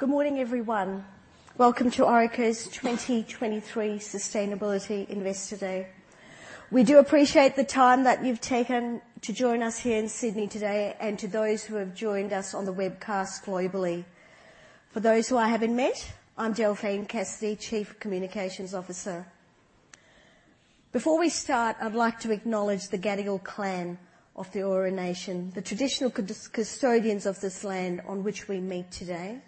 Good morning, everyone. Welcome to Orica's 2023 Sustainability Investor Day. We do appreciate the time that you've taken to join us here in Sydney today, and to those who have joined us on the webcast globally. For those who I haven't met, I'm Delphine Cassidy, Chief Communications Officer. Before we start, I'd like to acknowledge the Gadigal clan of the Eora Nation, the traditional custodians of this land on which we meet today,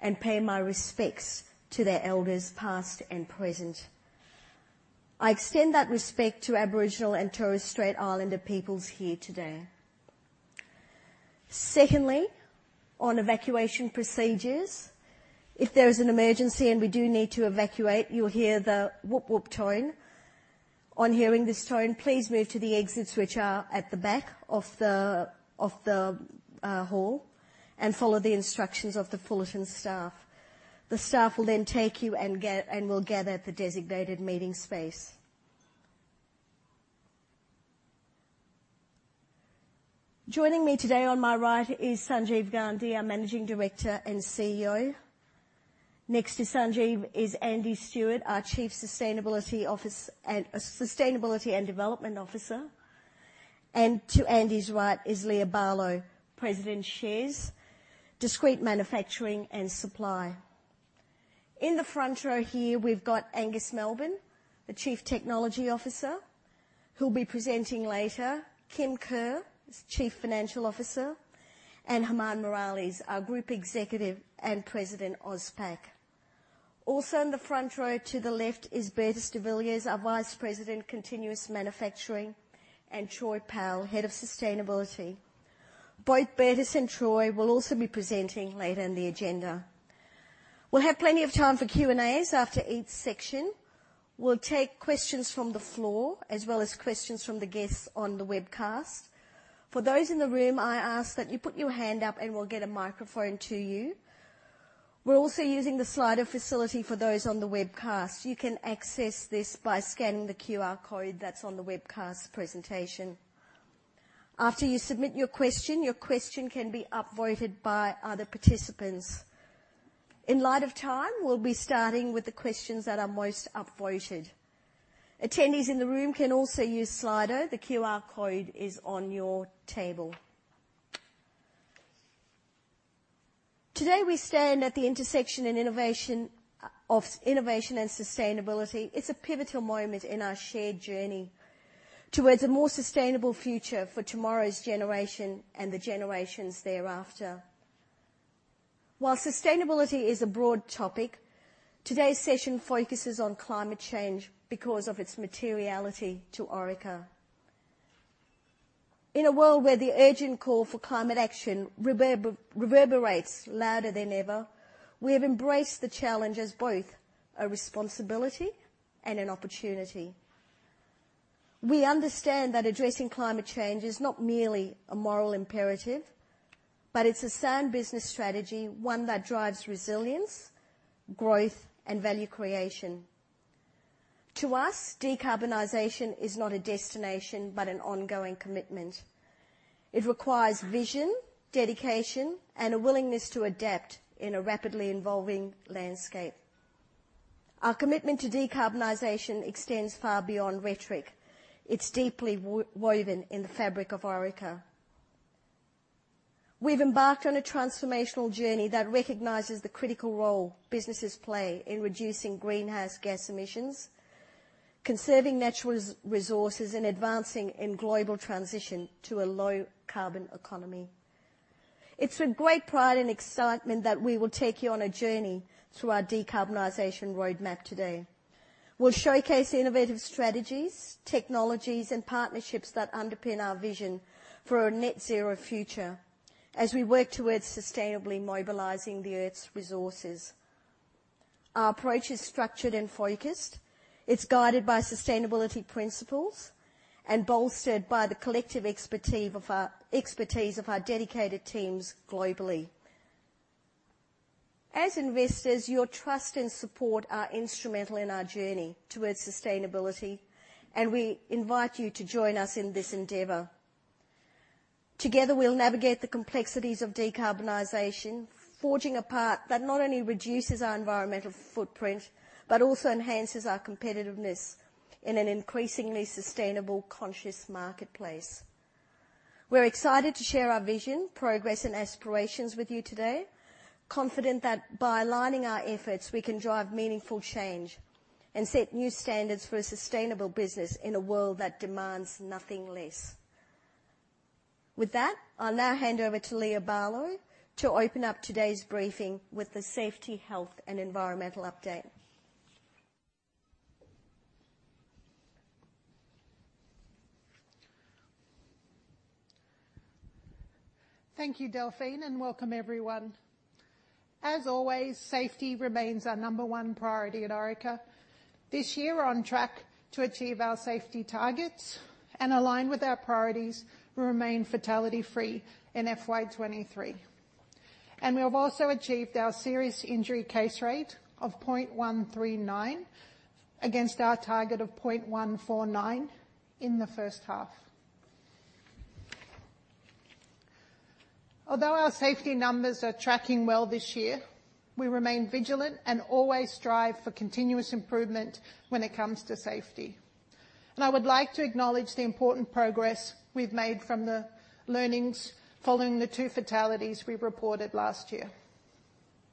and pay my respects to their elders, past and present. I extend that respect to Aboriginal and Torres Strait Islander peoples here today. Secondly, on evacuation procedures, if there is an emergency and we do need to evacuate, you'll hear the whoop whoop tone. On hearing this tone, please move to the exits, which are at the back of the hall, and follow the instructions of the Fullerton staff. The staff will then take you and will gather at the designated meeting space. Joining me today on my right is Sanjeev Gandhi, our Managing Director and CEO. Next to Sanjeev is Andy Stewart, our Chief Sustainability Officer and sustainability and Development Officer. And to Andy's right is Leah Barlow, President SHES, Discrete Manufacturing and Supply. In the front row here, we've got Angus Melbourne, the Chief Technology Officer, who'll be presenting later. Kim Kerr is Chief Financial Officer, and Germán Morales, our Group Executive and President, AusPac. Also in the front row, to the left, is Bertus de Villiers, our Vice President, Continuous Manufacturing, and Troy Powell, Head of Sustainability. Both Bertus and Troy will also be presenting later in the agenda. We'll have plenty of time for Q&As after each section. We'll take questions from the floor, as well as questions from the guests on the webcast. For those in the room, I ask that you put your hand up, and we'll get a microphone to you. We're also using the Slido facility for those on the webcast. You can access this by scanning the QR code that's on the webcast presentation. After you submit your question, your question can be up-voted by other participants. In light of time, we'll be starting with the questions that are most up-voted. Attendees in the room can also use Slido. The QR code is on your table. Today, we stand at the intersection and innovation, of innovation and sustainability. It's a pivotal moment in our shared journey towards a more sustainable future for tomorrow's generation and the generations thereafter. While sustainability is a broad topic, today's session focuses on climate change because of its materiality to Orica. In a world where the urgent call for climate action reverberates louder than ever, we have embraced the challenge as both a responsibility and an opportunity. We understand that addressing climate change is not merely a moral imperative, but it's a sound business strategy, one that drives resilience, growth, and value creation. To us, decarbonization is not a destination but an ongoing commitment. It requires vision, dedication, and a willingness to adapt in a rapidly evolving landscape. Our commitment to decarbonization extends far beyond rhetoric. It's deeply woven in the fabric of Orica. We've embarked on a transformational journey that recognizes the critical role businesses play in reducing greenhouse gas emissions, conserving natural resources, and advancing in global transition to a low-carbon economy. It's with great pride and excitement that we will take you on a journey through our decarbonization roadmap today. We'll showcase innovative strategies, technologies, and partnerships that underpin our vision for a net zero future as we work towards sustainably mobilizing the Earth's resources. Our approach is structured and focused. It's guided by sustainability principles and bolstered by the collective expertise of our dedicated teams globally. As investors, your trust and support are instrumental in our journey towards sustainability, and we invite you to join us in this endeavor. Together, we'll navigate the complexities of decarbonization, forging a path that not only reduces our environmental footprint, but also enhances our competitiveness in an increasingly sustainable, conscious marketplace. We're excited to share our vision, progress, and aspirations with you today, confident that by aligning our efforts, we can drive meaningful change and set new standards for a sustainable business in a world that demands nothing less. With that, I'll now hand over to Leah Barlow to open up today's briefing with the safety, health, and environmental update. Thank you, Delphine, and welcome everyone. As always, safety remains our number one priority at Orica. This year, we're on track to achieve our safety targets and align with our priorities to remain fatality-free in FY 2023, and we have also achieved our serious injury case rate of 0.139 against our target of 0.149 in the first half. Although our safety numbers are tracking well this year, we remain vigilant and always strive for continuous improvement when it comes to safety. I would like to acknowledge the important progress we've made from the learnings following the two fatalities we reported last year.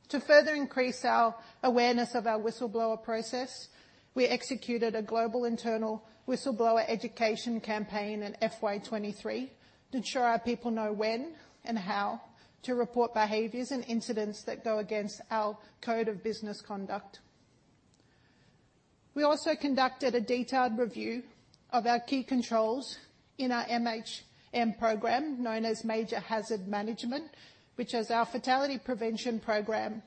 To further increase our awareness of our whistleblower process, we executed a global internal whistleblower education campaign in FY 2023 to ensure our people know when and how to report behaviors and incidents that go against our code of business conduct. We also conducted a detailed review of our key controls in our MHM program, known as Major Hazard Management, which is our fatality prevention program.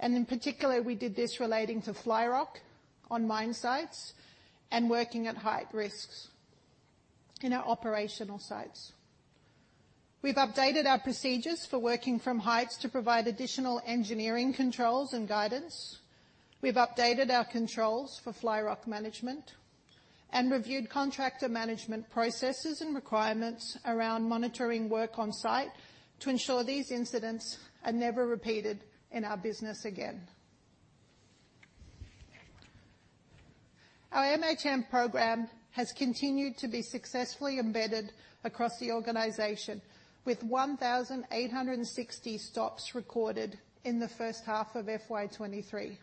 In particular, we did this relating to flyrock on mine sites and working at height risks in our operational sites. We've updated our procedures for working from heights to provide additional engineering controls and guidance. We've updated our controls for flyrock management and reviewed contractor management processes and requirements around monitoring work on site to ensure these incidents are never repeated in our business again. Our MHM program has continued to be successfully embedded across the organization, with 1,860 stops recorded in the first half of FY 2023.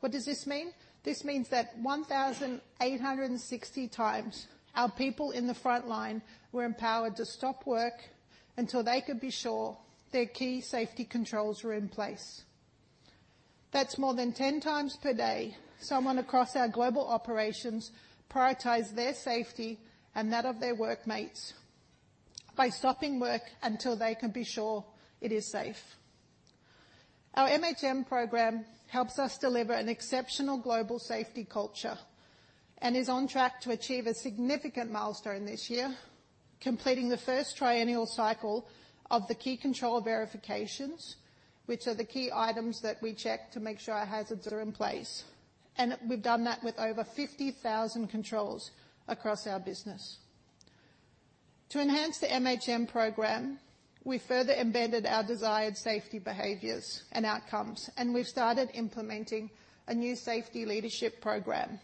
What does this mean? This means that 1,860 times, our people in the frontline were empowered to stop work until they could be sure their key safety controls were in place. That's more than 10 times per day someone across our global operations prioritize their safety and that of their workmates by stopping work until they can be sure it is safe. Our MHM program helps us deliver an exceptional global safety culture and is on track to achieve a significant milestone this year, completing the first triennial cycle of the key control verifications, which are the key items that we check to make sure our hazards are in place. We've done that with over 50,000 controls across our business. To enhance the MHM program, we further embedded our desired safety behaviors and outcomes, and we've started implementing a new safety leadership program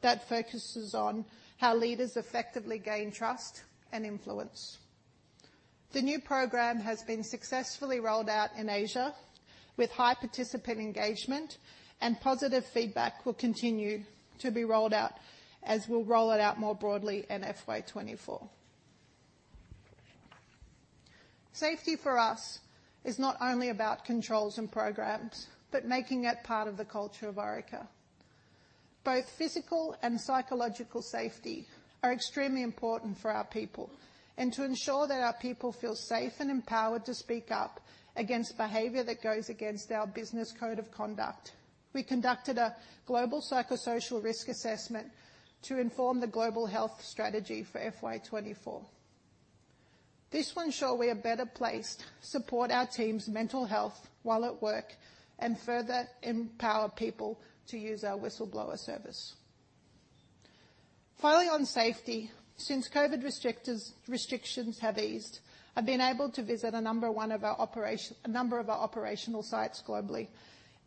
that focuses on how leaders effectively gain trust and influence. The new program has been successfully rolled out in Asia, with high participant engagement and positive feedback, will continue to be rolled out as we'll roll it out more broadly in FY 2024. Safety for us is not only about controls and programs, but making it part of the culture of Orica. Both physical and psychological safety are extremely important for our people, and to ensure that our people feel safe and empowered to speak up against behavior that goes against our business code of conduct. We conducted a global psychosocial risk assessment to inform the global health strategy for FY 2024. This will ensure we are better placed to support our team's mental health while at work and further empower people to use our whistleblower service. Finally, on safety, since COVID restrictions have eased, I've been able to visit a number of our operational sites globally,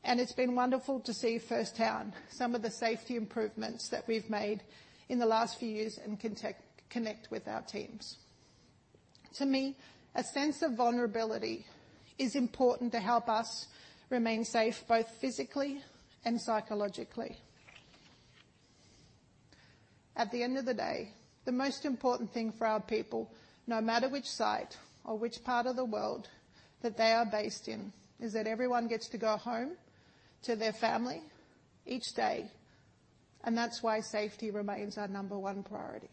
and it's been wonderful to see firsthand some of the safety improvements that we've made in the last few years and connect with our teams. To me, a sense of vulnerability is important to help us remain safe, both physically and psychologically. At the end of the day, the most important thing for our people, no matter which site or which part of the world that they are based in, is that everyone gets to go home to their family each day, and that's why safety remains our number one priority.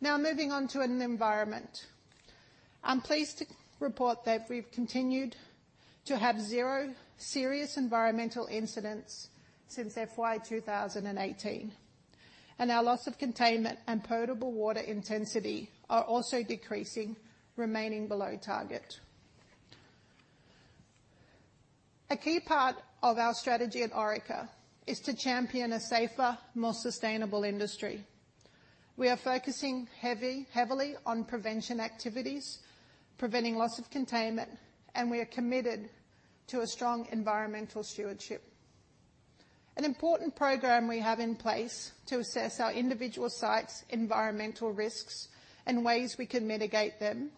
Now, moving on to environment. I'm pleased to report that we've continued to have zero serious environmental incidents since FY 2018, and our loss of containment and potable water intensity are also decreasing, remaining below target. A key part of our strategy at Orica is to champion a safer, more sustainable industry. We are focusing heavily on prevention activities, preventing loss of containment, and we are committed to a strong environmental stewardship. An important program we have in place to assess our individual sites' environmental risks and ways we can mitigate them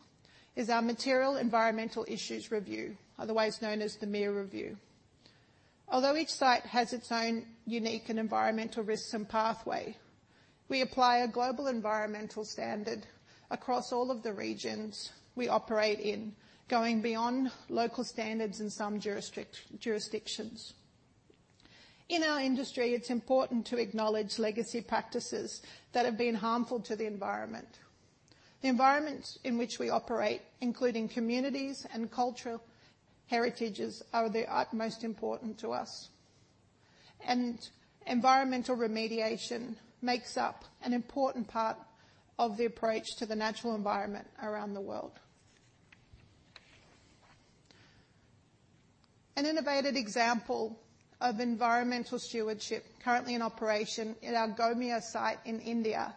is our Material Environmental Issues Review, otherwise known as the MEIR Review. Although each site has its own unique environmental risks and pathway, we apply a global environmental standard across all of the regions we operate in, going beyond local standards in some jurisdictions. In our industry, it's important to acknowledge legacy practices that have been harmful to the environment. The environments in which we operate, including communities and cultural heritages, are of the utmost important to us, and environmental remediation makes up an important part of the approach to the natural environment around the world. An innovative example of environmental stewardship currently in operation at our Gomia site in India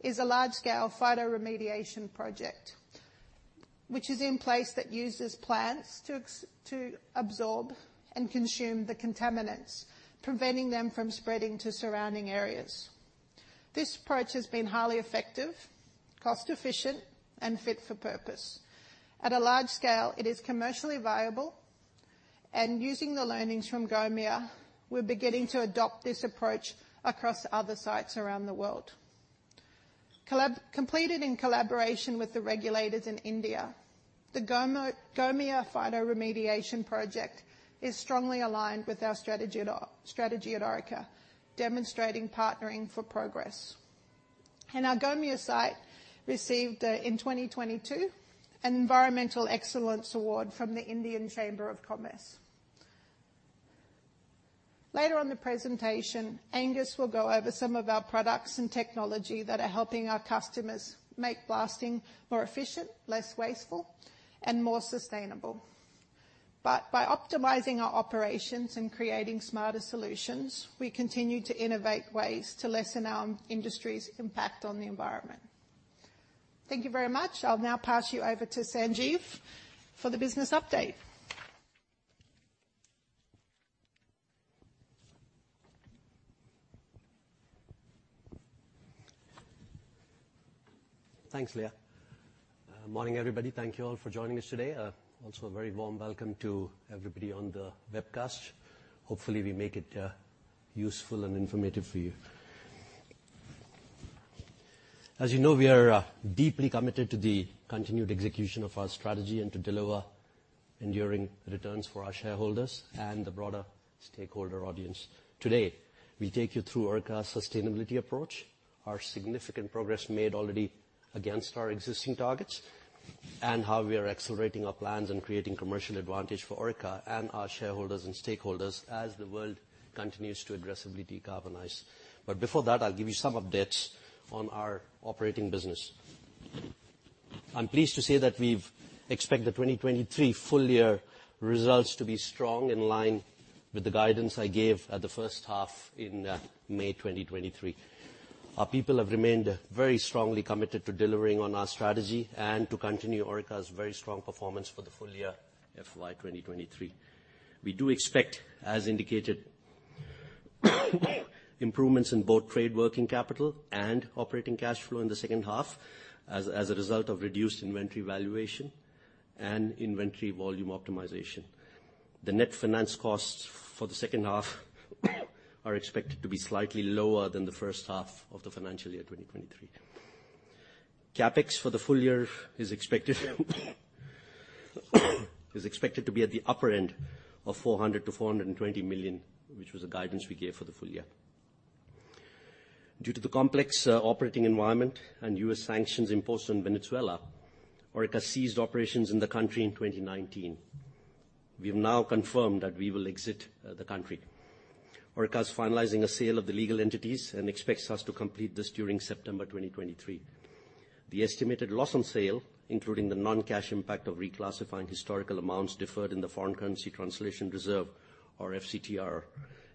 is a large-scale phytoremediation project, which is in place that uses plants to absorb and consume the contaminants, preventing them from spreading to surrounding areas. This approach has been highly effective, cost efficient, and fit for purpose. At a large scale, it is commercially viable, and using the learnings from Gomia, we're beginning to adopt this approach across other sites around the world. Completed in collaboration with the regulators in India, the Gomia phytoremediation project is strongly aligned with our strategy at Orica, demonstrating partnering for progress. Our Gomia site received in 2022 an Environmental Excellence Award from the Indian Chamber of Commerce. Later on in the presentation, Angus will go over some of our products and technology that are helping our customers make blasting more efficient, less wasteful, and more sustainable. But by optimizing our operations and creating smarter solutions, we continue to innovate ways to lessen our industry's impact on the environment. Thank you very much. I'll now pass you over to Sanjeev for the business update. Thanks, Leah. Morning, everybody. Thank you all for joining us today. Also a very warm welcome to everybody on the webcast. Hopefully, we make it useful and informative for you. As you know, we are deeply committed to the continued execution of our strategy and to deliver enduring returns for our shareholders and the broader stakeholder audience. Today, we take you through Orica's sustainability approach, our significant progress made already against our existing targets, and how we are accelerating our plans and creating commercial advantage for Orica and our shareholders and stakeholders as the world continues to aggressively decarbonize. But before that, I'll give you some updates on our operating business. I'm pleased to say that we've expected the 2023 full year results to be strong, in line with the guidance I gave at the first half in May 2023. Our people have remained very strongly committed to delivering on our strategy and to continue Orica's very strong performance for the full year FY 2023. We do expect, as indicated, improvements in both trade working capital and operating cash flow in the second half, as a result of reduced inventory valuation and inventory volume optimization. The net finance costs for the second half are expected to be slightly lower than the first half of the financial year 2023. CapEx for the full year is expected to be at the upper end of 400 million-420 million, which was the guidance we gave for the full year. Due to the complex operating environment and U.S. sanctions imposed on Venezuela, Orica ceased operations in the country in 2019. We have now confirmed that we will exit the country. Orica is finalizing a sale of the legal entities and expects us to complete this during September 2023. The estimated loss on sale, including the non-cash impact of reclassifying historical amounts deferred in the Foreign Currency Translation Reserve, or FCTR,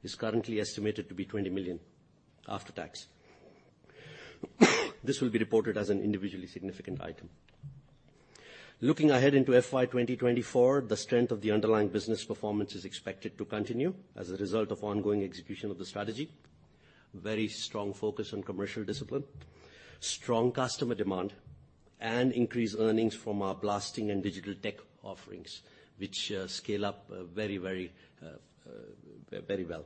is currently estimated to be 20 million after tax. This will be reported as an individually significant item. Looking ahead into FY 2024, the strength of the underlying business performance is expected to continue as a result of ongoing execution of the strategy, very strong focus on commercial discipline, strong customer demand, and increased earnings from our blasting and digital tech offerings, which scale up very, very very well.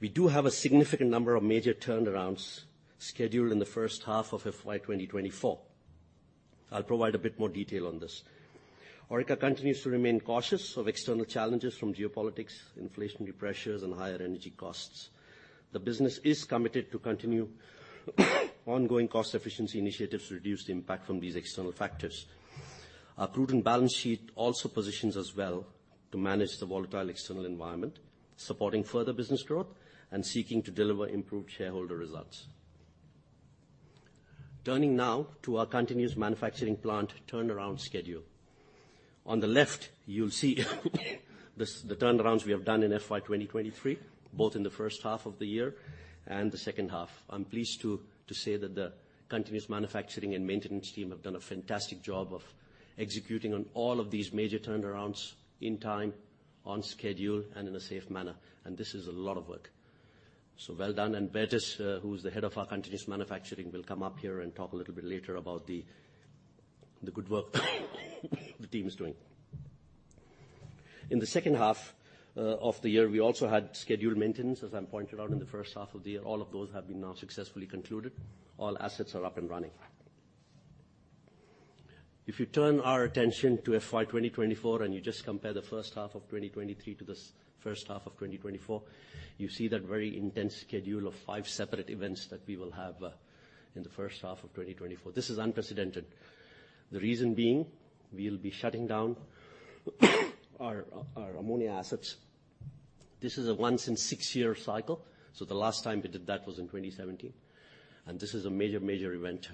We do have a significant number of major turnarounds scheduled in the first half of FY 2024. I'll provide a bit more detail on this. Orica continues to remain cautious of external challenges from geopolitics, inflationary pressures, and higher energy costs. The business is committed to continue ongoing cost efficiency initiatives to reduce the impact from these external factors. Our prudent balance sheet also positions us well to manage the volatile external environment, supporting further business growth and seeking to deliver improved shareholder results. Turning now to our continuous manufacturing plant turnaround schedule. On the left, you'll see the turnarounds we have done in FY 2023, both in the first half of the year and the second half. I'm pleased to say that the continuous manufacturing and maintenance team have done a fantastic job of executing on all of these major turnarounds in time, on schedule, and in a safe manner, and this is a lot of work. So well done. Bertus, who is the head of our continuous manufacturing, will come up here and talk a little bit later about the good work the team is doing. In the second half of the year, we also had scheduled maintenance, as I pointed out in the first half of the year. All of those have been now successfully concluded. All assets are up and running. If you turn our attention to FY 2024, and you just compare the first half of 2023 to the first half of 2024, you see that very intense schedule of 5 separate events that we will have in the first half of 2024. This is unprecedented. The reason being we'll be shutting down our ammonia assets. This is a once in six year cycle, so the last time we did that was in 2017, and this is a major, major event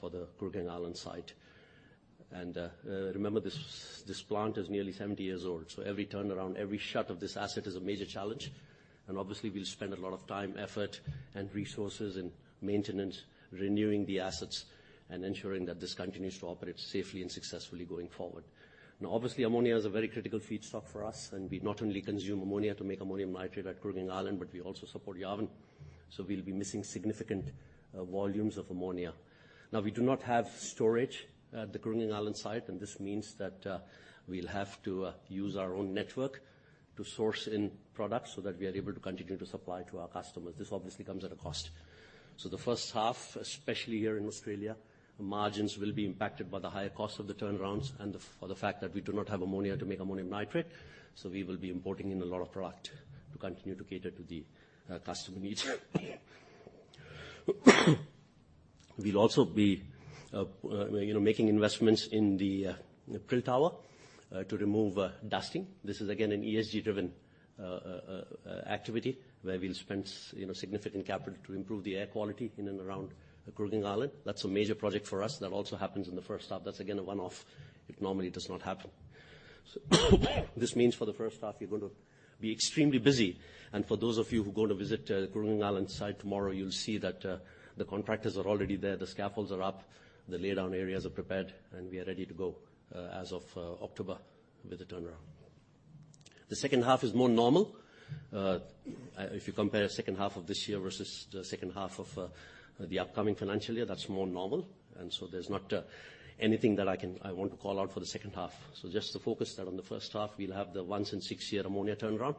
for the Kooragang Island site. Remember, this plant is nearly 70 years old, so every turnaround, every shut of this asset is a major challenge. Obviously we'll spend a lot of time, effort, and resources in maintenance, renewing the assets, and ensuring that this continues to operate safely and successfully going forward. Now, obviously, ammonia is a very critical feedstock for us, and we not only consume ammonia to make ammonium nitrate at Kooragang Island, but we also support Yarwun. So we'll be missing significant volumes of ammonia. Now, we do not have storage at the Kooragang Island site, and this means that we'll have to use our own network to source in products so that we are able to continue to supply to our customers. This obviously comes at a cost. So the first half, especially here in Australia, margins will be impacted by the higher cost of the turnarounds and the fact that we do not have ammonia to make ammonium nitrate. So we will be importing in a lot of product to continue to cater to the customer needs. We'll also be, you know, making investments in the prill tower to remove dusting. This is again, an ESG-driven activity, where we'll spend, you know, significant capital to improve the air quality in and around the Kooragang Island. That's a major project for us. That also happens in the first half. That's again, a one-off. It normally does not happen. So this means for the first half, we're going to be extremely busy. And for those of you who go to visit the Kooragang Island site tomorrow, you'll see that the contractors are already there, the scaffolds are up, the laydown areas are prepared, and we are ready to go, as of October with the turnaround. The second half is more normal. If you compare the second half of this year versus the second half of the upcoming financial year, that's more normal, and so there's not anything that I want to call out for the second half. So just to focus that on the first half, we'll have the once-in-six-year ammonia turnaround,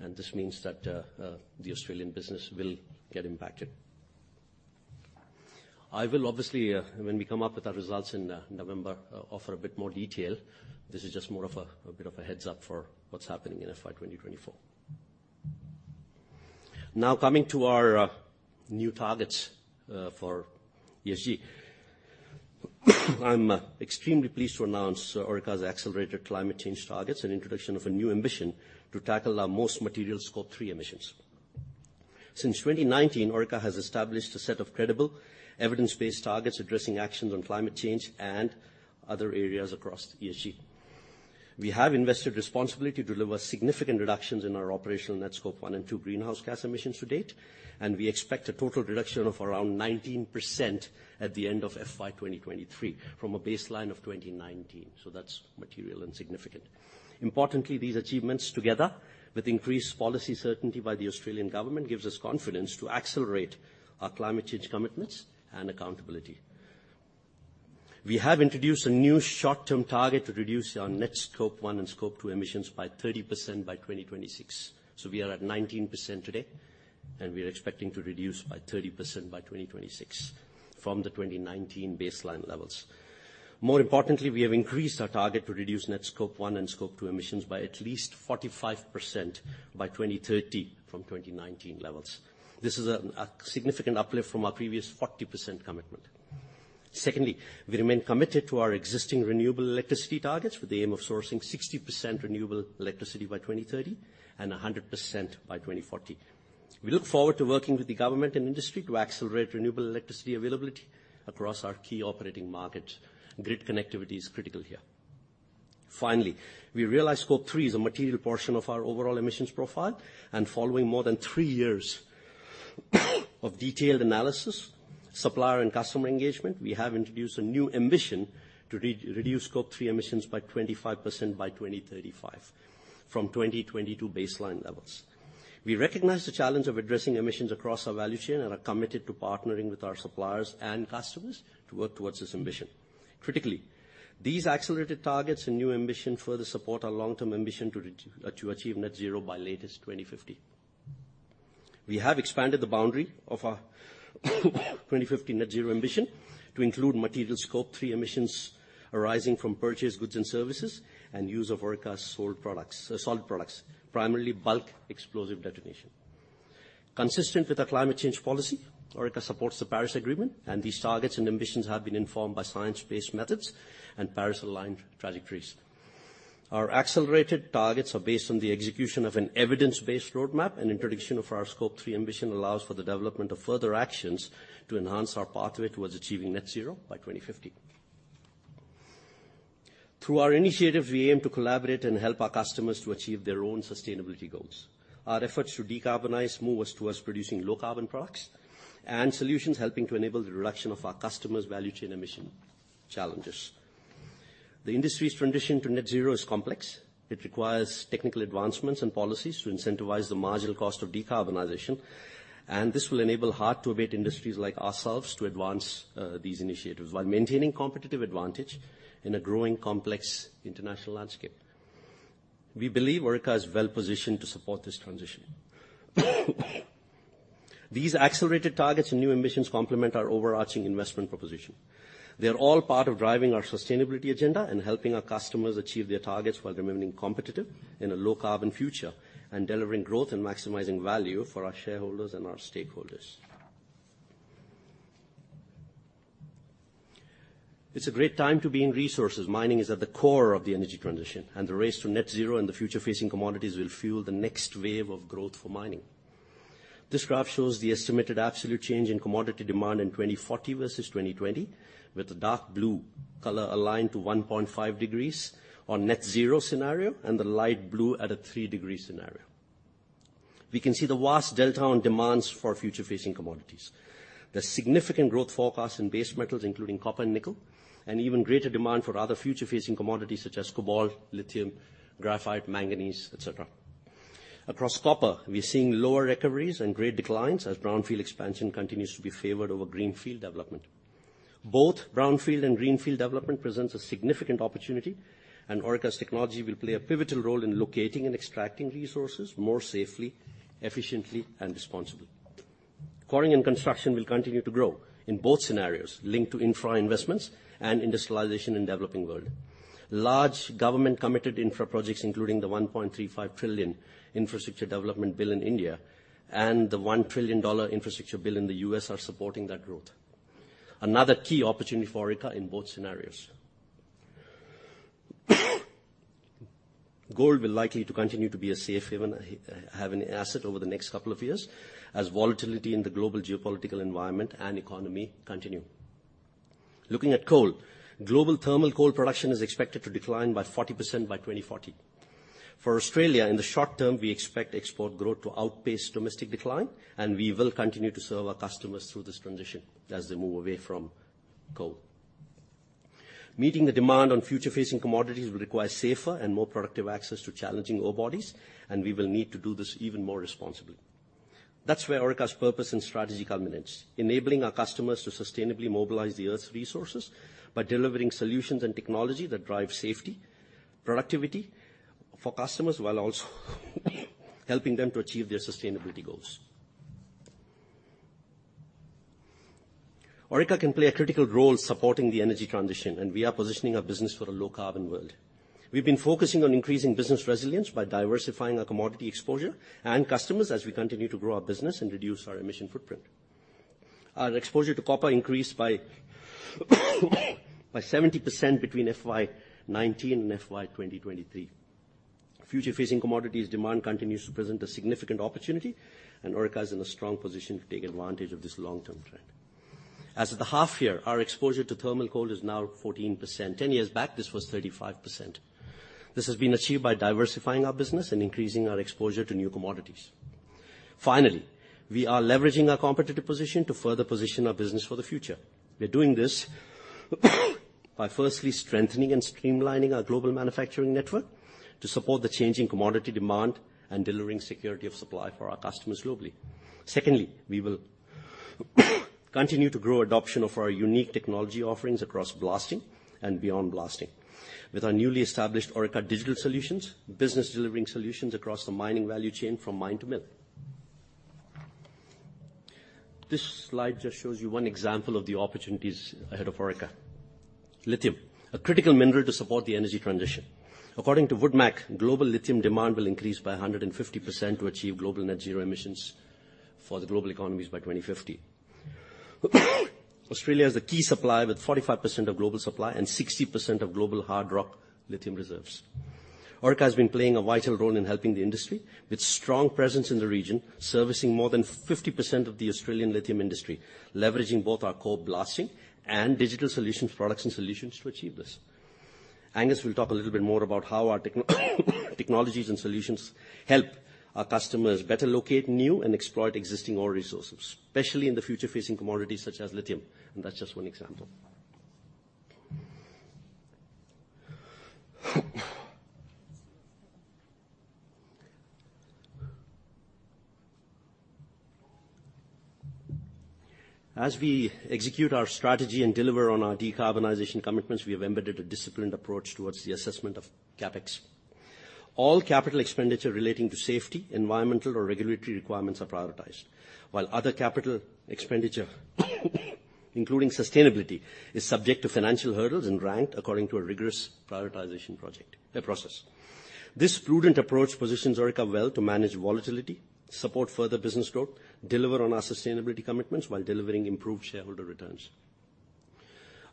and this means that the Australian business will get impacted. I will obviously, when we come up with our results in November, offer a bit more detail. This is just more of a bit of a heads up for what's happening in FY 2024. Now, coming to our new targets for ESG. I'm extremely pleased to announce Orica's accelerated climate change targets and introduction of a new ambition to tackle our most material Scope 3 emissions. Since 2019, Orica has established a set of credible, evidence-based targets addressing actions on climate change and other areas across ESG. We have invested responsibility to deliver significant reductions in our operational net Scope 1 and 2 greenhouse gas emissions to date, and we expect a total reduction of around 19% at the end of FY 2023, from a baseline of 2019. So that's material and significant. Importantly, these achievements, together with increased policy certainty by the Australian Government, gives us confidence to accelerate our climate change commitments and accountability. We have introduced a new short-term target to reduce our net Scope 1 and 2 emissions by 30% by 2026. So we are at 19% today, and we are expecting to reduce by 30% by 2026 from the 2019 baseline levels. More importantly, we have increased our target to reduce net Scope 1 and 2 emissions by at least 45% by 2030, from 2019 levels. This is a significant uplift from our previous 40% commitment. Secondly, we remain committed to our existing renewable electricity targets with the aim of sourcing 60% renewable electricity by 2030 and 100% by 2040. We look forward to working with the government and industry to accelerate renewable electricity availability across our key operating markets. Grid connectivity is critical here. Finally, we realize Scope 3 is a material portion of our overall emissions profile, and following more than three years of detailed analysis, supplier and customer engagement, we have introduced a new ambition to reduce Scope 3 emissions by 25% by 2035, from 2022 baseline levels. We recognize the challenge of addressing emissions across our value chain and are committed to partnering with our suppliers and customers to work towards this ambition. Critically, these accelerated targets and new ambition further support our long-term ambition to to achieve net zero by latest 2050. We have expanded the boundary of our 2050 net zero ambition to include material Scope 3 emissions arising from purchased goods and services and use of Orica's sold products, sold products, primarily bulk explosive detonation. Consistent with our climate change policy, Orica supports the Paris Agreement, and these targets and ambitions have been informed by science-based methods and Paris-aligned trajectories. Our accelerated targets are based on the execution of an evidence-based roadmap, and introduction of our Scope 3 ambition allows for the development of further actions to enhance our pathway towards achieving net zero by 2050. Through our initiative, we aim to collaborate and help our customers to achieve their own sustainability goals. Our efforts to decarbonize move us towards producing low carbon products and solutions, helping to enable the reduction of our customers' value chain emission challenges. The industry's transition to net zero is complex. It requires technical advancements and policies to incentivize the marginal cost of decarbonization, and this will enable hard-to-abate industries like ourselves to advance these initiatives while maintaining competitive advantage in a growing, complex international landscape. We believe Orica is well positioned to support this transition. These accelerated targets and new ambitions complement our overarching investment proposition. They are all part of driving our sustainability agenda and helping our customers achieve their targets while remaining competitive in a low-carbon future and delivering growth and maximizing value for our shareholders and our stakeholders. It's a great time to be in resources. Mining is at the core of the energy transition, and the race to net zero and the future-facing commodities will fuel the next wave of growth for mining. This graph shows the estimated absolute change in commodity demand in 2040 versus 2020, with the dark blue color aligned to 1.5 degrees on net zero scenario, and the light blue at a three degree scenario. We can see the vast delta on demands for future-facing commodities. There's significant growth forecast in base metals, including copper and nickel, and even greater demand for other future-facing commodities such as cobalt, lithium, graphite, manganese, et cetera. Across copper, we're seeing lower recoveries and grade declines as brownfield expansion continues to be favored over greenfield development. Both brownfield and greenfield development presents a significant opportunity, and Orica's technology will play a pivotal role in locating and extracting resources more safely, efficiently, and responsibly. Quarrying and construction will continue to grow in both scenarios, linked to infra investments and industrialization in developing world. Large government-committed infra projects, including the 1.35 trillion infrastructure development bill in India and the $1 trillion infrastructure bill in the US, are supporting that growth. Another key opportunity for Orica in both scenarios. Gold will likely to continue to be a safe haven, haven asset over the next couple of years as volatility in the global geopolitical environment and economy continue. Looking at coal, global thermal coal production is expected to decline by 40% by 2040. For Australia, in the short term, we expect export growth to outpace domestic decline, and we will continue to serve our customers through this transition as they move away from coal. Meeting the demand on future-facing commodities will require safer and more productive access to challenging ore bodies, and we will need to do this even more responsibly. That's where Orica's purpose and strategy culminates, enabling our customers to sustainably mobilize the Earth's resources by delivering solutions and technology that drive safety, productivity for customers, while also helping them to achieve their sustainability goals. Orica can play a critical role supporting the energy transition, and we are positioning our business for a low-carbon world. We've been focusing on increasing business resilience by diversifying our commodity exposure and customers as we continue to grow our business and reduce our emission footprint. Our exposure to copper increased by 70% between FY 2019 and FY 2023. Future-facing commodities demand continues to present a significant opportunity, and Orica is in a strong position to take advantage of this long-term trend. As at the half year, our exposure to thermal coal is now 14%. 10 years back, this was 35%. This has been achieved by diversifying our business and increasing our exposure to new commodities. Finally, we are leveraging our competitive position to further position our business for the future. We're doing this by firstly strengthening and streamlining our global manufacturing network to support the changing commodity demand and delivering security of supply for our customers globally. Secondly, we will continue to grow adoption of our unique technology offerings across blasting and beyond blasting. With our newly established Orica Digital Solutions business delivering solutions across the mining value chain from mine to mill. This slide just shows you one example of the opportunities ahead of Orica. Lithium, a critical mineral to support the energy transition. According to WoodMac, global lithium demand will increase by 150% to achieve global net zero emissions for the global economies by 2050. Australia is a key supplier with 45% of global supply and 60% of global hard rock lithium reserves. Orica has been playing a vital role in helping the industry, with strong presence in the region, servicing more than 50% of the Australian lithium industry, leveraging both our core blasting and digital solution products and solutions to achieve this. Angus will talk a little bit more about how our technologies and solutions help our customers better locate new and exploit existing ore resources, especially in the future-facing commodities such as lithium, and that's just one example. As we execute our strategy and deliver on our decarbonization commitments, we have embedded a disciplined approach towards the assessment of CapEx. All capital expenditure relating to safety, environmental, or regulatory requirements are prioritized, while other capital expenditure, including sustainability, is subject to financial hurdles and ranked according to a rigorous prioritization process. This prudent approach positions Orica well to manage volatility, support further business growth, deliver on our sustainability commitments while delivering improved shareholder returns.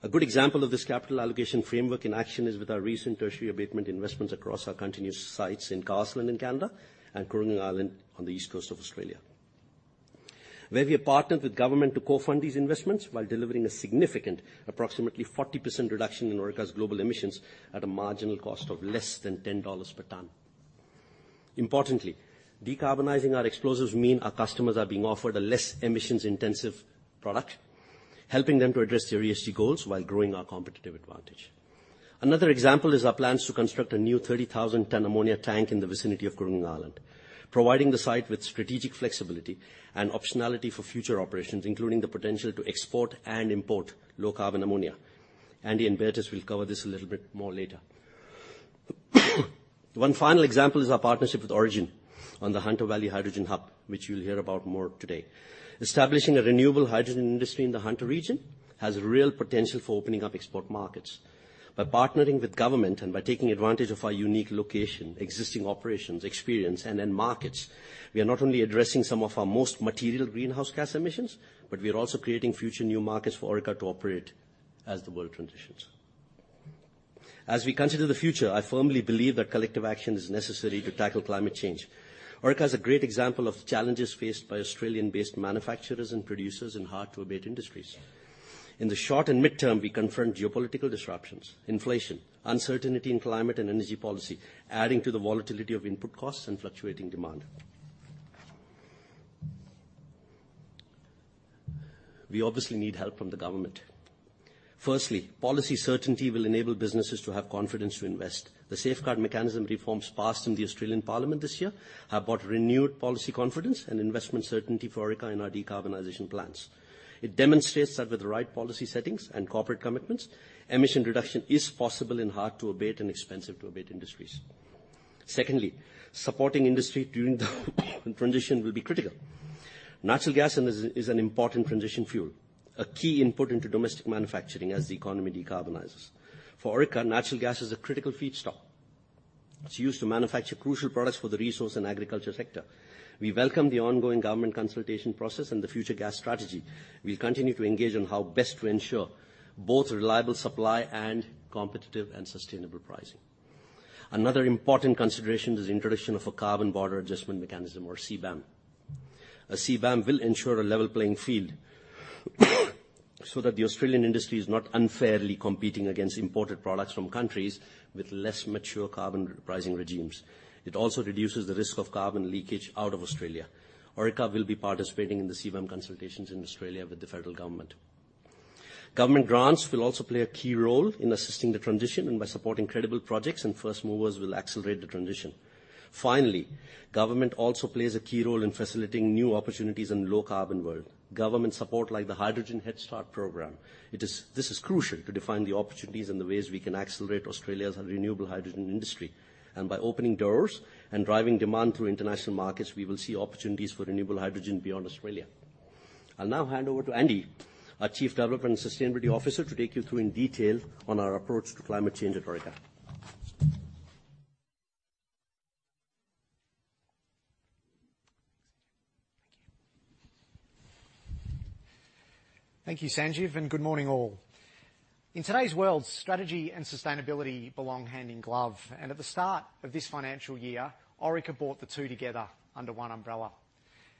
A good example of this capital allocation framework in action is with our recent tertiary abatement investments across our continuous sites in Carseland in Canada and Kooragang Island on the east coast of Australia, where we have partnered with government to co-fund these investments while delivering a significant approximately 40% reduction in Orica's global emissions at a marginal cost of less than $10 per tonne. Importantly, decarbonizing our explosives mean our customers are being offered a less emissions-intensive product, helping them to address their ESG goals while growing our competitive advantage. Another example is our plans to construct a new 30,000 tonne ammonia tank in the vicinity of Kooragang Island, providing the site with strategic flexibility and optionality for future operations, including the potential to export and import low-carbon ammonia. Andy and Bertus will cover this a little bit more later. One final example is our partnership with Origin on the Hunter Valley Hydrogen Hub, which you'll hear about more today. Establishing a renewable hydrogen industry in the Hunter region has real potential for opening up export markets. By partnering with government and by taking advantage of our unique location, existing operations, experience, and end markets, we are not only addressing some of our most material greenhouse gas emissions, but we are also creating future new markets for Orica to operate as the world transitions. As we consider the future, I firmly believe that collective action is necessary to tackle climate change. Orica is a great example of the challenges faced by Australian-based manufacturers and producers in hard-to-abate industries. In the short and midterm, we confront geopolitical disruptions, inflation, uncertainty in climate and energy policy, adding to the volatility of input costs and fluctuating demand. We obviously need help from the government. Firstly, policy certainty will enable businesses to have confidence to invest. The Safeguard Mechanism reforms passed in the Australian Parliament this year have brought renewed policy confidence and investment certainty for Orica in our decarbonization plans. It demonstrates that with the right policy settings and corporate commitments, emission reduction is possible in hard-to-abate and expensive-to-abate industries. Secondly, supporting industry during the transition will be critical. Natural gas is an important transition fuel, a key input into domestic manufacturing as the economy decarbonizes. For Orica, natural gas is a critical feedstock. It's used to manufacture crucial products for the resource and agriculture sector. We welcome the ongoing government consultation process and the Future Gas Strategy. We'll continue to engage on how best to ensure both reliable supply and competitive and sustainable pricing. Another important consideration is the introduction of a Carbon Border Adjustment Mechanism, or CBAM. A CBAM will ensure a level playing field, so that the Australian industry is not unfairly competing against imported products from countries with less mature carbon pricing regimes. It also reduces the risk of carbon leakage out of Australia. Orica will be participating in the CBAM consultations in Australia with the federal government. Government grants will also play a key role in assisting the transition, and by supporting credible projects and first movers will accelerate the transition. Finally, government also plays a key role in facilitating new opportunities in a low-carbon world. Government support like the Hydrogen Headstart program, this is crucial to define the opportunities and the ways we can accelerate Australia's renewable hydrogen industry. By opening doors and driving demand through international markets, we will see opportunities for renewable hydrogen beyond Australia. I'll now hand over to Andy, our Chief Development and Sustainability Officer, to take you through in detail on our approach to climate change at Orica. Thank you. Thank you, Sanjeev, and good morning all. In today's world, strategy and sustainability belong hand in glove, and at the start of this financial year, Orica brought the two together under one umbrella.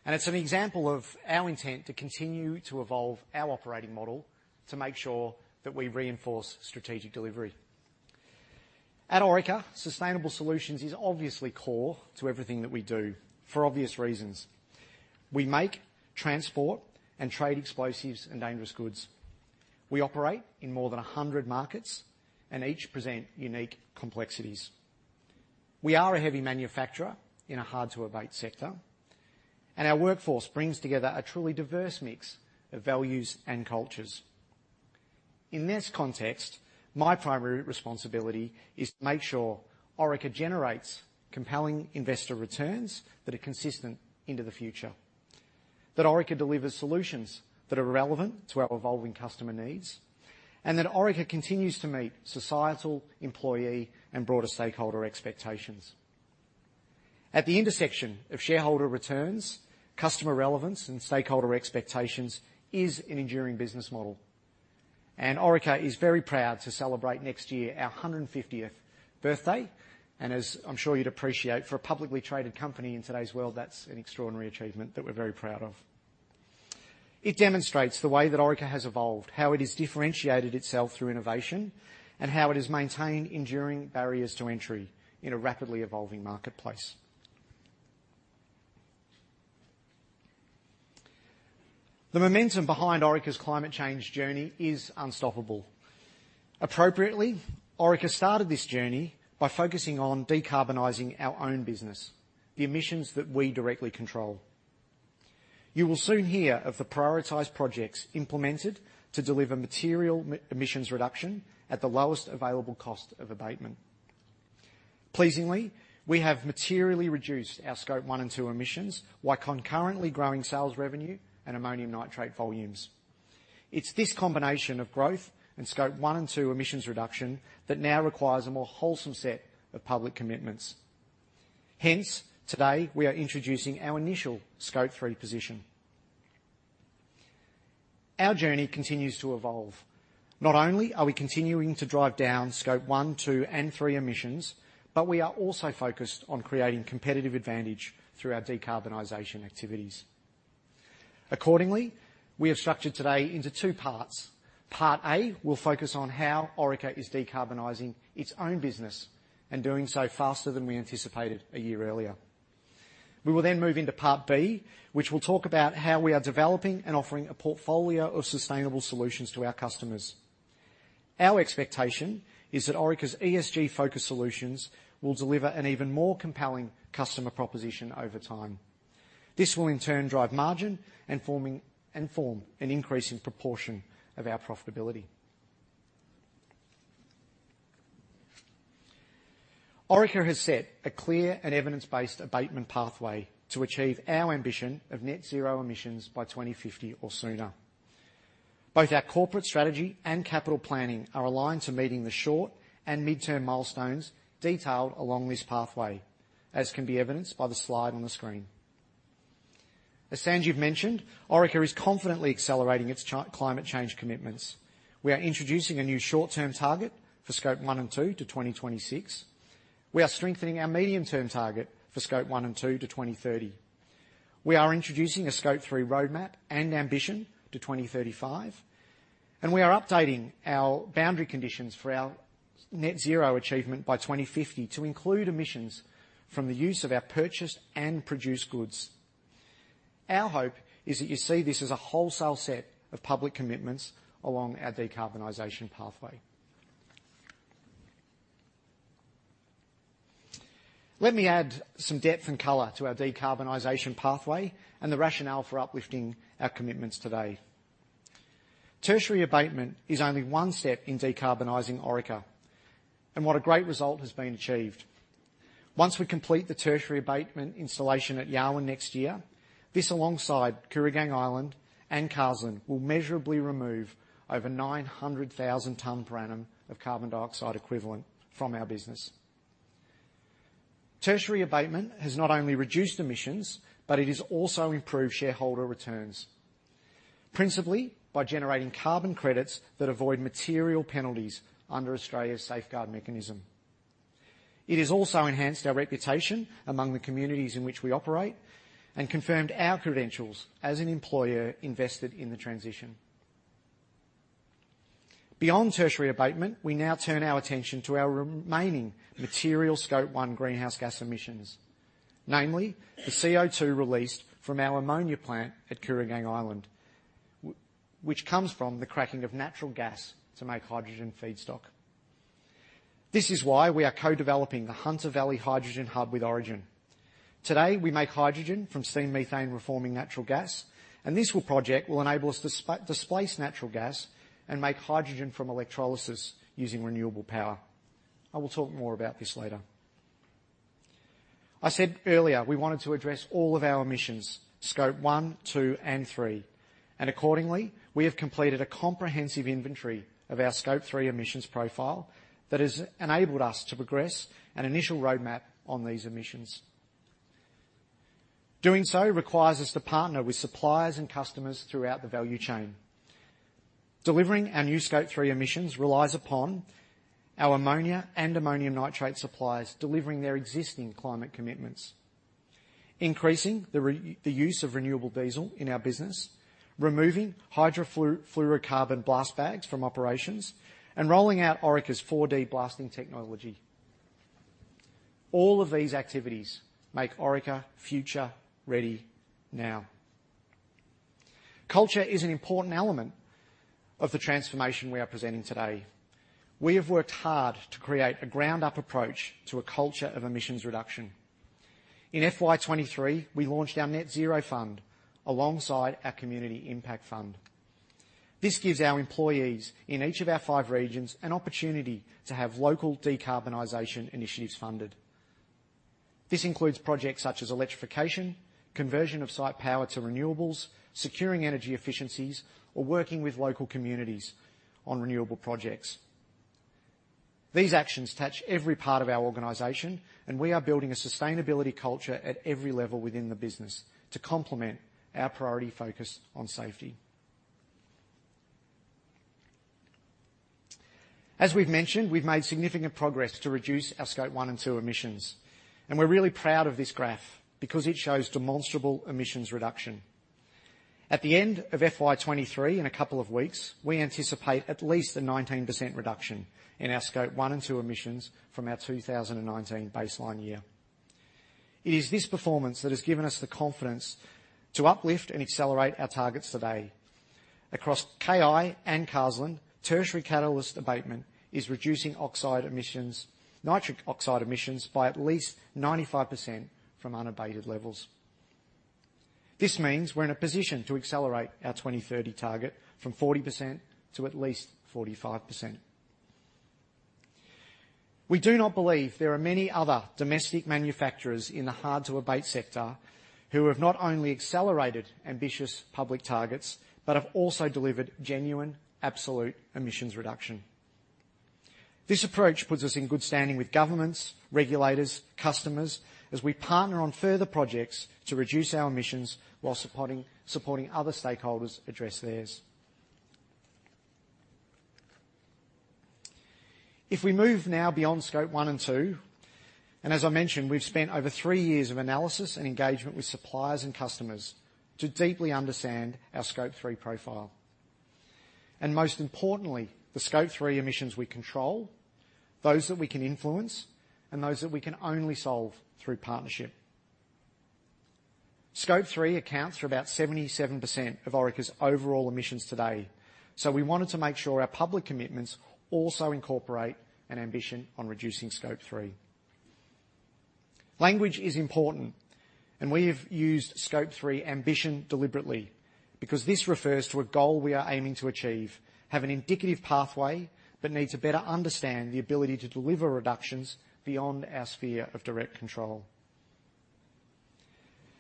It's an example of our intent to continue to evolve our operating model to make sure that we reinforce strategic delivery. At Orica, sustainable solutions is obviously core to everything that we do for obvious reasons. We make, transport, and trade explosives and dangerous goods. We operate in more than 100 markets, and each presents unique complexities. We are a heavy manufacturer in a hard-to-abate sector, and our workforce brings together a truly diverse mix of values and cultures. In this context, my primary responsibility is to make sure Orica generates compelling investor returns that are consistent into the future. That Orica delivers solutions that are relevant to our evolving customer needs, and that Orica continues to meet societal, employee, and broader stakeholder expectations. At the intersection of shareholder returns, customer relevance, and stakeholder expectations is an enduring business model, and Orica is very proud to celebrate next year our 150th birthday. As I'm sure you'd appreciate, for a publicly traded company in today's world, that's an extraordinary achievement that we're very proud of. It demonstrates the way that Orica has evolved, how it has differentiated itself through innovation, and how it has maintained enduring barriers to entry in a rapidly evolving marketplace. The momentum behind Orica's climate change journey is unstoppable. Appropriately, Orica started this journey by focusing on decarbonizing our own business, the emissions that we directly control. You will soon hear of the prioritized projects implemented to deliver material emissions reduction at the lowest available cost of abatement. Pleasingly, we have materially reduced our Scope 1 and 2 emissions, while concurrently growing sales revenue and ammonium nitrate volumes. It's this combination of growth and Scope 1 and 2 emissions reduction that now requires a more wholesome set of public commitments. Hence, today we are introducing our initial Scope 3 position. Our journey continues to evolve. Not only are we continuing to drive down Scope 1, 2, and 3 emissions, but we are also focused on creating competitive advantage through our decarbonization activities. Accordingly, we have structured today into two parts. Part A will focus on how Orica is decarbonizing its own business and doing so faster than we anticipated a year earlier. We will then move into part B, which will talk about how we are developing and offering a portfolio of sustainable solutions to our customers. Our expectation is that Orica's ESG-focused solutions will deliver an even more compelling customer proposition over time. This will, in turn, drive margin and form an increasing proportion of our profitability. Orica has set a clear and evidence-based abatement pathway to achieve our ambition of net zero emissions by 2050 or sooner. Both our corporate strategy and capital planning are aligned to meeting the short- and midterm milestones detailed along this pathway, as can be evidenced by the slide on the screen. As Sanjeev mentioned, Orica is confidently accelerating its climate change commitments. We are introducing a new short-term target for Scope 1 and 2 to 2026. We are strengthening our medium-term target for Scope 1 and 2 to 2030. We are introducing a Scope 3 roadmap and ambition to 2035, and we are updating our boundary conditions for our net zero achievement by 2050 to include emissions from the use of our purchased and produced goods. Our hope is that you see this as a wholesale set of public commitments along our decarbonization pathway. Let me add some depth and color to our decarbonization pathway and the rationale for uplifting our commitments today. Tertiary abatement is only one step in decarbonizing Orica, and what a great result has been achieved. Once we complete the tertiary abatement installation at Yarwun next year, this alongside Kooragang Island and Carseland, will measurably remove over 900,000 tons per annum of carbon dioxide equivalent from our business. Tertiary abatement has not only reduced emissions, but it has also improved shareholder returns, principally by generating carbon credits that avoid material penalties under Australia's Safeguard Mechanism. It has also enhanced our reputation among the communities in which we operate and confirmed our credentials as an employer invested in the transition. Beyond tertiary abatement, we now turn our attention to our remaining material Scope 1 greenhouse gas emissions, namely, the CO2 released from our ammonia plant at Kooragang Island, which comes from the cracking of natural gas to make hydrogen feedstock. This is why we are co-developing the Hunter Valley Hydrogen Hub with Origin. Today, we make hydrogen from steam methane reforming natural gas, and this project will enable us to displace natural gas and make hydrogen from electrolysis using renewable power. I will talk more about this later. I said earlier, we wanted to address all of our emissions, Scope 1, 2, and 3, and accordingly, we have completed a comprehensive inventory of our Scope 3 emissions profile that has enabled us to progress an initial roadmap on these emissions. Doing so requires us to partner with suppliers and customers throughout the value chain. Delivering our new Scope 3 emissions relies upon our ammonia and ammonium nitrate suppliers delivering their existing climate commitments, increasing the use of renewable diesel in our business, removing hydrofluorocarbon blast bags from operations, and rolling out Orica's 4D blasting technology. All of these activities make Orica future ready now. Culture is an important element of the transformation we are presenting today. We have worked hard to create a ground-up approach to a culture of emissions reduction. In FY 2023, we launched our Net Zero Fund alongside our Community Impact Fund. This gives our employees in each of our five regions an opportunity to have local decarbonization initiatives funded. This includes projects such as electrification, conversion of site power to renewables, securing energy efficiencies, or working with local communities on renewable projects. These actions touch every part of our organization, and we are building a sustainability culture at every level within the business to complement our priority focus on safety. As we've mentioned, we've made significant progress to reduce our Scope 1 and 2 emissions, and we're really proud of this graph because it shows demonstrable emissions reduction. At the end of FY 2023, in a couple of weeks, we anticipate at least a 19% reduction in our Scope 1 and 2 emissions from our 2019 baseline year. It is this performance that has given us the confidence to uplift and accelerate our targets today. Across KI and Carseland, tertiary catalyst abatement is reducing oxide emissions, nitric oxide emissions by at least 95% from unabated levels. This means we're in a position to accelerate our 2030 target from 40% to at least 45%. We do not believe there are many other domestic manufacturers in the hard-to-abate sector who have not only accelerated ambitious public targets, but have also delivered genuine, absolute emissions reduction. This approach puts us in good standing with governments, regulators, customers, as we partner on further projects to reduce our emissions while supporting other stakeholders address theirs. If we move now beyond Scope 1 and 2, and as I mentioned, we've spent over three years of analysis and engagement with suppliers and customers to deeply understand our Scope 3 profile, and most importantly, the Scope 3 emissions we control, those that we can influence, and those that we can only solve through partnership. Scope 3 accounts for about 77% of Orica's overall emissions today, so we wanted to make sure our public commitments also incorporate an ambition on reducing Scope 3. Language is important, and we have used Scope 3 ambition deliberately because this refers to a goal we are aiming to achieve, have an indicative pathway, but need to better understand the ability to deliver reductions beyond our sphere of direct control.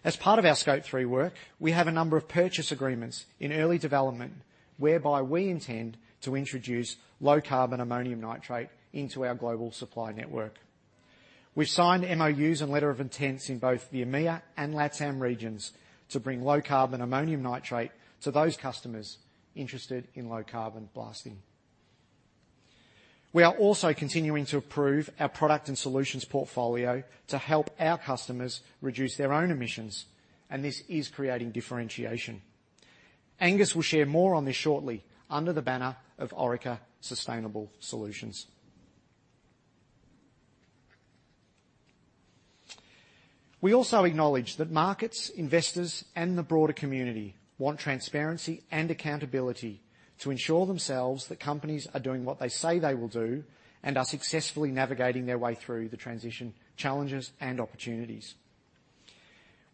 As part of our Scope 3 work, we have a number of purchase agreements in early development, whereby we intend to introduce low-carbon Ammonium Nitrate into our global supply network. We've signed MOUs and letter of intents in both the EMEA and LATAM regions to bring low-carbon Ammonium Nitrate to those customers interested in low carbon blasting. We are also continuing to improve our product and solutions portfolio to help our customers reduce their own emissions, and this is creating differentiation. Angus will share more on this shortly under the banner of Orica Sustainable Solutions. We also acknowledge that markets, investors, and the broader community want transparency and accountability to ensure themselves that companies are doing what they say they will do, and are successfully navigating their way through the transition challenges and opportunities.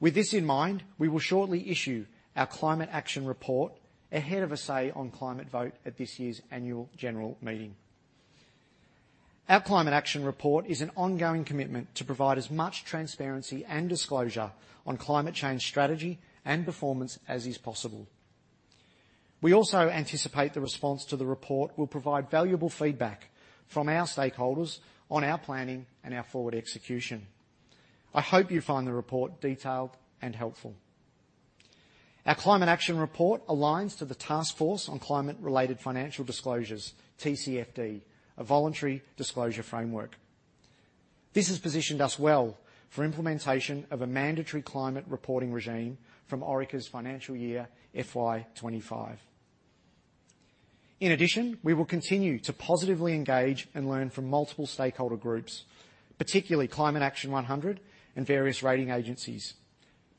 With this in mind, we will shortly issue our Climate Action Report ahead of a Say on Climate vote at this year's annual general meeting. Our Climate Action Report is an ongoing commitment to provide as much transparency and disclosure on climate change strategy and performance as is possible. We also anticipate the response to the report will provide valuable feedback from our stakeholders on our planning and our forward execution. I hope you find the report detailed and helpful. Our Climate Action Report aligns to the Task Force on Climate-related Financial Disclosures, TCFD, a voluntary disclosure framework. This has positioned us well for implementation of a mandatory climate reporting regime from Orica's financial year, FY 2025. In addition, we will continue to positively engage and learn from multiple stakeholder groups, particularly Climate Action 100+ and various rating agencies,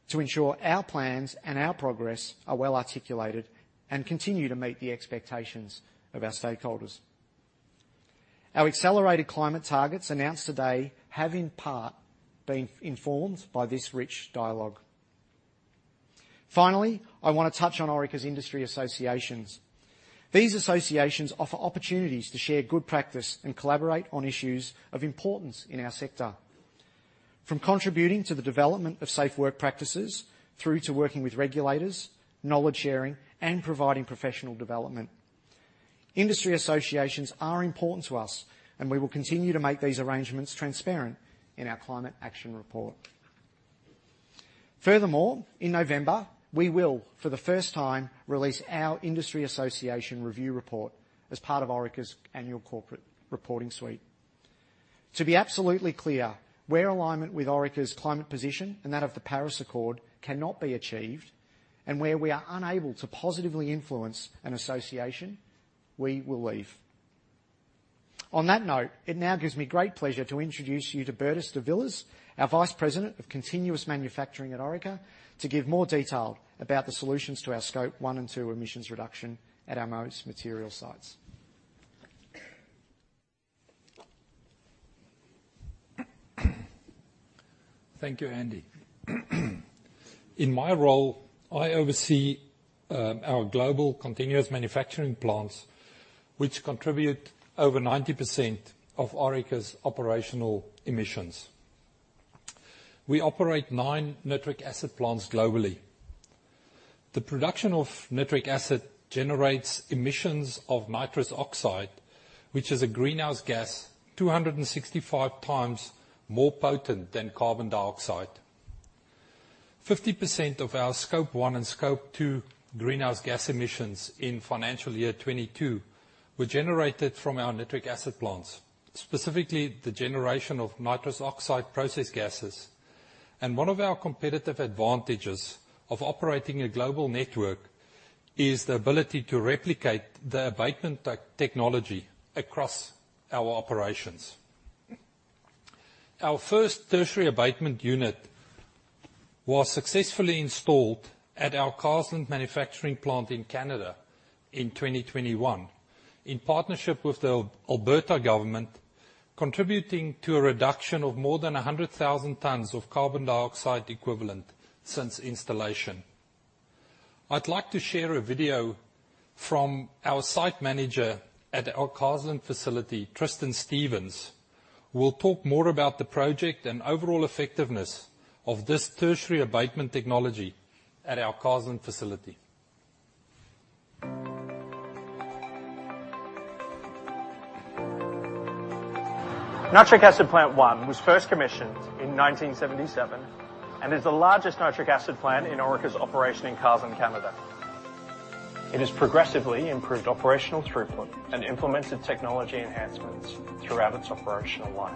to ensure our plans and our progress are well articulated and continue to meet the expectations of our stakeholders. Our accelerated climate targets announced today have, in part, been informed by this rich dialogue. Finally, I want to touch on Orica's industry associations. These associations offer opportunities to share good practice and collaborate on issues of importance in our sector, from contributing to the development of safe work practices, through to working with regulators, knowledge sharing, and providing professional development. Industry associations are important to us, and we will continue to make these arrangements transparent in our Climate Action Report. Furthermore, in November, we will, for the first time, release our industry association review report as part of Orica's annual corporate reporting suite. To be absolutely clear, where alignment with Orica's climate position and that of the Paris Accord cannot be achieved, and where we are unable to positively influence an association, we will leave. On that note, it now gives me great pleasure to introduce you to Bertus de Villiers, our Vice President of Continuous Manufacturing at Orica, to give more detail about the solutions to our Scope 1 and 2 emissions reduction at our most material sites. Thank you, Andy. In my role, I oversee our global continuous manufacturing plants, which contribute over 90% of Orica's operational emissions. We operate nine nitric acid plants globally. The production of nitric acid generates emissions of nitrous oxide, which is a greenhouse gas 265 times more potent than carbon dioxide. 50% of our Scope 1 and Scope 2 greenhouse gas emissions in financial year 2022 were generated from our nitric acid plants, specifically the generation of nitrous oxide process gases. One of our competitive advantages of operating a global network is the ability to replicate the abatement technology across our operations. Our first tertiary abatement unit was successfully installed at our Carseland manufacturing plant in Canada in 2021, in partnership with the Alberta government, contributing to a reduction of more than 100,000 tons of carbon dioxide equivalent since installation. I'd like to share a video from our site manager at our Carseland facility, Tristan Steventon, who will talk more about the project and overall effectiveness of this tertiary abatement technology at our Carseland facility. Nitric Acid Plant One was first commissioned in 1977, and is the largest nitric acid plant in Orica's operation in Carseland, Canada. It has progressively improved operational throughput and implemented technology enhancements throughout its operational life.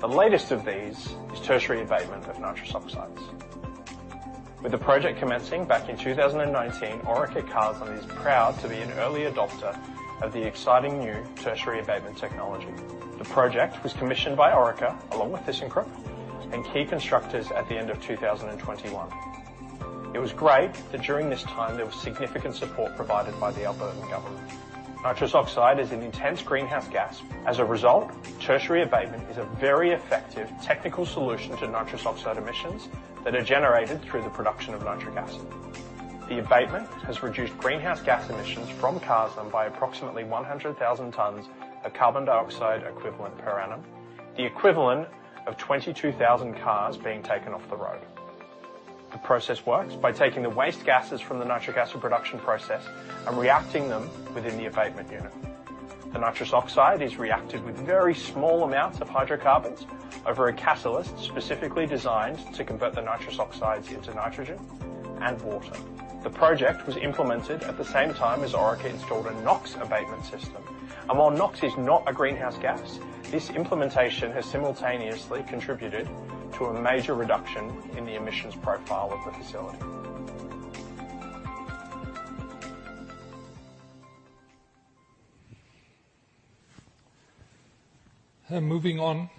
The latest of these is tertiary abatement of nitrous oxide. With the project commencing back in 2019, Orica Carseland is proud to be an early adopter of the exciting new tertiary abatement technology. The project was commissioned by Orica, along with ThyssenKrupp, and key constructors at the end of 2021. It was great that during this time, there was significant support provided by the Alberta government. Nitrous oxide is an intense greenhouse gas. As a result, tertiary abatement is a very effective technical solution to nitrous oxide emissions that are generated through the production of nitric acid. The abatement has reduced greenhouse gas emissions from Carseland by approximately 100,000 tons of carbon dioxide equivalent per annum, the equivalent of 22,000 cars being taken off the road. The process works by taking the waste gases from the nitric acid production process and reacting them within the abatement unit. The nitrous oxide is reacted with very small amounts of hydrocarbons over a catalyst, specifically designed to convert the nitrous oxides into nitrogen and water. The project was implemented at the same time as Orica installed a NOx abatement system. While NOx is not a greenhouse gas, this implementation has simultaneously contributed to a major reduction in the emissions profile of the facility. Moving on,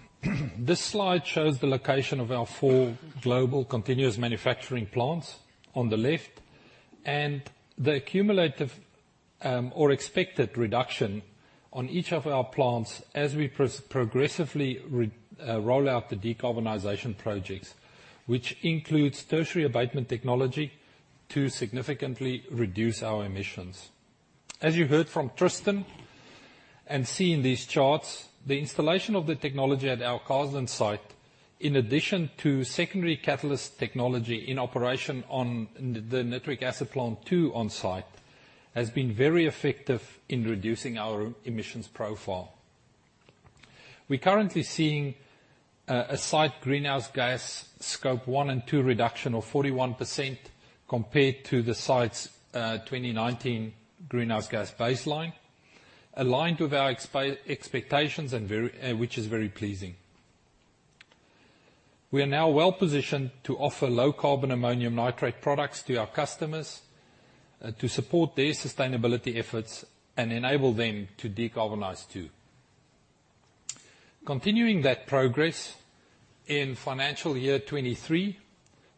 this slide shows the location of our four global continuous manufacturing plants on the left, and the accumulative or expected reduction on each of our plants as we progressively roll out the decarbonization projects, which includes tertiary abatement technology to significantly reduce our emissions. As you heard from Tristan and see in these charts, the installation of the technology at our Carseland site, in addition to secondary catalyst technology in operation on the nitric acid plant two on site, has been very effective in reducing our emissions profile. We're currently seeing a site greenhouse gas Scope 1 and 2 reduction of 41% compared to the site's 2019 greenhouse gas baseline, aligned with our expectations and very... which is very pleasing. We are now well-positioned to offer low-carbon ammonium nitrate products to our customers, to support their sustainability efforts and enable them to decarbonize, too. Continuing that progress, in financial year 2023,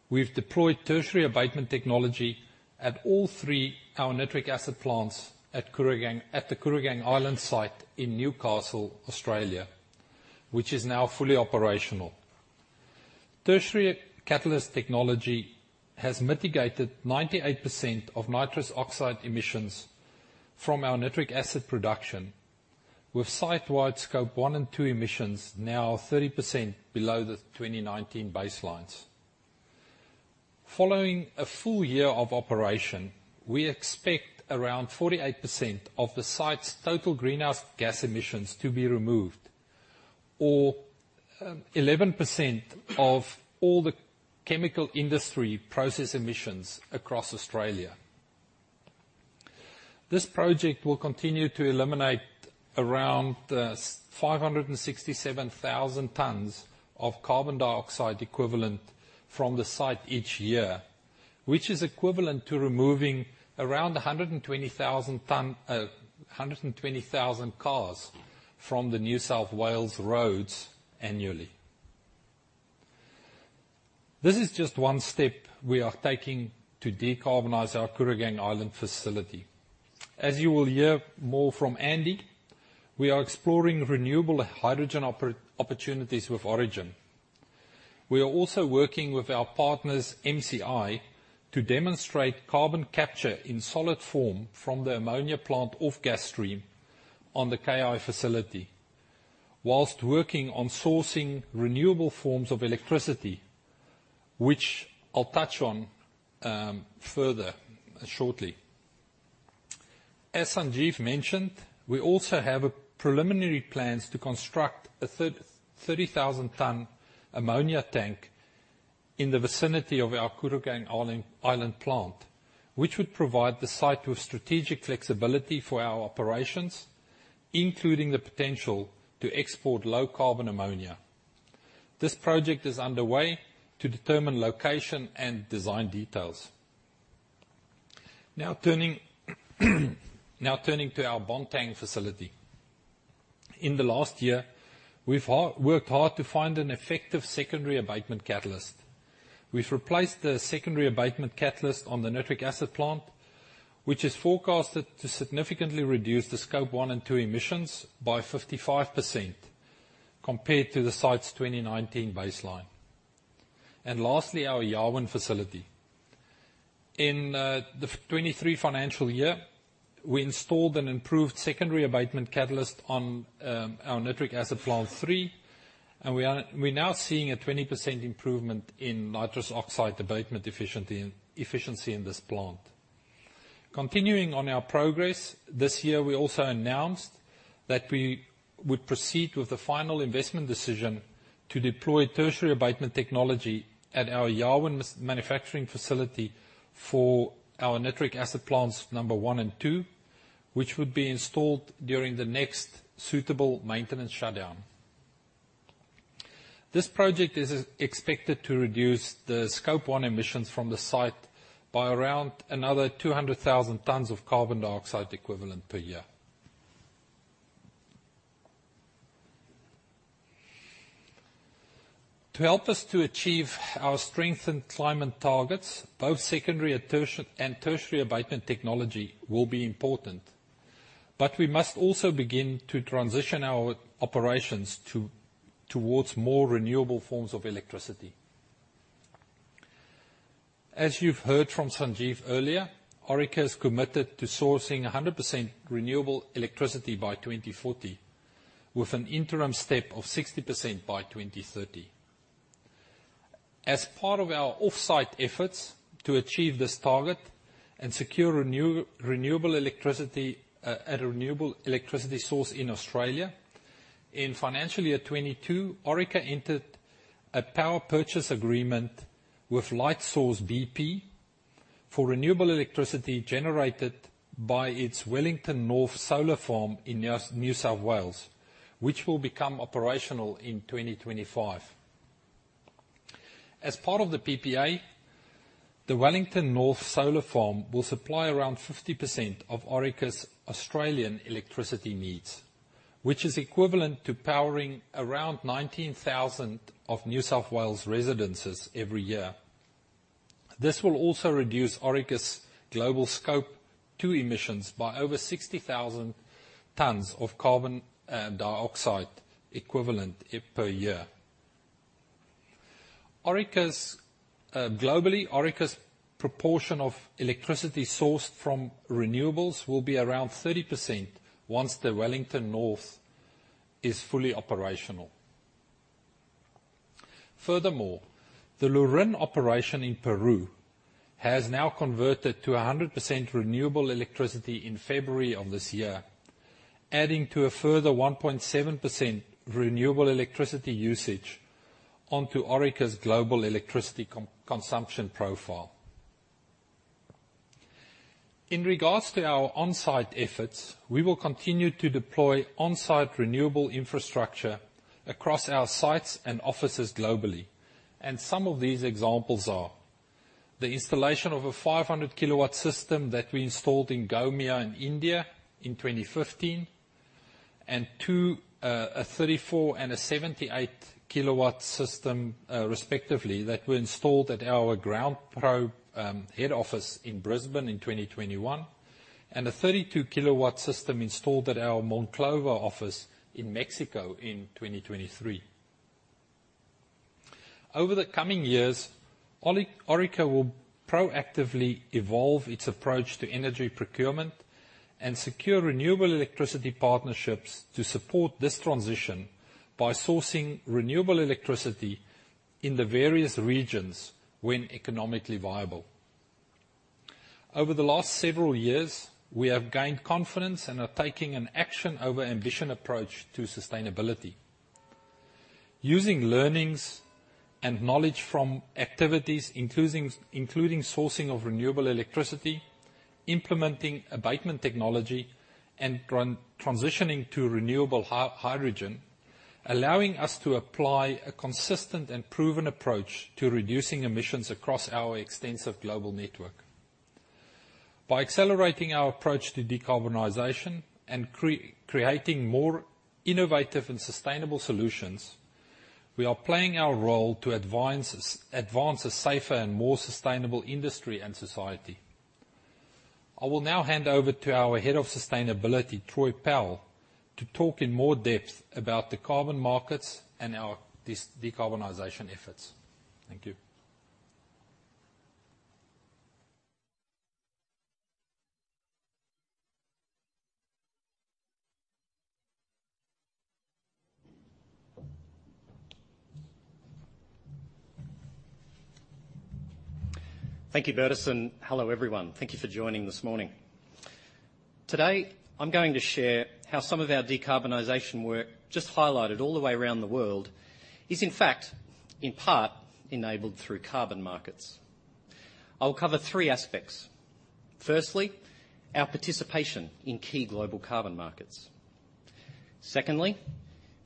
we've deployed tertiary abatement technology at all three our nitric acid plants at Kooragang- at the Kooragang Island site in Newcastle, Australia, which is now fully operational. Tertiary catalyst technology has mitigated 98% of nitrous oxide emissions from our nitric acid production, with site-wide Scope 1 and 2 emissions now 30% below the 2019 baselines. Following a full year of operation, we expect around 48% of the site's total greenhouse gas emissions to be removed, or, eleven percent of all the chemical industry process emissions across Australia. This project will continue to eliminate around 567,000 tons of carbon dioxide equivalent from the site each year, which is equivalent to removing around 120,000 cars from the New South Wales roads annually. This is just one step we are taking to decarbonize our Kooragang Island facility. As you will hear more from Andy, we are exploring renewable hydrogen opportunities with Origin. We are also working with our partners, MCI, to demonstrate carbon capture in solid form from the ammonia plant off gas stream on the KI facility, while working on sourcing renewable forms of electricity, which I'll touch on further shortly. As Sanjeev mentioned, we also have preliminary plans to construct a 30,000-ton ammonia tank in the vicinity of our Kooragang Island plant, which would provide the site with strategic flexibility for our operations, including the potential to export low-carbon ammonia. This project is underway to determine location and design details. Now turning to our Bontang facility. In the last year, we've worked hard to find an effective secondary abatement catalyst. We've replaced the secondary abatement catalyst on the nitric acid plant, which is forecasted to significantly reduce the Scope 1 and 2 emissions by 55%, compared to the site's 2019 baseline. And lastly, our Yarwun facility. In the 2023 financial year, we installed an improved secondary abatement catalyst on our nitric acid plant 3, and we're now seeing a 20% improvement in nitrous oxide abatement efficiency in this plant. Continuing on our progress, this year we also announced that we would proceed with the final investment decision to deploy tertiary abatement technology at our Yarwun manufacturing facility for our nitric acid plants one and two, which would be installed during the next suitable maintenance shutdown. This project is expected to reduce the Scope 1 emissions from the site by around another 200,000 tons of carbon dioxide equivalent per year. To help us to achieve our strengthened climate targets, both secondary and tertiary abatement technology will be important, but we must also begin to transition our operations towards more renewable forms of electricity. As you've heard from Sanjeev earlier, Orica is committed to sourcing 100% renewable electricity by 2040... with an interim step of 60% by 2030. As part of our offsite efforts to achieve this target and secure renewable electricity at a renewable electricity source in Australia, in financial year 2022, Orica entered a power purchase agreement with Lightsource BP for renewable electricity generated by its Wellington North Solar Farm in New South Wales, which will become operational in 2025. As part of the PPA, the Wellington North Solar Farm will supply around 50% of Orica's Australian electricity needs, which is equivalent to powering around 19,000 of New South Wales residences every year. This will also reduce Orica's global Scope 2 emissions by over 60,000 tons of carbon dioxide equivalent per year. Orica's, globally, Orica's proportion of electricity sourced from renewables will be around 30% once the Wellington North is fully operational. Furthermore, the Lurín operation in Peru has now converted to 100% renewable electricity in February of this year, adding to a further 1.7% renewable electricity usage onto Orica's global electricity consumption profile. In regards to our on-site efforts, we will continue to deploy on-site renewable infrastructure across our sites and offices globally, and some of these examples are: the installation of a 500 kW system that we installed in Gomia, in India, in 2015, and two, a 34- and a 78 kW system, respectively, that were installed at our GroundProbe head office in Brisbane in 2021, and a 32 kW system installed at our Monclova office in Mexico in 2023. Over the coming years, Orica will proactively evolve its approach to energy procurement and secure renewable electricity partnerships to support this transition by sourcing renewable electricity in the various regions when economically viable. Over the last several years, we have gained confidence and are taking an action over ambition approach to sustainability. Using learnings and knowledge from activities, including sourcing of renewable electricity, implementing abatement technology, and transitioning to renewable hydrogen, allowing us to apply a consistent and proven approach to reducing emissions across our extensive global network. By accelerating our approach to decarbonization and creating more innovative and sustainable solutions, we are playing our role to advance a safer and more sustainable industry and society. I will now hand over to our Head of Sustainability, Troy Powell, to talk in more depth about the carbon markets and our decarbonization efforts. Thank you. Thank you, Bertus. Hello, everyone. Thank you for joining this morning. Today, I'm going to share how some of our decarbonization work, just highlighted all the way around the world, is in fact, in part, enabled through carbon markets. I will cover three aspects. Firstly, our participation in key global carbon markets. Secondly,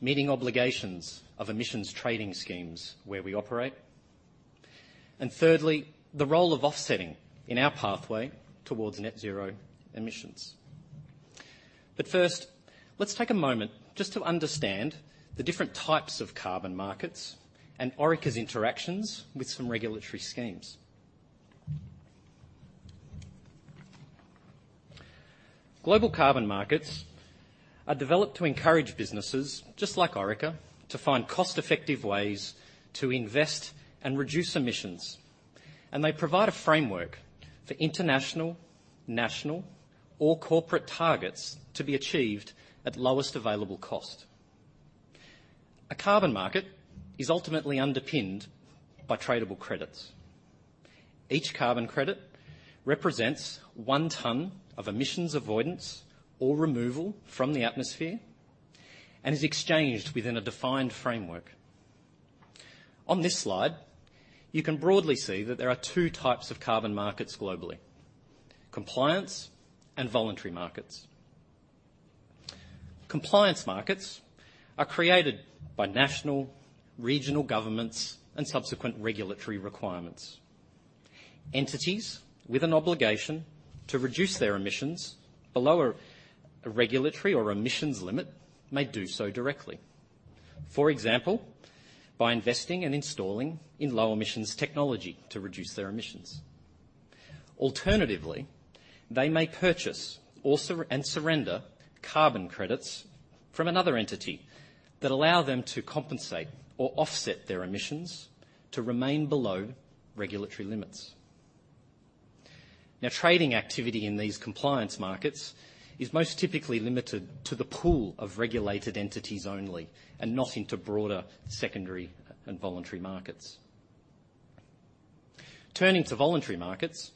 meeting obligations of emissions trading schemes where we operate. And thirdly, the role of offsetting in our pathway towards net zero emissions. But first, let's take a moment just to understand the different types of carbon markets and Orica's interactions with some regulatory schemes. Global carbon markets are developed to encourage businesses, just like Orica, to find cost-effective ways to invest and reduce emissions, and they provide a framework for international, national, or corporate targets to be achieved at lowest available cost. A carbon market is ultimately underpinned by tradable credits. Each carbon credit represents one ton of emissions avoidance or removal from the atmosphere and is exchanged within a defined framework. On this slide, you can broadly see that there are two types of carbon markets globally: compliance and voluntary markets. Compliance markets are created by national, regional governments and subsequent regulatory requirements. Entities with an obligation to reduce their emissions below a regulatory or emissions limit may do so directly, for example, by investing and installing in low emissions technology to reduce their emissions. Alternatively, they may purchase or surrender carbon credits from another entity that allow them to compensate or offset their emissions to remain below regulatory limits. Now, trading activity in these compliance markets is most typically limited to the pool of regulated entities only, and not into broader secondary and voluntary markets. Turning to voluntary markets,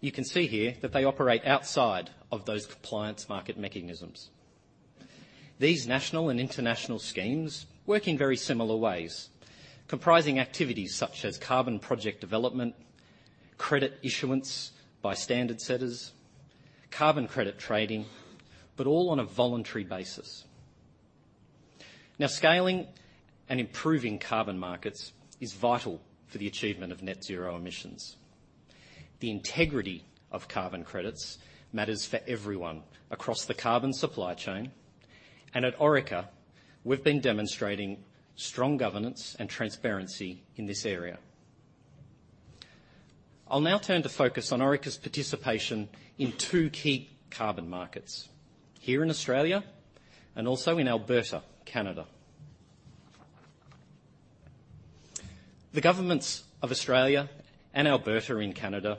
you can see here that they operate outside of those compliance market mechanisms. These national and international schemes work in very similar ways, comprising activities such as carbon project development, credit issuance by standard setters, carbon credit trading, but all on a voluntary basis. Now, scaling and improving carbon markets is vital for the achievement of net zero emissions. The integrity of carbon credits matters for everyone across the carbon supply chain, and at Orica, we've been demonstrating strong governance and transparency in this area. I'll now turn to focus on Orica's participation in two key carbon markets, here in Australia and also in Alberta, Canada. The governments of Australia and Alberta in Canada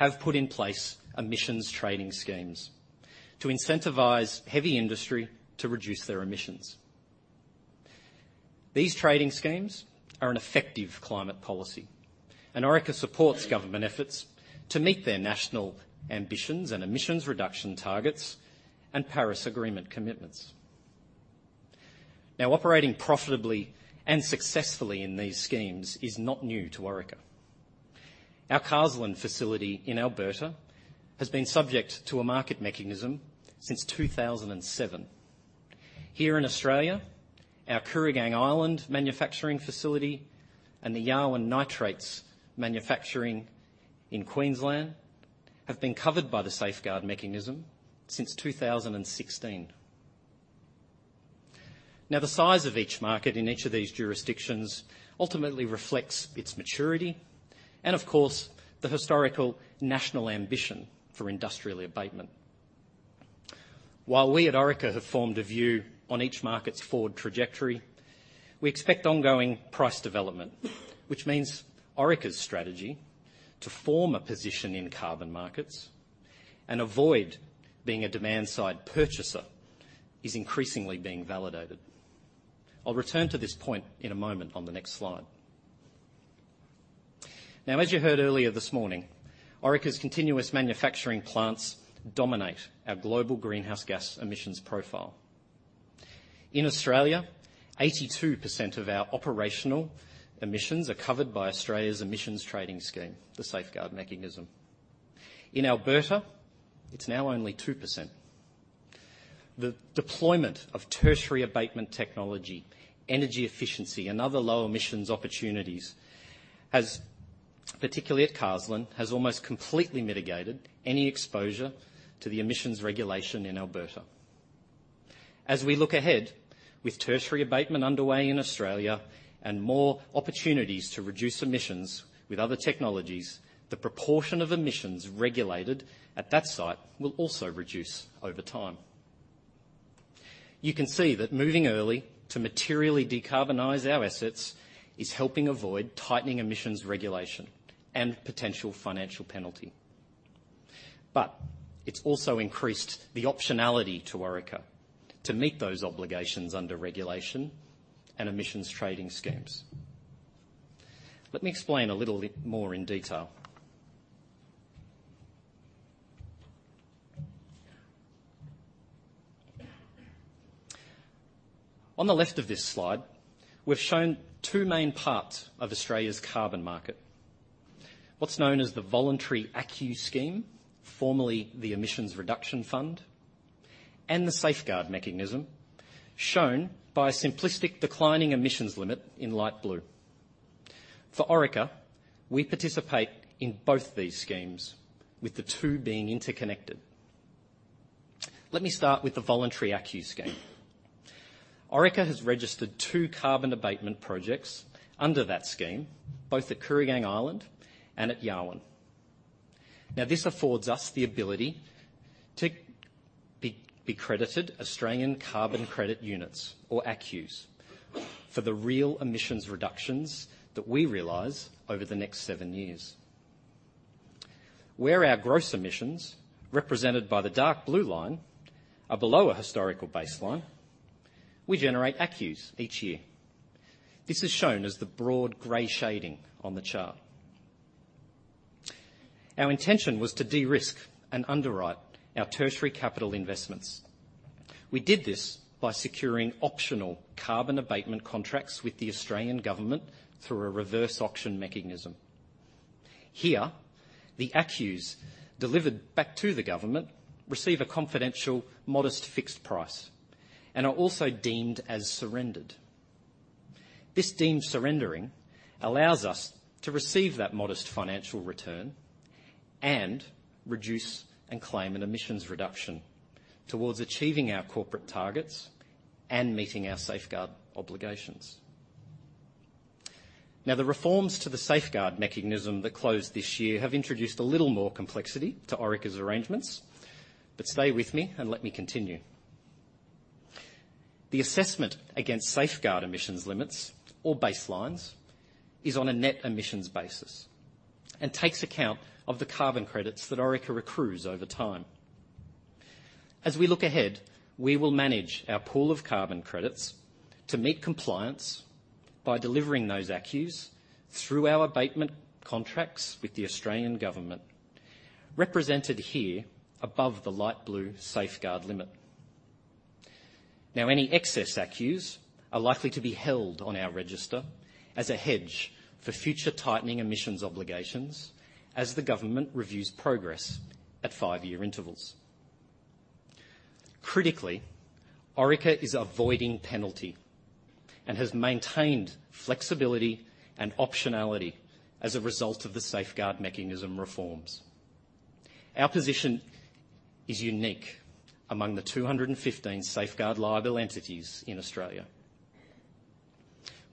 have put in place emissions trading schemes to incentivize heavy industry to reduce their emissions. These trading schemes are an effective climate policy, and Orica supports government efforts to meet their national ambitions and emissions reduction targets and Paris Agreement commitments. Now, operating profitably and successfully in these schemes is not new to Orica. Our Carseland facility in Alberta has been subject to a market mechanism since 2007. Here in Australia, our Kooragang Island manufacturing facility and the Yarwun Nitrates manufacturing in Queensland have been covered by the Safeguard Mechanism since 2016. Now, the size of each market in each of these jurisdictions ultimately reflects its maturity and, of course, the historical national ambition for industrial abatement. While we at Orica have formed a view on each market's forward trajectory, we expect ongoing price development, which means Orica's strategy to form a position in carbon markets and avoid being a demand-side purchaser is increasingly being validated. I'll return to this point in a moment on the next slide. Now, as you heard earlier this morning, Orica's continuous manufacturing plants dominate our global greenhouse gas emissions profile. In Australia, 82% of our operational emissions are covered by Australia's emissions trading scheme, the Safeguard Mechanism. In Alberta, it's now only 2%. The deployment of Tertiary Abatement technology, energy efficiency, and other low emissions opportunities has, particularly at Carseland, has almost completely mitigated any exposure to the emissions regulation in Alberta. As we look ahead, with Tertiary Abatement underway in Australia and more opportunities to reduce emissions with other technologies, the proportion of emissions regulated at that site will also reduce over time. You can see that moving early to materially decarbonize our assets is helping avoid tightening emissions regulation and potential financial penalty. But it's also increased the optionality to Orica to meet those obligations under regulation and emissions trading schemes. Let me explain a little bit more in detail. On the left of this slide, we've shown two main parts of Australia's carbon market: what's known as the voluntary ACCU Scheme, formerly the Emissions Reduction Fund, and the Safeguard Mechanism, shown by a simplistic declining emissions limit in light blue. For Orica, we participate in both these schemes, with the two being interconnected. Let me start with the voluntary ACCU Scheme. Orica has registered two carbon abatement projects under that scheme, both at Kooragang Island and at Yarwun. Now, this affords us the ability to be credited Australian Carbon Credit Units, or ACCUs, for the real emissions reductions that we realize over the next seven years. Where our gross emissions, represented by the dark blue line, are below a historical baseline, we generate ACCUs each year. This is shown as the broad gray shading on the chart. Our intention was to de-risk and underwrite our tertiary capital investments. We did this by securing optional carbon abatement contracts with the Australian government through a reverse auction mechanism. Here, the ACCUs delivered back to the government receive a confidential, modest fixed price and are also deemed as surrendered. This deemed surrendering allows us to receive that modest financial return and reduce and claim an emissions reduction towards achieving our corporate targets and meeting our Safeguard obligations. Now, the reforms to the Safeguard Mechanism that closed this year have introduced a little more complexity to Orica's arrangements, but stay with me and let me continue.... The assessment against Safeguard emissions limits or baselines is on a net emissions basis, and takes account of the carbon credits that Orica accrues over time. As we look ahead, we will manage our pool of carbon credits to meet compliance by delivering those ACCUs through our abatement contracts with the Australian government, represented here above the light blue Safeguard limit. Now, any excess ACCUs are likely to be held on our register as a hedge for future tightening emissions obligations as the government reviews progress at five-year intervals. Critically, Orica is avoiding penalty and has maintained flexibility and optionality as a result of the Safeguard Mechanism reforms. Our position is unique among the 215 Safeguard liable entities in Australia.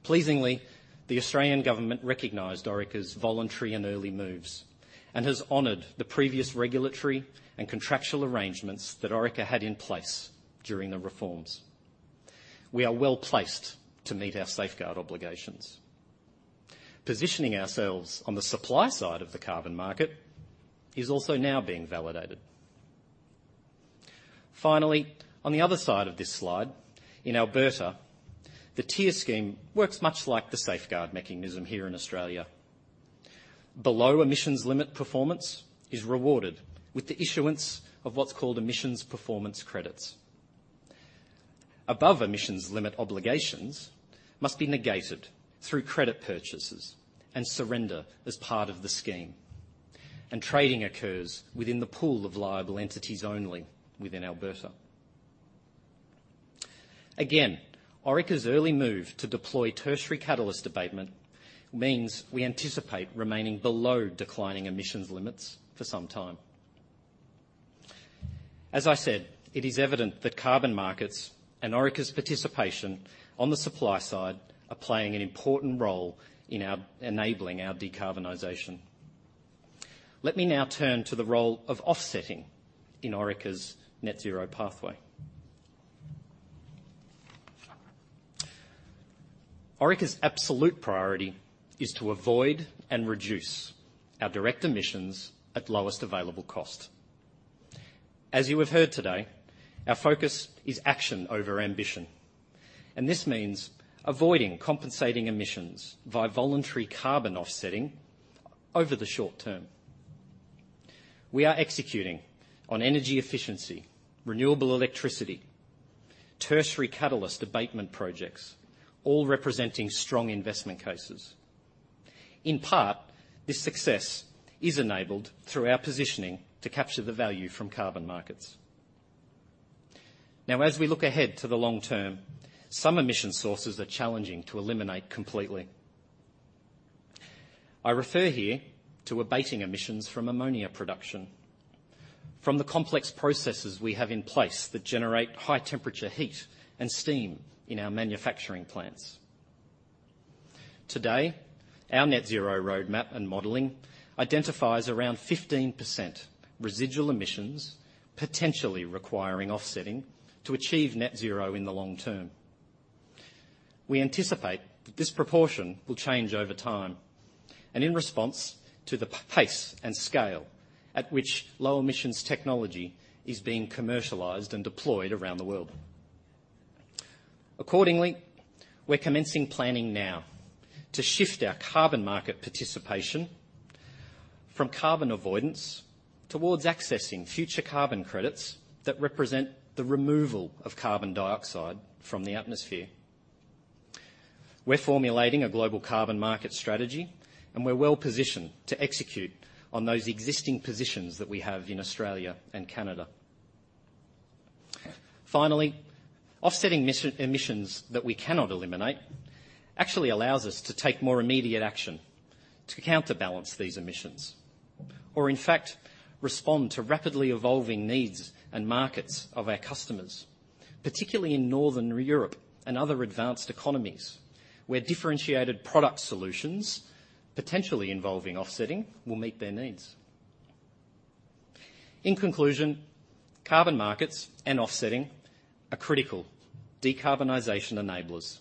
Pleasingly, the Australian government recognized Orica's voluntary and early moves, and has honored the previous regulatory and contractual arrangements that Orica had in place during the reforms. We are well-placed to meet our safeguard obligations. Positioning ourselves on the supply side of the carbon market is also now being validated. Finally, on the other side of this slide, in Alberta, the TIER scheme works much like the safeguard mechanism here in Australia. Below emissions limit performance is rewarded with the issuance of what's called emissions performance credits. Above emissions limit obligations must be negated through credit purchases and surrender as part of the scheme, and trading occurs within the pool of liable entities only within Alberta. Again, Orica's early move to deploy tertiary catalyst abatement means we anticipate remaining below declining emissions limits for some time. As I said, it is evident that carbon markets and Orica's participation on the supply side are playing an important role in our enabling our decarbonization. Let me now turn to the role of offsetting in Orica's net zero pathway. Orica's absolute priority is to avoid and reduce our direct emissions at lowest available cost. As you have heard today, our focus is action over ambition, and this means avoiding compensating emissions via voluntary carbon offsetting over the short term. We are executing on energy efficiency, renewable electricity, tertiary catalyst abatement projects, all representing strong investment cases. In part, this success is enabled through our positioning to capture the value from carbon markets. Now, as we look ahead to the long term, some emission sources are challenging to eliminate completely. I refer here to abating emissions from ammonia production, from the complex processes we have in place that generate high temperature heat and steam in our manufacturing plants. Today, our net zero roadmap and modeling identifies around 15% residual emissions, potentially requiring offsetting to achieve net zero in the long term. We anticipate that this proportion will change over time, and in response to the pace and scale at which low emissions technology is being commercialized and deployed around the world. Accordingly, we're commencing planning now to shift our carbon market participation from carbon avoidance towards accessing future carbon credits that represent the removal of carbon dioxide from the atmosphere. We're formulating a global carbon market strategy, and we're well positioned to execute on those existing positions that we have in Australia and Canada. Finally, offsetting emissions that we cannot eliminate actually allows us to take more immediate action to counterbalance these emissions, or in fact, respond to rapidly evolving needs and markets of our customers, particularly in Northern Europe and other advanced economies, where differentiated product solutions, potentially involving offsetting, will meet their needs. In conclusion, carbon markets and offsetting are critical decarbonization enablers.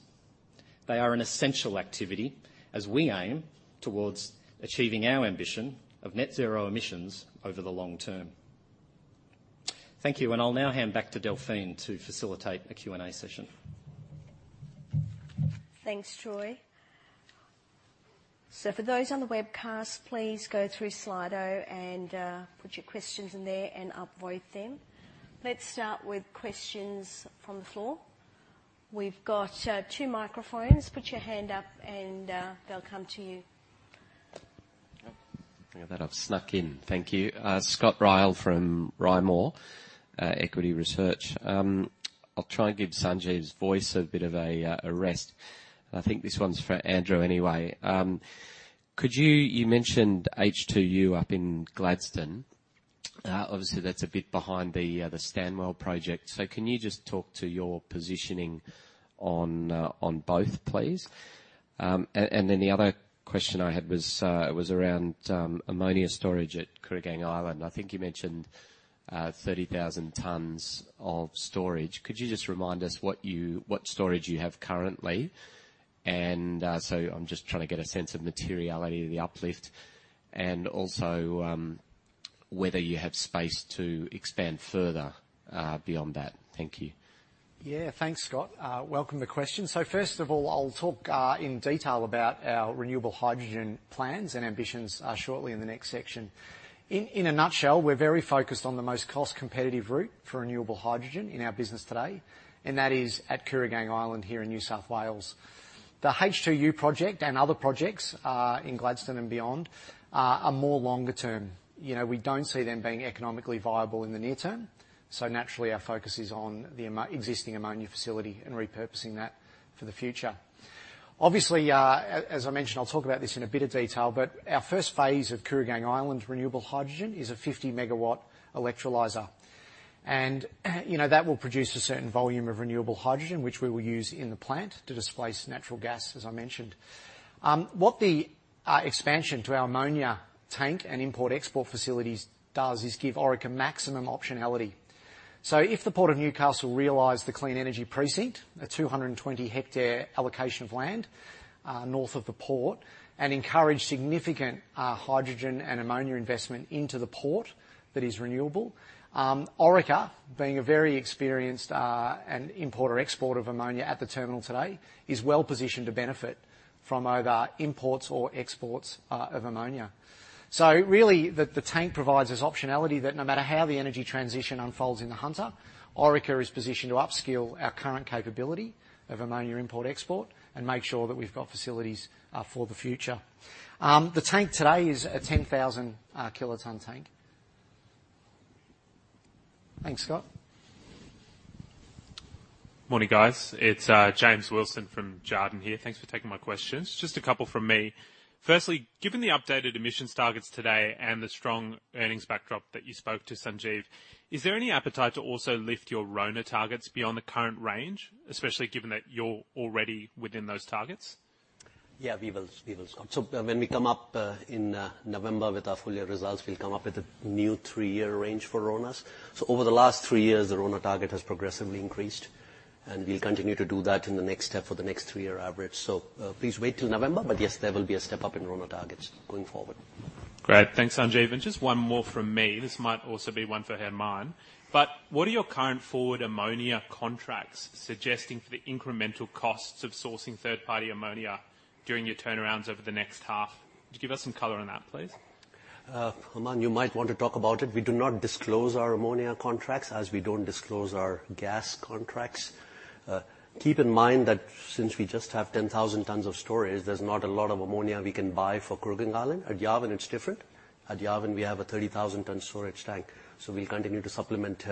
They are an essential activity as we aim towards achieving our ambition of net zero emissions over the long term. Thank you, and I'll now hand back to Delphine to facilitate a Q&A session. Thanks, Troy. So for those on the webcast, please go through Slido and put your questions in there, and I'll voice them. Let's start with questions from the floor. We've got two microphones. Put your hand up and they'll come to you. Oh, I think that I've snuck in. Thank you. Scott Ryall from Rimor Equity Research. I'll try and give Sanjeev's voice a bit of a rest. I think this one's for Andrew anyway. Could you mentioned H2U up in Gladstone. Obviously, that's a bit behind the Stanwell project. So can you just talk to your positioning? On both, please? And then the other question I had was around ammonia storage at Kooragang Island. I think you mentioned 30,000 tons of storage. Could you just remind us what you, what storage you have currently? And so I'm just trying to get a sense of materiality of the uplift, and also whether you have space to expand further beyond that. Thank you. Yeah, thanks, Scott. Welcome the questions. So first of all, I'll talk in detail about our renewable hydrogen plans and ambitions shortly in the next section. In a nutshell, we're very focused on the most cost-competitive route for renewable hydrogen in our business today, and that is at Kooragang Island here in New South Wales. The H2U project and other projects in Gladstone and beyond are more longer term. You know, we don't see them being economically viable in the near term, so naturally, our focus is on the existing ammonia facility and repurposing that for the future. Obviously, as I mentioned, I'll talk about this in a bit of detail, but our first phase of Kooragang Island's renewable hydrogen is a 50MW electrolyzer. And, you know, that will produce a certain volume of renewable hydrogen, which we will use in the plant to displace natural gas, as I mentioned. What the expansion to our ammonia tank and import-export facilities does is give Orica maximum optionality. So if the Port of Newcastle realize the clean energy precinct, a 220-hectare allocation of land north of the port, and encourage significant hydrogen and ammonia investment into the port that is renewable, Orica, being a very experienced and importer-exporter of ammonia at the terminal today, is well positioned to benefit from either imports or exports of ammonia. So really, the tank provides us optionality that no matter how the energy transition unfolds in the Hunter, Orica is positioned to upskill our current capability of ammonia import-export and make sure that we've got facilities for the future. The tank today is a 10,000-kiloton tank. Thanks, Scott. Morning, guys. It's James Wilson from Jarden here. Thanks for taking my questions. Just a couple from me. Firstly, given the updated emissions targets today and the strong earnings backdrop that you spoke to, Sanjeev, is there any appetite to also lift your RONA targets beyond the current range, especially given that you're already within those targets? Yeah, we will, we will, Scott. So when we come up in November with our full year results, we'll come up with a new three-year range for RONAs. So over the last three years, the RONA target has progressively increased, and we'll continue to do that in the next step for the next three-year average. So, please wait till November, but, yes, there will be a step up in RONA targets going forward. Great. Thanks, Sanjeev, and just one more from me. This might also be one for Germán. But what are your current forward ammonia contracts suggesting for the incremental costs of sourcing third-party ammonia during your turnarounds over the next half? Could you give us some color on that, please? Germán, you might want to talk about it. We do not disclose our ammonia contracts, as we don't disclose our gas contracts. Keep in mind that since we just have 10,000 tons of storage, there's not a lot of ammonia we can buy for Kooragang Island. At Yarwun, it's different. At Yarwun, we have a 30,000-ton storage tank, so we'll continue to supplement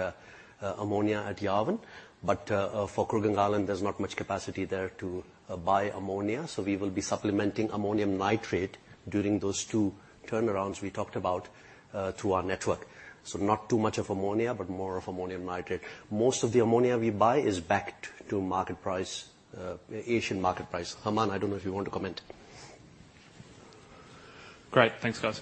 ammonia at Yarwun. But for Kooragang Island, there's not much capacity there to buy ammonia, so we will be supplementing ammonium nitrate during those two turnarounds we talked about through our network. So not too much of ammonia, but more of ammonium nitrate. Most of the ammonia we buy is back to market price, Asian market price. Germán, I don't know if you want to comment. Great. Thanks, guys.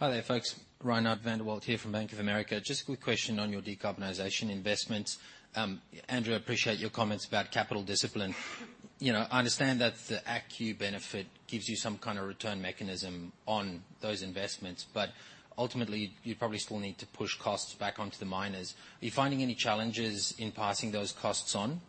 Hi there, folks. Ray Abbott here from Bank of America. Just a quick question on your decarbonization investments. Andrew, appreciate your comments about capital discipline. You know, I understand that the ACCU benefit gives you some kind of return mechanism on those investments, but ultimately, you probably still need to push costs back onto the miners. Are you finding any challenges in passing those costs on?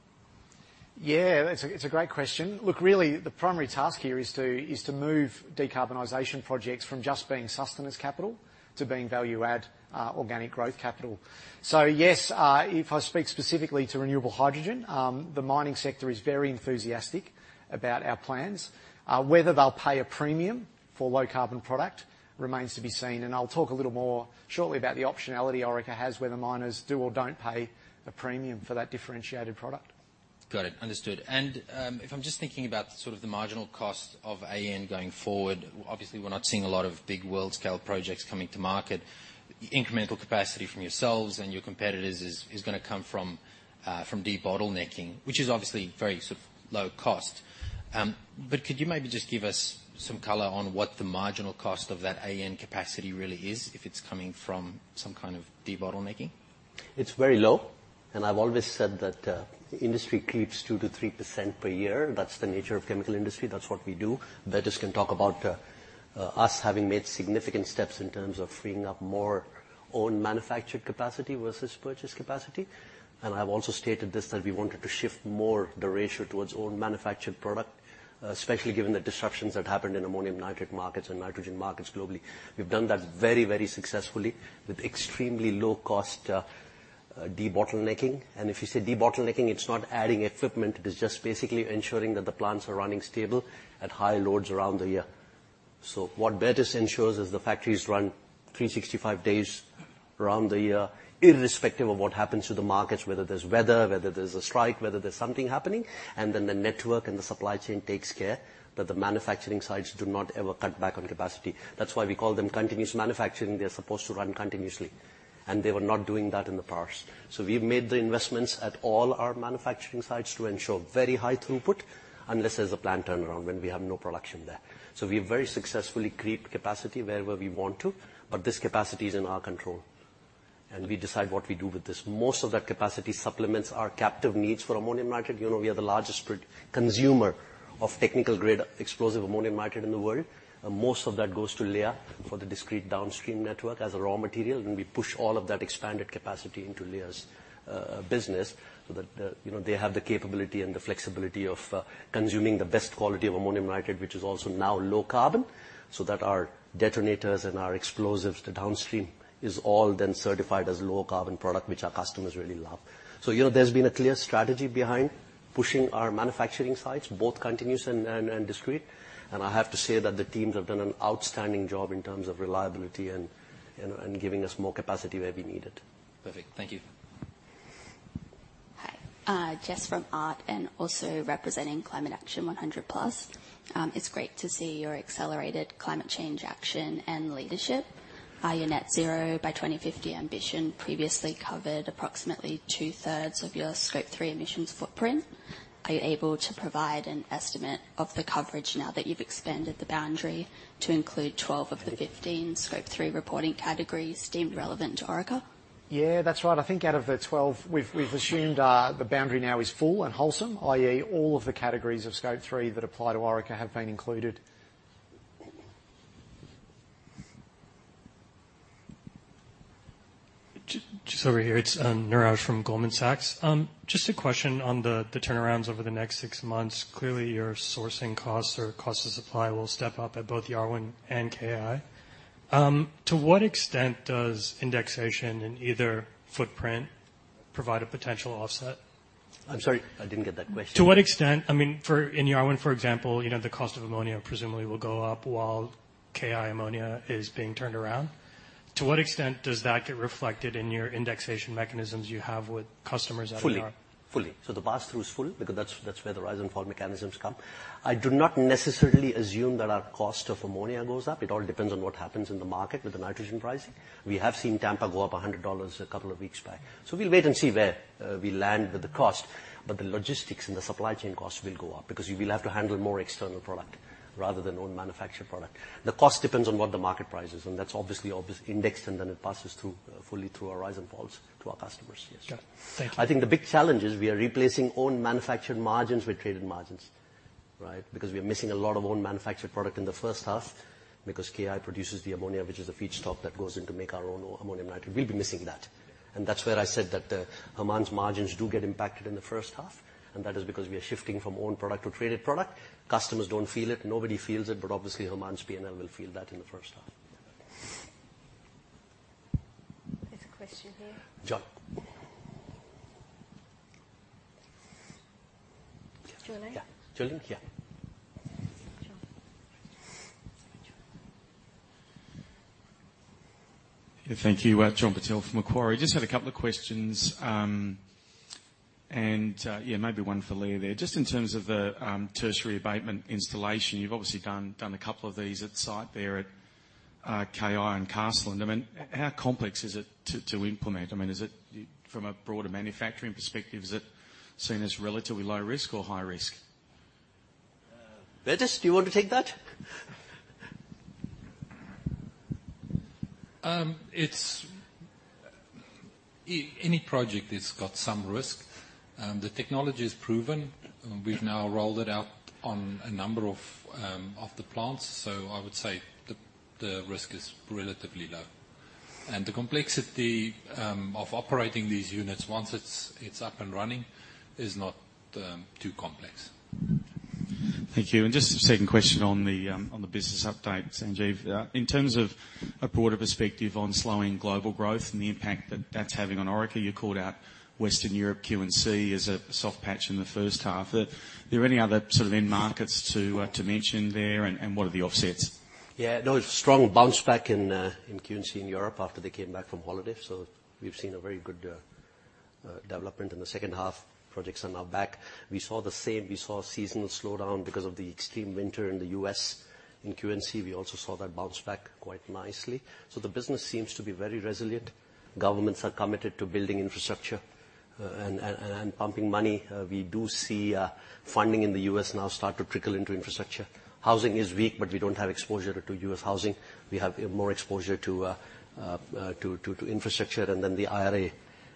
Yeah, it's a great question. Look, really, the primary task here is to move decarbonization projects from just being sustenance capital to being value-add organic growth capital. So yes, if I speak specifically to renewable hydrogen, the mining sector is very enthusiastic about our plans. Whether they'll pay a premium for low-carbon product remains to be seen, and I'll talk a little more shortly about the optionality Orica has where the miners do or don't pay a premium for that differentiated product. Got it. Understood. If I'm just thinking about sort of the marginal cost of AN going forward, obviously, we're not seeing a lot of big world-scale projects coming to market. Incremental capacity from yourselves and your competitors is gonna come from debottlenecking, which is obviously very sort of low cost. But could you maybe just give us some color on what the marginal cost of that AN capacity really is, if it's coming from some kind of debottlenecking? It's very low, and I've always said that, industry keeps 2%-3% per year. That's the nature of chemical industry. That's what we do. Bertus can talk about, us having made significant steps in terms of freeing up more own manufactured capacity versus purchased capacity, and I've also stated this, that we wanted to shift more the ratio towards own manufactured product, especially given the disruptions that happened in ammonium nitrate markets and nitrogen markets globally. We've done that very, very successfully with extremely low cost, debottlenecking. And if you say debottlenecking, it's not adding equipment. It is just basically ensuring that the plants are running stable at high loads around the year. So what Bertus ensures is the factories run 365 days around the year, irrespective of what happens to the markets, whether there's weather, whether there's a strike, whether there's something happening, and then the network and the supply chain takes care that the manufacturing sites do not ever cut back on capacity. That's why we call them continuous manufacturing. They are supposed to run continuously, and they were not doing that in the past. So we've made the investments at all our manufacturing sites to ensure very high throughput, unless there's a plant turnaround when we have no production there. So we've very successfully created capacity wherever we want to, but this capacity is in our control, and we decide what we do with this. Most of that capacity supplements our captive needs for ammonium nitrate. You know, we are the largest consumer of technical-grade explosive ammonium nitrate in the world. And most of that goes to Leah for the discrete downstream network as a raw material, and we push all of that expanded capacity into Leah's business, so that the, you know, they have the capability and the flexibility of consuming the best quality of ammonium nitrate, which is also now low carbon, so that our detonators and our explosives, the downstream, is all then certified as low carbon product, which our customers really love. So, you know, there's been a clear strategy behind pushing our manufacturing sites, both continuous and discrete. And I have to say that the teams have done an outstanding job in terms of reliability and giving us more capacity where we need it. Perfect. Thank you. Hi, Jess from ART and also representing Climate Action 100+. It's great to see your accelerated climate change action and leadership. Your net zero by 2050 ambition previously covered approximately two-thirds of your Scope 3 emissions footprint. Are you able to provide an estimate of the coverage now that you've expanded the boundary to include 12 of the 15 Scope 3 reporting categories deemed relevant to Orica? Yeah, that's right. I think out of the 12, we've assumed the boundary now is full and wholesome, i.e., all of the categories of Scope 3 that apply to Orica have been included. Just over here, it's Niraj from Goldman Sachs. Just a question on the turnarounds over the next six months. Clearly, your sourcing costs or cost of supply will step up at both Yarwun and KI. To what extent does indexation in either footprint provide a potential offset? I'm sorry, I didn't get that question. To what extent I mean, for, in Yarwun, for example, you know, the cost of ammonia presumably will go up while KI ammonia is being turned around. To what extent does that get reflected in your indexation mechanisms you have with customers at Yarwun? Fully. Fully. So the pass-through is full because that's, that's where the rise and fall mechanisms come. I do not necessarily assume that our cost of ammonia goes up. It all depends on what happens in the market with the nitrogen pricing. We have seen Tampa go up $100 a couple of weeks back, so we'll wait and see where we land with the cost. But the logistics and the supply chain costs will go up because we will have to handle more external product rather than own manufactured product. The cost depends on what the market price is, and that's obviously obviously indexed, and then it passes through fully through our rise and falls to our customers. Yes. Got it. Thank you. I think the big challenge is we are replacing own manufactured margins with traded margins, right? Because we are missing a lot of own manufactured product in the first half, because KI produces the ammonia, which is a feedstock that goes in to make our own ammonium nitrate. We'll be missing that, and that's where I said that, Germán's margins do get impacted in the first half, and that is because we are shifting from own product to traded product. Customers don't feel it. Nobody feels it. But obviously, Germán's P&L will feel that in the first half. There's a question here. John. Julie? Yeah. Julie, here. John. Yeah, thank you. John Purtell from Macquarie. Just had a couple of questions, and yeah, maybe one for Leah there. Just in terms of the tertiary abatement installation, you've obviously done a couple of these at site there at KI and Carseland. I mean, how complex is it to implement? I mean, is it, from a broader manufacturing perspective, seen as relatively low risk or high risk? Bertus, do you want to take that? Any project has got some risk. The technology is proven, and we've now rolled it out on a number of, of the plants, so I would say the, the risk is relatively low. And the complexity, of operating these units, once it's, it's up and running, is not, too complex. Thank you, and just a second question on the, on the business update, Sanjeev. In terms of a broader perspective on slowing global growth and the impact that that's having on Orica, you called out Western Europe, Q&C, as a soft patch in the first half. Are there any other sort of end markets to, to mention there, and, and what are the offsets? Yeah, no, a strong bounce back in Q&C in Europe after they came back from holiday, so we've seen a very good development in the second half. Projects are now back. We saw the same. We saw a seasonal slowdown because of the extreme winter in the US. In Q&C, we also saw that bounce back quite nicely. So the business seems to be very resilient. Governments are committed to building infrastructure, and, and, and pumping money. We do see funding in the US now start to trickle into infrastructure. Housing is weak, but we don't have exposure to US housing. We have more exposure to infrastructure, and then the IRA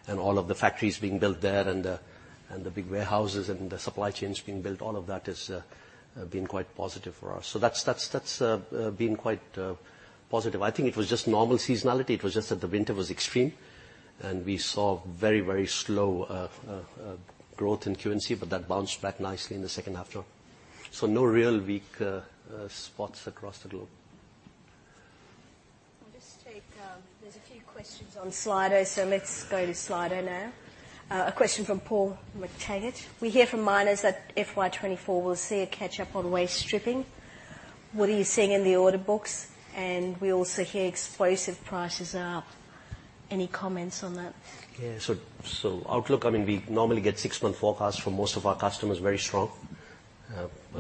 and all of the factories being built there and the big warehouses and the supply chains being built. All of that has been quite positive for us. So that's been quite positive. I think it was just normal seasonality. It was just that the winter was extreme, and we saw very, very slow growth in Q&C, but that bounced back nicely in the second half though. So no real weak spots across the globe. Let's take, there's a few questions on Slido, so let's go to Slido now. A question from Paul McTaggart: We hear from miners that FY 2024 will see a catch-up on waste stripping. What are you seeing in the order books? And we also hear explosive prices are up. Any comments on that? Yeah, so, so outlook, I mean, we normally get six-month forecasts from most of our customers, very strong.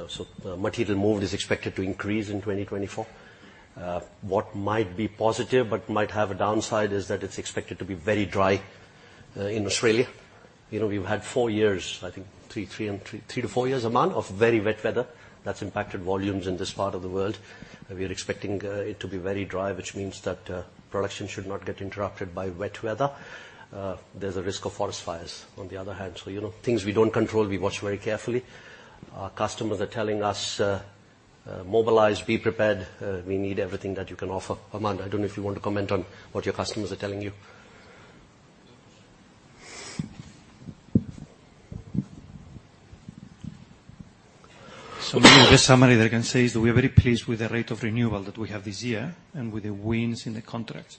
So material move is expected to increase in 2024. What might be positive but might have a downside is that it's expected to be very dry in Australia. You know, we've had four years, I think three, three and three to four years, Armand, of very wet weather. That's impacted volumes in this part of the world. We are expecting it to be very dry, which means that production should not get interrupted by wet weather. There's a risk of forest fires, on the other hand, so, you know, things we don't control, we watch very carefully. Our customers are telling us, "Mobilize, be prepared, we need everything that you can offer." Armand, I don't know if you want to comment on what your customers are telling you. So maybe the summary that I can say is that we are very pleased with the rate of renewal that we have this year and with the wins in the contracts.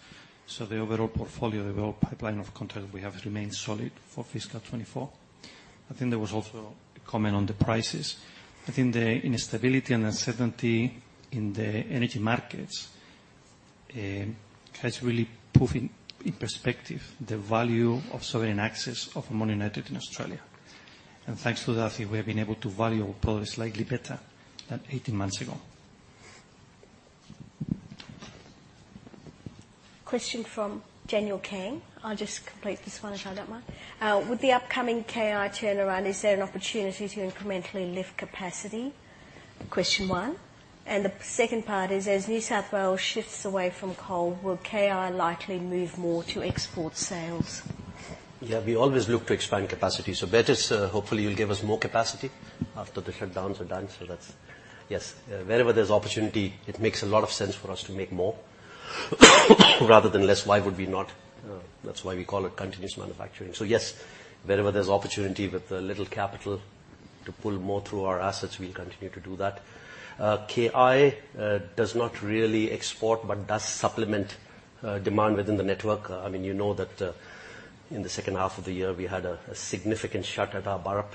The overall portfolio, the overall pipeline of contracts we have, remains solid for fiscal 2024. I think there was also a comment on the prices. I think the instability and uncertainty in the energy markets has really put in perspective the value of sovereign access to ammonium nitrate in Australia. And thanks to that, I think we have been able to value our product slightly better than 18 months ago. Question from Daniel Kang. I'll just complete this one, if I don't mind. With the upcoming KI turnaround, is there an opportunity to incrementally lift capacity? Question one. And the second part is, as New South Wales shifts away from coal, will KI likely move more to export sales? Yeah, we always look to expand capacity. So that is, hopefully will give us more capacity after the shutdowns are done. So that's yes, wherever there's opportunity, it makes a lot of sense for us to make more, rather than less. Why would we not? That's why we call it continuous manufacturing. So yes, wherever there's opportunity with a little capital to pull more through our assets, we'll continue to do that. KI does not really export, but does supplement demand within the network. I mean, you know that, in the second half of the year, we had a significant shut at our Burrup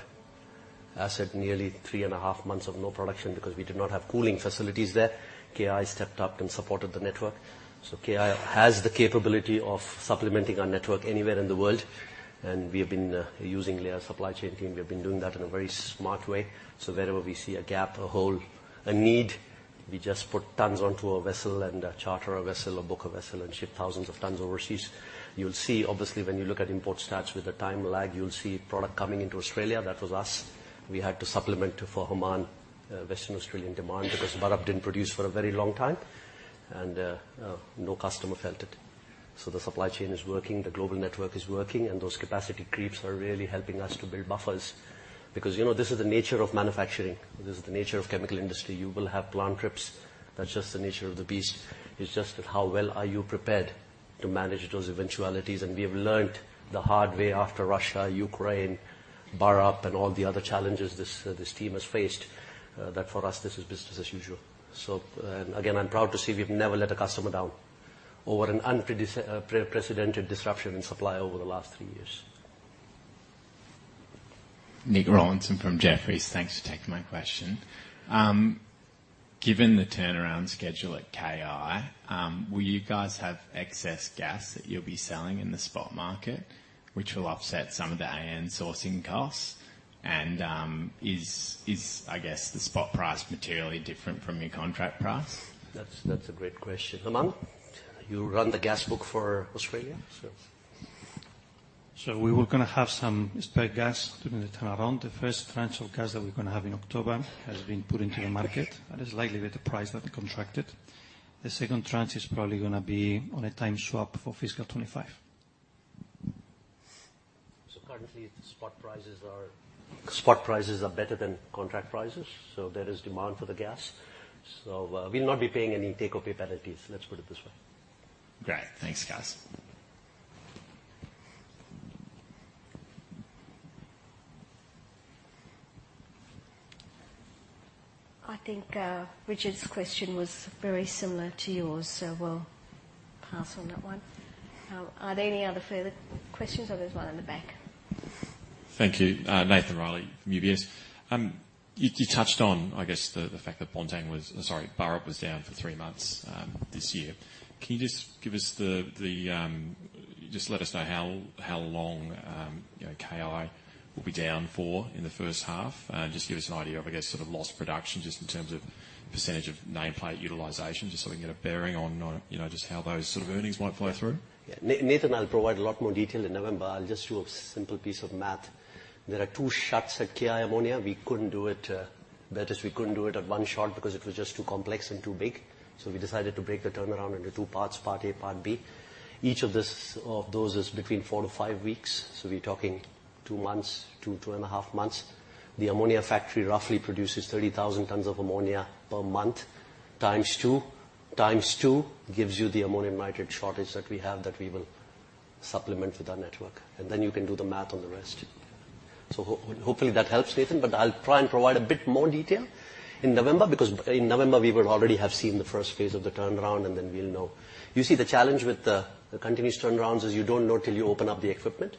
asset. Nearly three and a half months of no production because we did not have cooling facilities there. KI stepped up and supported the network, so KI has the capability of supplementing our network anywhere in the world, and we have been using their supply chain team. We have been doing that in a very smart way. So wherever we see a gap, a hole, a need, we just put tons onto a vessel and charter a vessel or book a vessel and ship thousands of tons overseas. You'll see, obviously, when you look at import stats with the time lag, you'll see product coming into Australia. That was us. We had to supplement for Oman, Western Australian demand, because Burrup didn't produce for a very long time, and no customer felt it. So the supply chain is working, the global network is working, and those capacity creeps are really helping us to build buffers. Because, you know, this is the nature of manufacturing, this is the nature of chemical industry. You will have plant trips. That's just the nature of the beast. It's just that how well are you prepared to manage those eventualities? And we have learnt the hard way after Russia, Ukraine, Burrup, and all the other challenges this, this team has faced, that for us, this is business as usual. So, again, I'm proud to say we've never let a customer down over an unprecedented disruption in supply over the last three years. Nick Rawlinson from Jefferies. Thanks for taking my question. Given the turnaround schedule at KI, will you guys have excess gas that you'll be selling in the spot market, which will offset some of the AN sourcing costs? And, is, I guess, the spot price materially different from your contract price? That's a great question. Armand, you run the gas book for Australia, so... We were gonna have some spare gas during the turnaround. The first tranche of gas that we're gonna have in October has been put into the market, and it's likely at the price that we contracted. The second tranche is probably gonna be on a time swap for fiscal 2025. So currently, spot prices are better than contract prices, so there is demand for the gas. So, we'll not be paying any take or pay penalties, let's put it this way. Great. Thanks, guys. I think, Richard's question was very similar to yours, so we'll pass on that one. Are there any other further questions, or there's one in the back? Thank you. Nathan Reilly from UBS. You touched on, I guess, the fact that Bontang was sorry, Burrup was down for three months this year. Can you just give us just let us know how long, you know, KI will be down for in the first half? And just give us an idea of, I guess, sort of lost production, just in terms of percentage of nameplate utilization, just so we can get a bearing on, you know, just how those sort of earnings might flow through. Yeah. Nathan, I'll provide a lot more detail in November. I'll just do a simple piece of math. There are two shuts at KI Ammonia. We couldn't do it, that is, we couldn't do it at one shot because it was just too complex and too big. So we decided to break the turnaround into two parts, part A and part B. Each of this, of those is between four to five weeks, so we're talking two months to 2.5 months. The ammonia factory roughly produces 30,000 tons of ammonia per month, times two. Times two gives you the ammonium nitrate shortage that we have that we will supplement with our network, and then you can do the math on the rest. So hopefully, that helps, Nathan, but I'll try and provide a bit more detail in November, because in November, we will already have seen the first phase of the turnaround, and then we'll know. You see, the challenge with the continuous turnarounds is you don't know till you open up the equipment,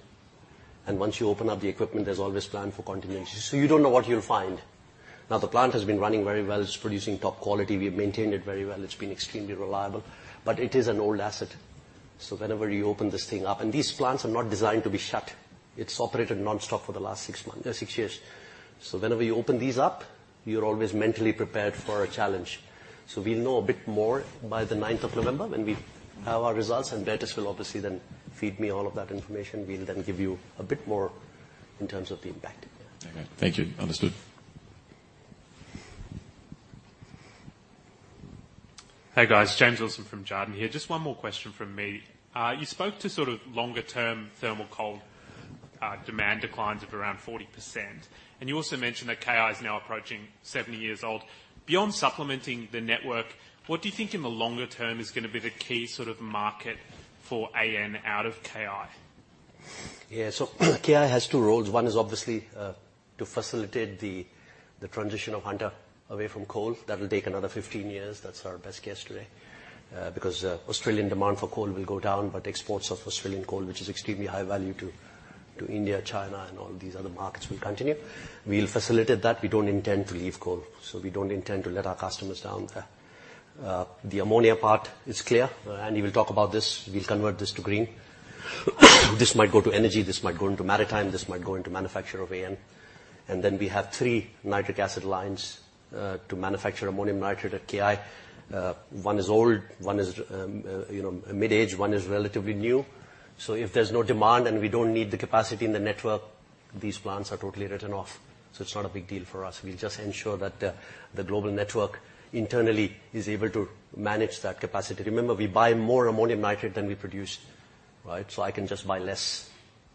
and once you open up the equipment, there's always plan for continuation. So you don't know what you'll find. Now, the plant has been running very well. It's producing top quality. We've maintained it very well. It's been extremely reliable, but it is an old asset. So whenever you open this thing up and these plants are not designed to be shut. It's operated nonstop for the last six months, six years. So whenever you open these up, you're always mentally prepared for a challenge. We'll know a bit more by the ninth of November when we have our results, and Bertus will obviously then feed me all of that information. We'll then give you a bit more in terms of the impact. Okay. Thank you. Understood. Hey, guys. James Wilson from Jarden here. Just one more question from me. You spoke to sort of longer-term thermal coal demand declines of around 40%, and you also mentioned that KI is now approaching 70 years old. Beyond supplementing the network, what do you think in the longer term is gonna be the key sort of market for AN out of KI? Yeah. So KI has two roles. One is obviously, to facilitate the transition of Hunter away from coal. That will take another 15 years. That's our best guess today. Because Australian demand for coal will go down, but exports of Australian coal, which is extremely high value to India, China, and all these other markets, will continue. We'll facilitate that. We don't intend to leave coal, so we don't intend to let our customers down there. The ammonia part is clear, and we will talk about this. We'll convert this to green. This might go to energy, this might go into maritime, this might go into manufacture of AN. And then we have 3 nitric acid lines, to manufacture ammonium nitrate at KI. One is old, one is, you know, mid-age, one is relatively new. So if there's no demand and we don't need the capacity in the network, these plants are totally written off, so it's not a big deal for us. We'll just ensure that the global network internally is able to manage that capacity. Remember, we buy more ammonium nitrate than we produce, right? So I can just buy less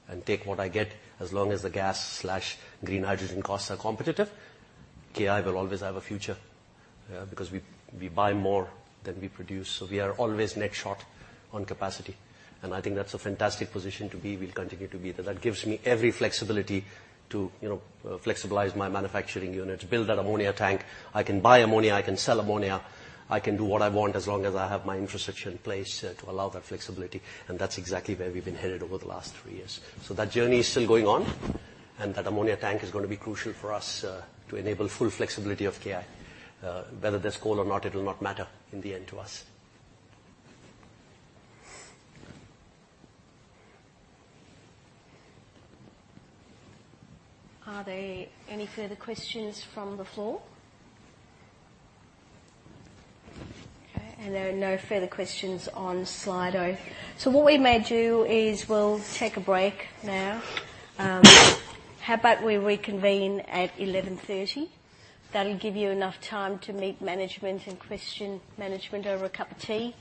and take what I get as long as the gas/green hydrogen costs are competitive. KI will always have a future, because we buy more than we produce, so we are always net short on capacity, and I think that's a fantastic position to be. We'll continue to be there. That gives me every flexibility to, you know, flexibilize my manufacturing units, build that ammonia tank. I can buy ammonia, I can sell ammonia. I can do what I want as long as I have my infrastructure in place, to allow that flexibility, and that's exactly where we've been headed over the last three years. So that journey is still going on, and that ammonia tank is gonna be crucial for us, to enable full flexibility of KI. Whether there's coal or not, it will not matter in the end to us. Are there any further questions from the floor? Okay, and there are no further questions on Slido. So what we may do is we'll take a break now. How about we reconvene at 11:30? That'll give you enough time to meet management and question management over a cup of tea.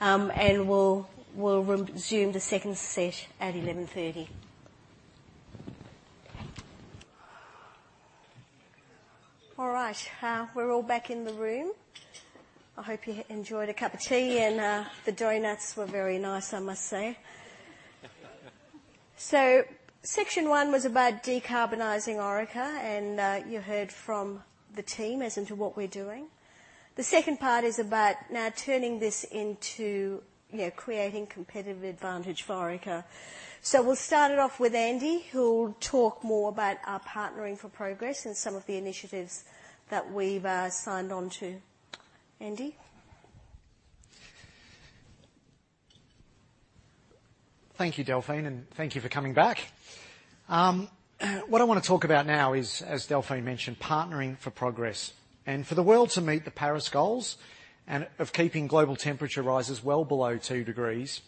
And we'll re-resume the second set at 11:30. All right, we're all back in the room. I hope you enjoyed a cup of tea, and the donuts were very nice, I must say. So section one was about decarbonizing Orica, and you heard from the team as to what we're doing. The second part is about now turning this into, you know, creating competitive advantage for Orica. So we'll start it off with Andy, who will talk more about our Partnering for Progress and some of the initiatives that we've signed on to. Andy? Thank you, Delphine, and thank you for coming back. What I want to talk about now is, as Delphine mentioned, Partnering for Progress. For the world to meet the Paris goals and of keeping global temperature rises well below two degrees,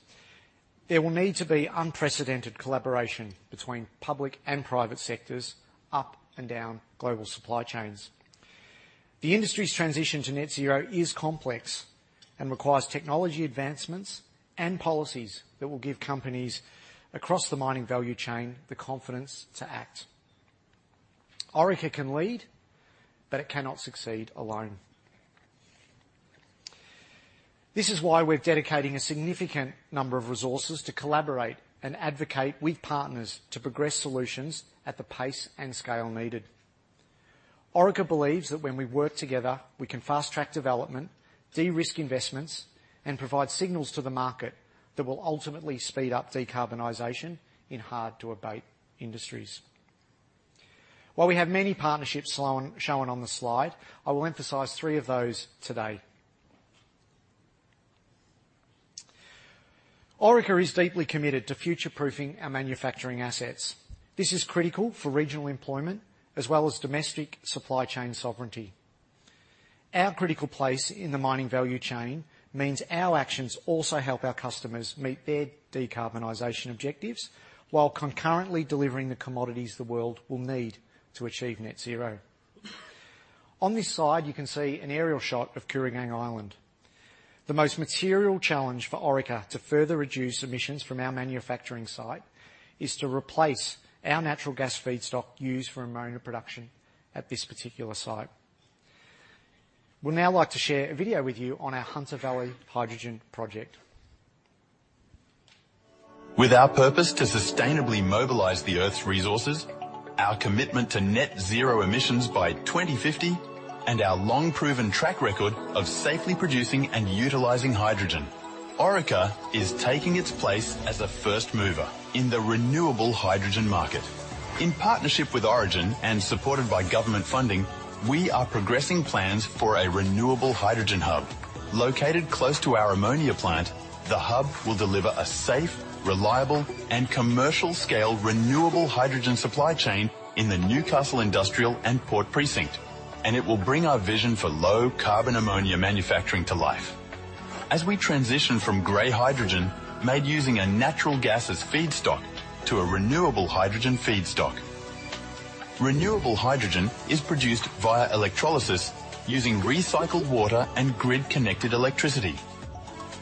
there will need to be unprecedented collaboration between public and private sectors up and down global supply chains. The industry's transition to net zero is complex and requires technology advancements and policies that will give companies across the mining value chain the confidence to act. Orica can lead, but it cannot succeed alone. This is why we're dedicating a significant number of resources to collaborate and advocate with partners to progress solutions at the pace and scale needed. Orica believes that when we work together, we can fast-track development, de-risk investments, and provide signals to the market that will ultimately speed up decarbonization in hard-to-abate industries. While we have many partnerships shown on the slide, I will emphasize three of those today. Orica is deeply committed to future-proofing our manufacturing assets. This is critical for regional employment as well as domestic supply chain sovereignty. Our critical place in the mining value chain means our actions also help our customers meet their decarbonization objectives, while concurrently delivering the commodities the world will need to achieve net zero. On this side, you can see an aerial shot of Kooragang Island. The most material challenge for Orica to further reduce emissions from our manufacturing site is to replace our natural gas feedstock used for ammonia production at this particular site. We'd now like to share a video with you on our Hunter Valley Hydrogen Project. With our purpose to sustainably mobilize the Earth's resources, our commitment to net zero emissions by 2050, and our long-proven track record of safely producing and utilizing hydrogen, Orica is taking its place as a first mover in the renewable hydrogen market. In partnership with Origin and supported by government funding, we are progressing plans for a renewable hydrogen hub. Located close to our ammonia plant, the hub will deliver a safe, reliable, and commercial-scale renewable hydrogen supply chain in the Newcastle Industrial and Port Precinct, and it will bring our vision for low carbon ammonia manufacturing to life. As we transition from grey hydrogen, made using a natural gas as feedstock, to a renewable hydrogen feedstock. Renewable hydrogen is produced via electrolysis using recycled water and grid-connected electricity.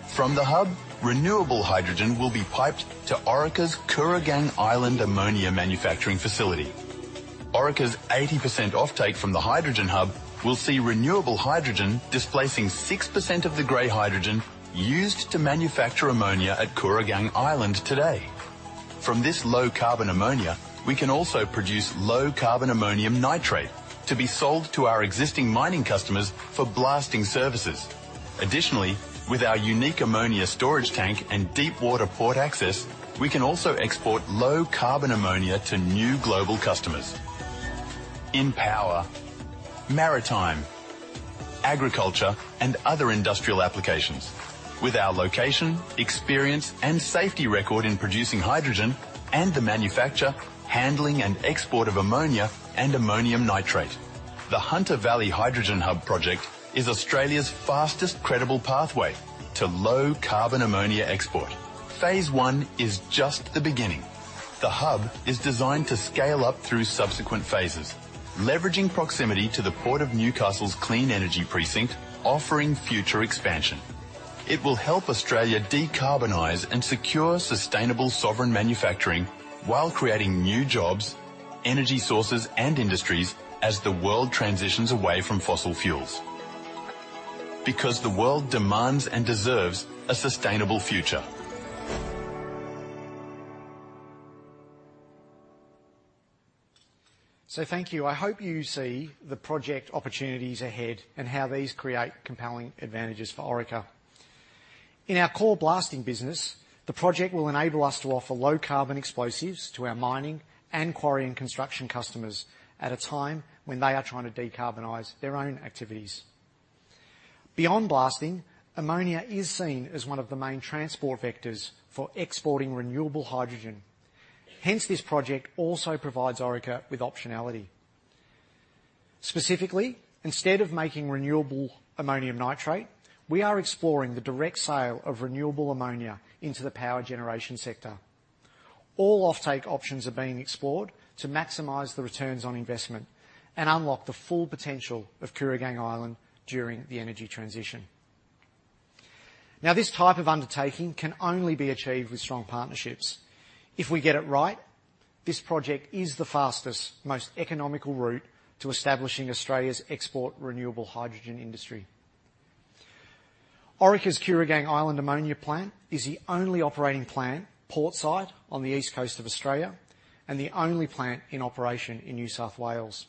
From the hub, renewable hydrogen will be piped to Orica's Kooragang Island ammonia manufacturing facility. Orica's 80% offtake from the hydrogen hub will see renewable hydrogen displacing 6% of the grey hydrogen used to manufacture ammonia at Kooragang Island today. From this low-carbon ammonia, we can also produce low-carbon ammonium nitrate to be sold to our existing mining customers for blasting services. Additionally, with our unique ammonia storage tank and deepwater port access, we can also export low-carbon ammonia to new global customers in power, maritime, agriculture, and other industrial applications. With our location, experience, and safety record in producing hydrogen and the manufacture, handling, and export of ammonia and ammonium nitrate, the Hunter Valley Hydrogen Hub project is Australia's fastest credible pathway to low-carbon ammonia export. Phase one is just the beginning. The hub is designed to scale up through subsequent phases, leveraging proximity to the Port of Newcastle's Clean Energy Precinct, offering future expansion. It will help Australia decarbonize and secure sustainable sovereign manufacturing while creating new jobs, energy sources, and industries as the world transitions away from fossil fuels. Because the world demands and deserves a sustainable future. So thank you. I hope you see the project opportunities ahead and how these create compelling advantages for Orica. In our core blasting business, the project will enable us to offer low-carbon explosives to our mining and quarry and construction customers at a time when they are trying to decarbonize their own activities. Beyond blasting, ammonia is seen as one of the main transport vectors for exporting renewable hydrogen. Hence, this project also provides Orica with optionality. Specifically, instead of making renewable ammonium nitrate, we are exploring the direct sale of renewable ammonia into the power generation sector. All offtake options are being explored to maximize the returns on investment and unlock the full potential of Kooragang Island during the energy transition. Now, this type of undertaking can only be achieved with strong partnerships. If we get it right, this project is the fastest, most economical route to establishing Australia's export renewable hydrogen industry. Orica's Kooragang Island ammonia plant is the only operating plant port side on the east coast of Australia and the only plant in operation in New South Wales.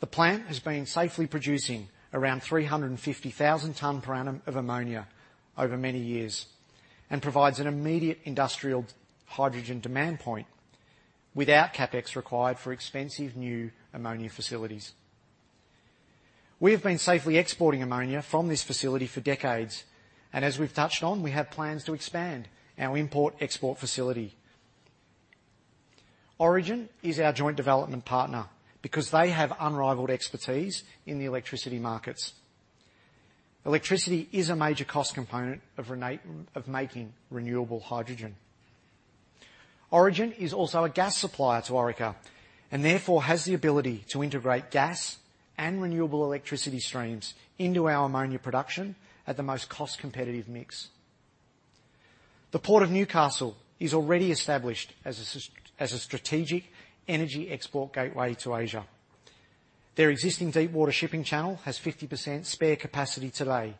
The plant has been safely producing around 350,000 tons per annum of ammonia over many years and provides an immediate industrial hydrogen demand point without CapEx required for expensive new ammonia facilities. We have been safely exporting ammonia from this facility for decades, and as we've touched on, we have plans to expand our import-export facility. Origin is our joint development partner because they have unrivaled expertise in the electricity markets. Electricity is a major cost component of making renewable hydrogen. Origin is also a gas supplier to Orica and therefore has the ability to integrate gas and renewable electricity streams into our ammonia production at the most cost-competitive mix. The Port of Newcastle is already established as a strategic energy export gateway to Asia. Their existing deepwater shipping channel has 50% spare capacity today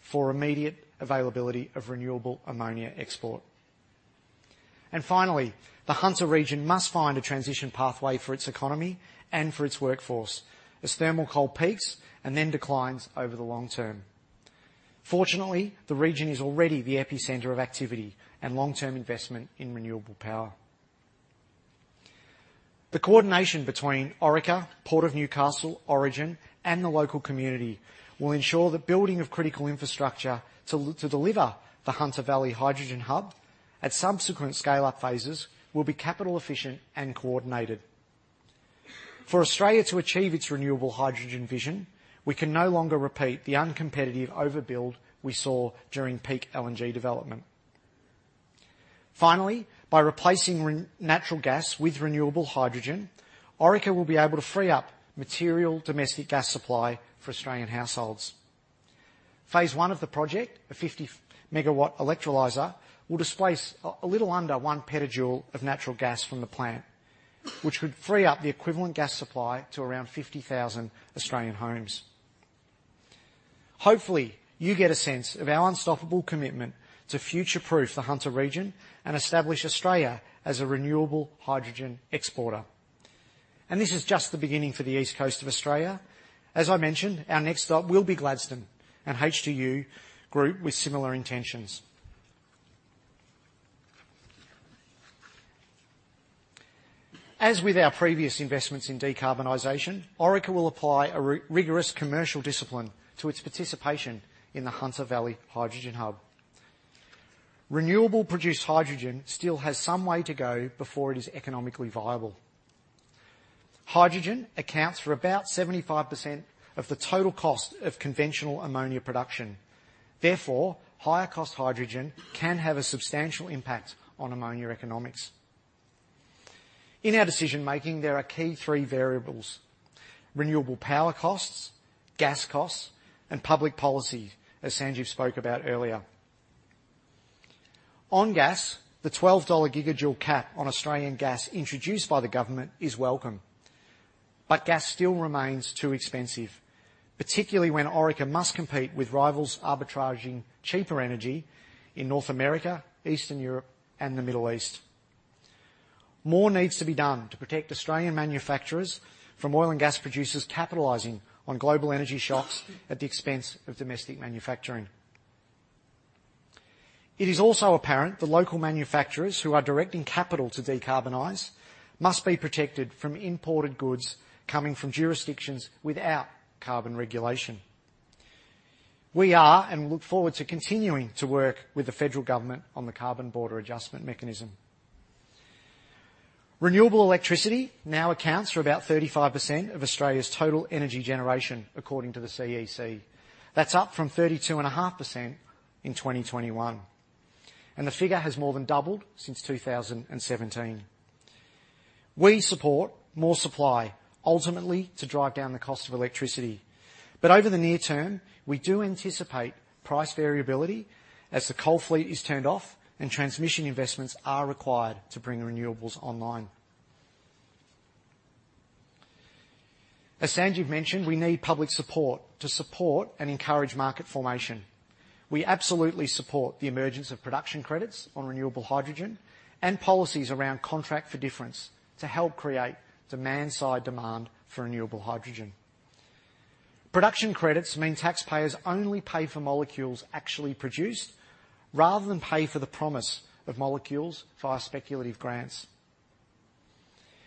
for immediate availability of renewable ammonia export. And finally, the Hunter region must find a transition pathway for its economy and for its workforce as thermal coal peaks and then declines over the long term. Fortunately, the region is already the epicenter of activity and long-term investment in renewable power. The coordination between Orica, Port of Newcastle, Origin, and the local community will ensure the building of critical infrastructure to deliver the Hunter Valley Hydrogen Hub at subsequent scale-up phases will be capital efficient and coordinated. For Australia to achieve its renewable hydrogen vision, we can no longer repeat the uncompetitive overbuild we saw during peak LNG development. Finally, by replacing natural gas with renewable hydrogen, Orica will be able to free up material domestic gas supply for Australian households. Phase one of the project, a 50MW electrolyzer, will displace a little under one petajoule of natural gas from the plant, which could free up the equivalent gas supply to around 50,000 Australian homes. Hopefully, you get a sense of our unstoppable commitment to future-proof the Hunter region and establish Australia as a renewable hydrogen exporter. And this is just the beginning for the East Coast of Australia. As I mentioned, our next stop will be Gladstone, and H2U Group with similar intentions. As with our previous investments in decarbonization, Orica will apply a rigorous commercial discipline to its participation in the Hunter Valley Hydrogen Hub. Renewable-produced hydrogen still has some way to go before it is economically viable. Hydrogen accounts for about 75% of the total cost of conventional ammonia production. Therefore, higher cost hydrogen can have a substantial impact on ammonia economics. In our decision making, there are key three variables: renewable power costs, gas costs, and public policy, as Sanjeev spoke about earlier. On gas, the 12 dollar/gigajoule cap on Australian gas introduced by the government is welcome, but gas still remains too expensive, particularly when Orica must compete with rivals arbitraging cheaper energy in North America, Eastern Europe, and the Middle East. More needs to be done to protect Australian manufacturers from oil and gas producers capitalizing on global energy shocks at the expense of domestic manufacturing. It is also apparent that local manufacturers who are directing capital to decarbonize must be protected from imported goods coming from jurisdictions without carbon regulation. We are, and look forward to continuing to work with the federal government on the Carbon Border Adjustment Mechanism. Renewable electricity now accounts for about 35% of Australia's total energy generation, according to the CEC. That's up from 32.5% in 2021, and the figure has more than doubled since 2017. We support more supply, ultimately to drive down the cost of electricity. But over the near term, we do anticipate price variability as the coal fleet is turned off and transmission investments are required to bring renewables online. As Sanjeev mentioned, we need public support to support and encourage market formation. We absolutely support the emergence of production credits on renewable hydrogen and policies around contract for difference to help create demand-side demand for renewable hydrogen. Production credits mean taxpayers only pay for molecules actually produced rather than pay for the promise of molecules via speculative grants.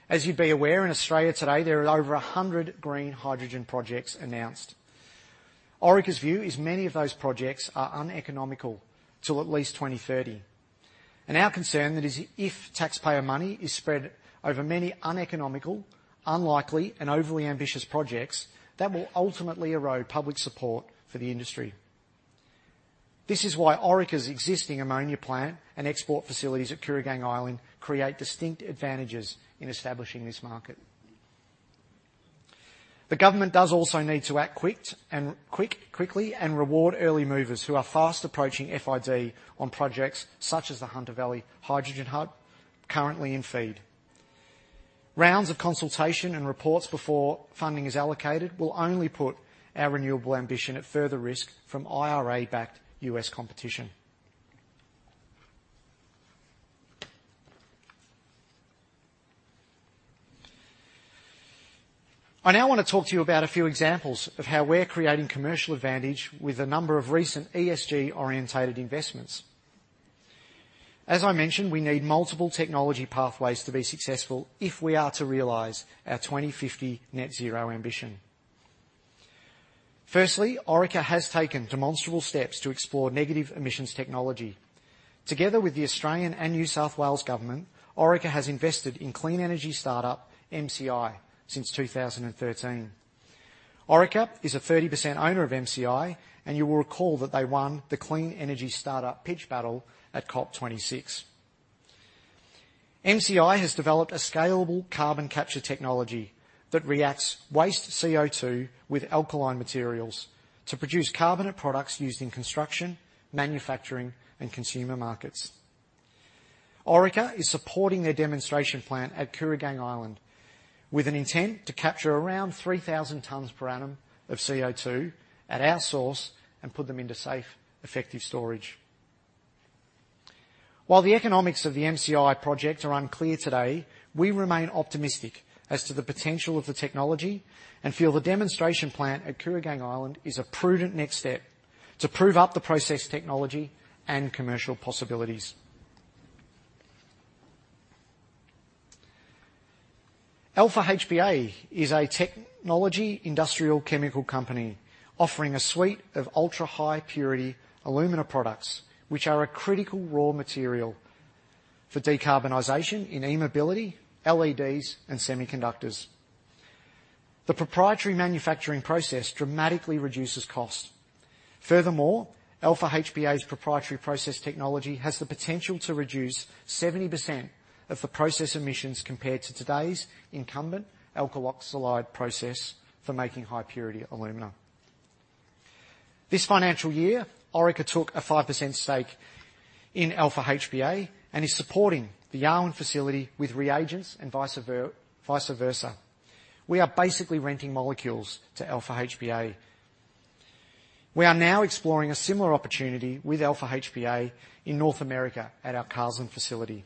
As you'd be aware, in Australia today, there are over 100 green hydrogen projects announced. Orica's view is many of those projects are uneconomical till at least 2030, and our concern that is if taxpayer money is spread over many uneconomical, unlikely, and overly ambitious projects, that will ultimately erode public support for the industry. This is why Orica's existing ammonia plant and export facilities at Kooragang Island create distinct advantages in establishing this market. The government does also need to act quickly and reward early movers who are fast approaching FID on projects such as the Hunter Valley Hydrogen Hub, currently in FEED. Rounds of consultation and reports before funding is allocated will only put our renewable ambition at further risk from IRA-backed U.S. competition. I now want to talk to you about a few examples of how we're creating commercial advantage with a number of recent ESG-oriented investments. As I mentioned, we need multiple technology pathways to be successful if we are to realize our 2050 net zero ambition. Firstly, Orica has taken demonstrable steps to explore negative emissions technology. Together with the Australian and New South Wales government, Orica has invested in clean energy startup MCI since 2013. Orica is a 30% owner of MCI, and you will recall that they won the Clean Energy Startup Pitch Battle at COP 26. MCI has developed a scalable carbon capture technology that reacts waste CO2 with alkaline materials to produce carbonate products used in construction, manufacturing, and consumer markets. Orica is supporting their demonstration plant at Kooragang Island with an intent to capture around 3,000 tons per annum of CO2 at our source and put them into safe, effective storage. While the economics of the MCI project are unclear today, we remain optimistic as to the potential of the technology and feel the demonstration plant at Kooragang Island is a prudent next step to prove up the process technology and commercial possibilities. Alpha HPA is a technology industrial chemical company offering a suite of ultra-high purity alumina products, which are a critical raw material for decarbonization in e-mobility, LEDs, and semiconductors. The proprietary manufacturing process dramatically reduces cost. Furthermore, Alpha HPA's proprietary process technology has the potential to reduce 70% of the process emissions compared to today's incumbent alkaloxide process for making high purity alumina. This financial year, Orica took a 5% stake in Alpha HPA and is supporting the Yarwun facility with reagents and vice versa. We are basically renting molecules to Alpha HPA. We are now exploring a similar opportunity with Alpha HPA in North America at our Carlin facility.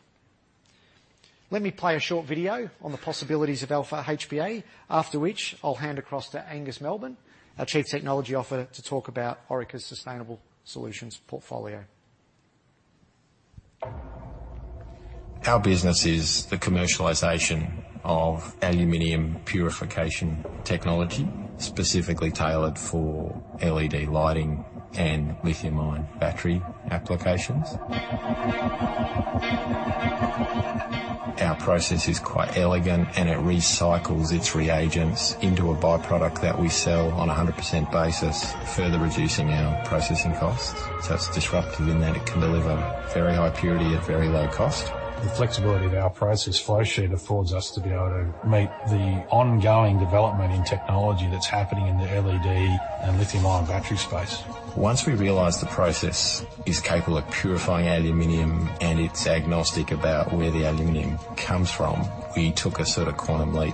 Let me play a short video on the possibilities of Alpha HPA, after which I'll hand across to Angus Melbourne, our Chief Technology Officer, to talk about Orica's sustainable solutions portfolio. Our business is the commercialization of aluminum purification technology, specifically tailored for LED lighting and lithium-ion battery applications. Our process is quite elegant, and it recycles its reagents into a by-product that we sell on a 100% basis, further reducing our processing costs. So it's disruptive in that it can deliver very high purity at very low cost. The flexibility of our process flow sheet affords us to be able to meet the ongoing development in technology that's happening in the LED and lithium-ion battery space. Once we realized the process is capable of purifying aluminum, and it's agnostic about where the aluminum comes from, we took a sort of quantum leap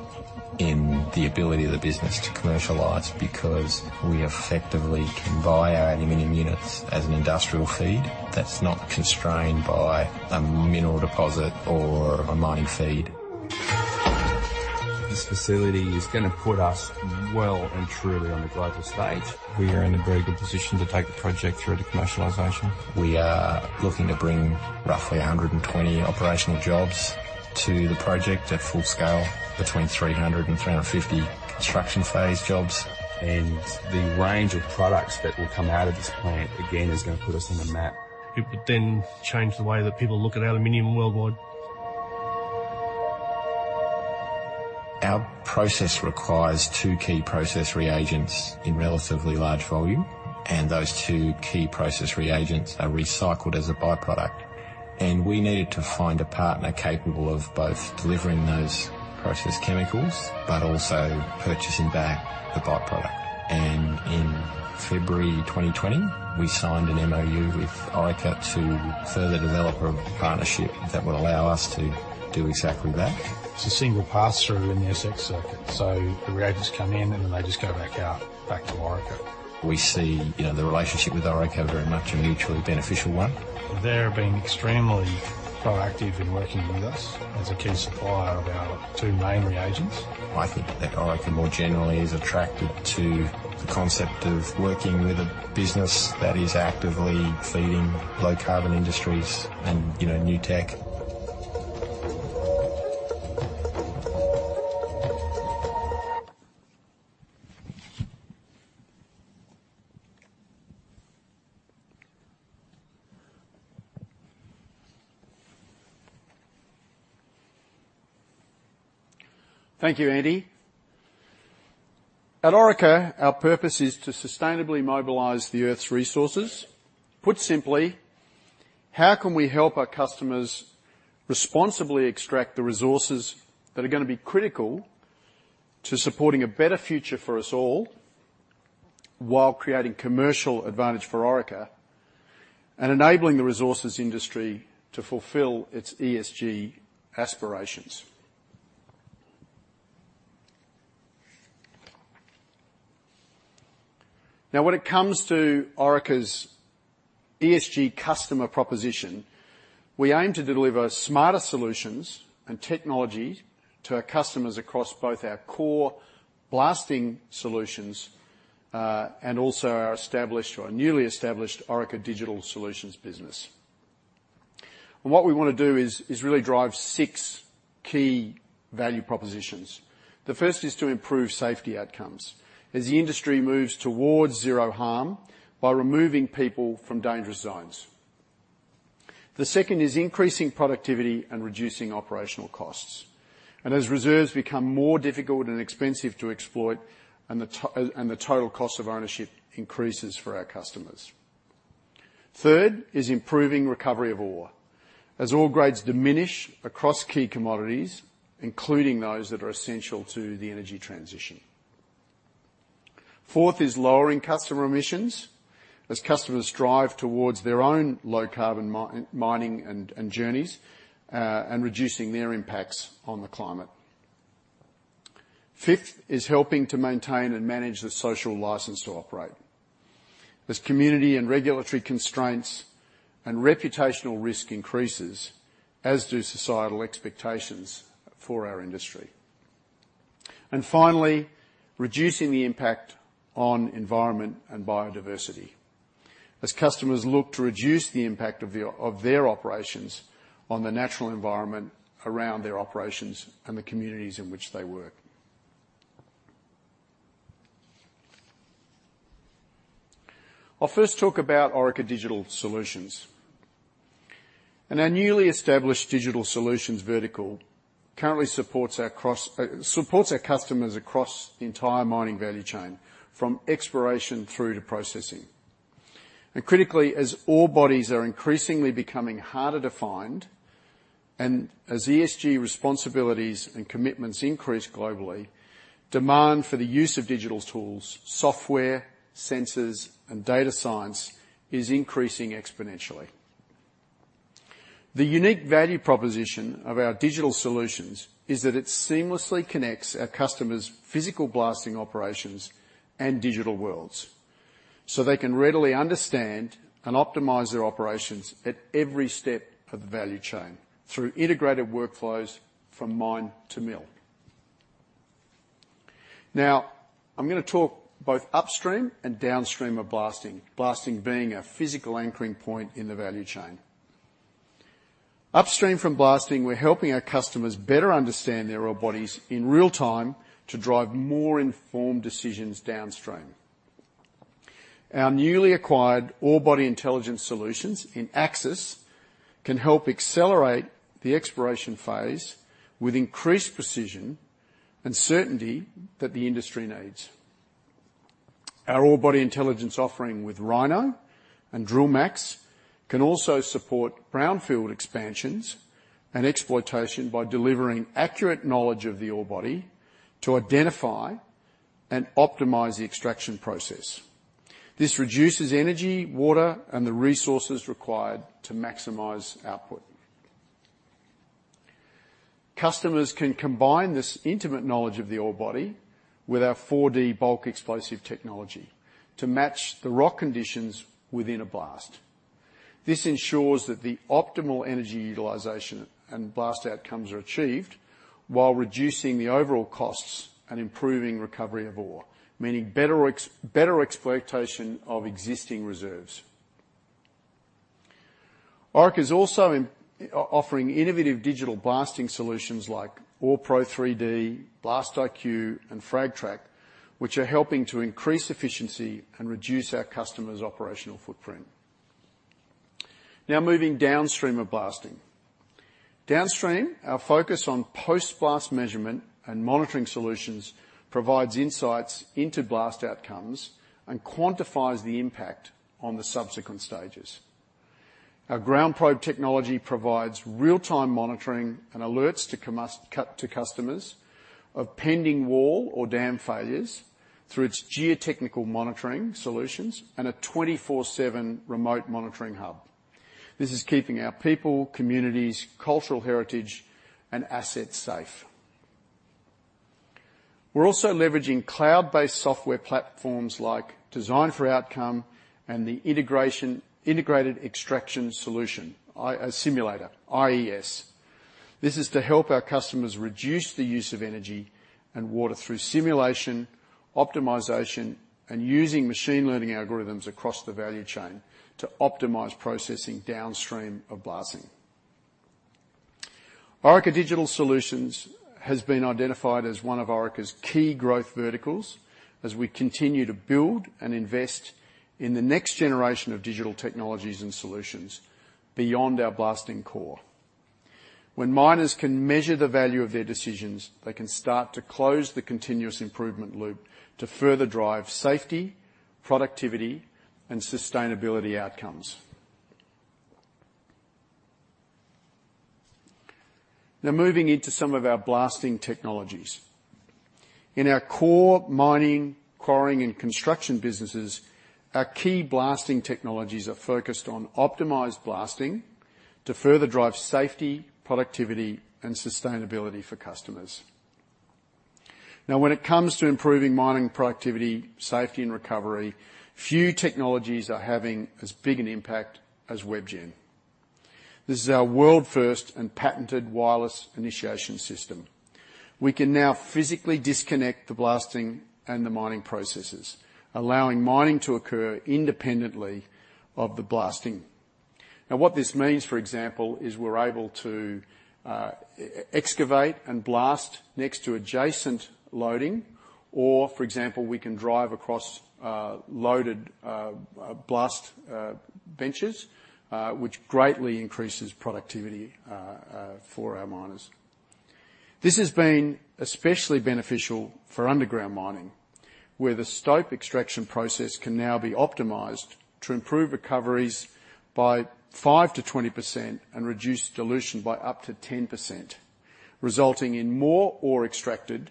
in the ability of the business to commercialize, because we effectively can buy our aluminum units as an industrial feed that's not constrained by a mineral deposit or a mining feed. This facility is gonna put us well and truly on the global stage. We are in a very good position to take the project through to commercialization. We are looking to bring roughly 120 operational jobs to the project at full scale, between 300 and 350 construction phase jobs. The range of products that will come out of this plant, again, is gonna put us on the map. It would then change the way that people look at aluminum worldwide. Our process requires two key process reagents in relatively large volume, and those two key process reagents are recycled as a by-product. We needed to find a partner capable of both delivering those process chemicals but also purchasing back the by-product. In February 2020, we signed an MoU with Orica to further develop a partnership that will allow us to do exactly that. It's a single pass-through in the SX circuit, so the reagents come in, and then they just go back out, back to Orica. We see, you know, the relationship with Orica very much a mutually beneficial one. They're being extremely proactive in working with us as a key supplier of our two main reagents. I think that Orica, more generally, is attracted to the concept of working with a business that is actively feeding low-carbon industries and, you know, new tech. Thank you, Andy. At Orica, our purpose is to sustainably mobilize the Earth's resources. Put simply, how can we help our customers responsibly extract the resources that are gonna be critical to supporting a better future for us all, while creating commercial advantage for Orica and enabling the resources industry to fulfill its ESG aspirations? Now, when it comes to Orica's ESG customer proposition, we aim to deliver smarter solutions and technology to our customers across both our core blasting solutions, and also our established or newly established Orica Digital Solutions business. And what we wanna do is really drive six key value propositions. The first is to improve safety outcomes as the industry moves towards zero harm by removing people from dangerous zones. The second is increasing productivity and reducing operational costs, and as reserves become more difficult and expensive to exploit, and the total cost of ownership increases for our customers. Third is improving recovery of ore, as ore grades diminish across key commodities, including those that are essential to the energy transition. Fourth is lowering customer emissions, as customers strive towards their own low-carbon mining and journeys, and reducing their impacts on the climate. Fifth is helping to maintain and manage the social license to operate, as community and regulatory constraints and reputational risk increases, as do societal expectations for our industry. And finally, reducing the impact on environment and biodiversity, as customers look to reduce the impact of their operations on the natural environment around their operations and the communities in which they work. I'll first talk about Orica Digital Solutions. Our newly established Digital Solutions vertical currently supports our customers across the entire mining value chain, from exploration through to processing. Critically, as ore bodies are increasingly becoming harder to find and as ESG responsibilities and commitments increase globally, demand for the use of digital tools, software, sensors, and data science is increasing exponentially. The unique value proposition of our digital solutions is that it seamlessly connects our customers' physical blasting operations and digital worlds, so they can readily understand and optimize their operations at every step of the value chain through integrated workflows from mine to mill. Now, I'm gonna talk both upstream and downstream of blasting, blasting being a physical anchoring point in the value chain. Upstream from blasting, we're helping our customers better understand their ore bodies in real time to drive more informed decisions downstream. Our newly acquired ore body intelligence solutions in Axis can help accelerate the exploration phase with increased precision and certainty that the industry needs. Our ore body intelligence offering with RHINO and DrillMax can also support brownfield expansions and exploitation by delivering accurate knowledge of the ore body to identify and optimize the extraction process. This reduces energy, water, and the resources required to maximize output. Customers can combine this intimate knowledge of the ore body with our 4D bulk explosive technology to match the rock conditions within a blast. This ensures that the optimal energy utilization and blast outcomes are achieved while reducing the overall costs and improving recovery of ore, meaning better better exploitation of existing reserves. Orica is also offering innovative digital blasting solutions like OrePro 3D, BlastIQ, and FragTrack, which are helping to increase efficiency and reduce our customers' operational footprint. Now moving downstream of blasting. Downstream, our focus on post-blast measurement and monitoring solutions provides insights into blast outcomes and quantifies the impact on the subsequent stages. Our GroundProbe technology provides real-time monitoring and alerts to customers of pending wall or dam failures through its geotechnical monitoring solutions and a 24/7 remote monitoring hub. This is keeping our people, communities, cultural heritage, and assets safe. We're also leveraging cloud-based software platforms like Design for Outcome and the Integrated Extraction Simulator, IES. This is to help our customers reduce the use of energy and water through simulation, optimization, and using machine learning algorithms across the value chain to optimize processing downstream of blasting. Orica Digital Solutions has been identified as one of Orica's key growth verticals as we continue to build and invest in the next generation of digital technologies and solutions beyond our blasting core. When miners can measure the value of their decisions, they can start to close the continuous improvement loop to further drive safety, productivity, and sustainability outcomes. Now, moving into some of our blasting technologies. In our core mining, quarrying, and construction businesses, our key blasting technologies are focused on optimized blasting to further drive safety, productivity, and sustainability for customers. Now, when it comes to improving mining productivity, safety, and recovery, few technologies are having as big an impact as WebGen. This is our world-first and patented wireless initiation system. We can now physically disconnect the blasting and the mining processes, allowing mining to occur independently of the blasting. Now, what this means, for example, is we're able to excavate and blast next to adjacent loading, or, for example, we can drive across loaded blast benches, which greatly increases productivity for our miners. This has been especially beneficial for underground mining, where the stope extraction process can now be optimized to improve recoveries by 5%-20% and reduce dilution by up to 10%, resulting in more ore extracted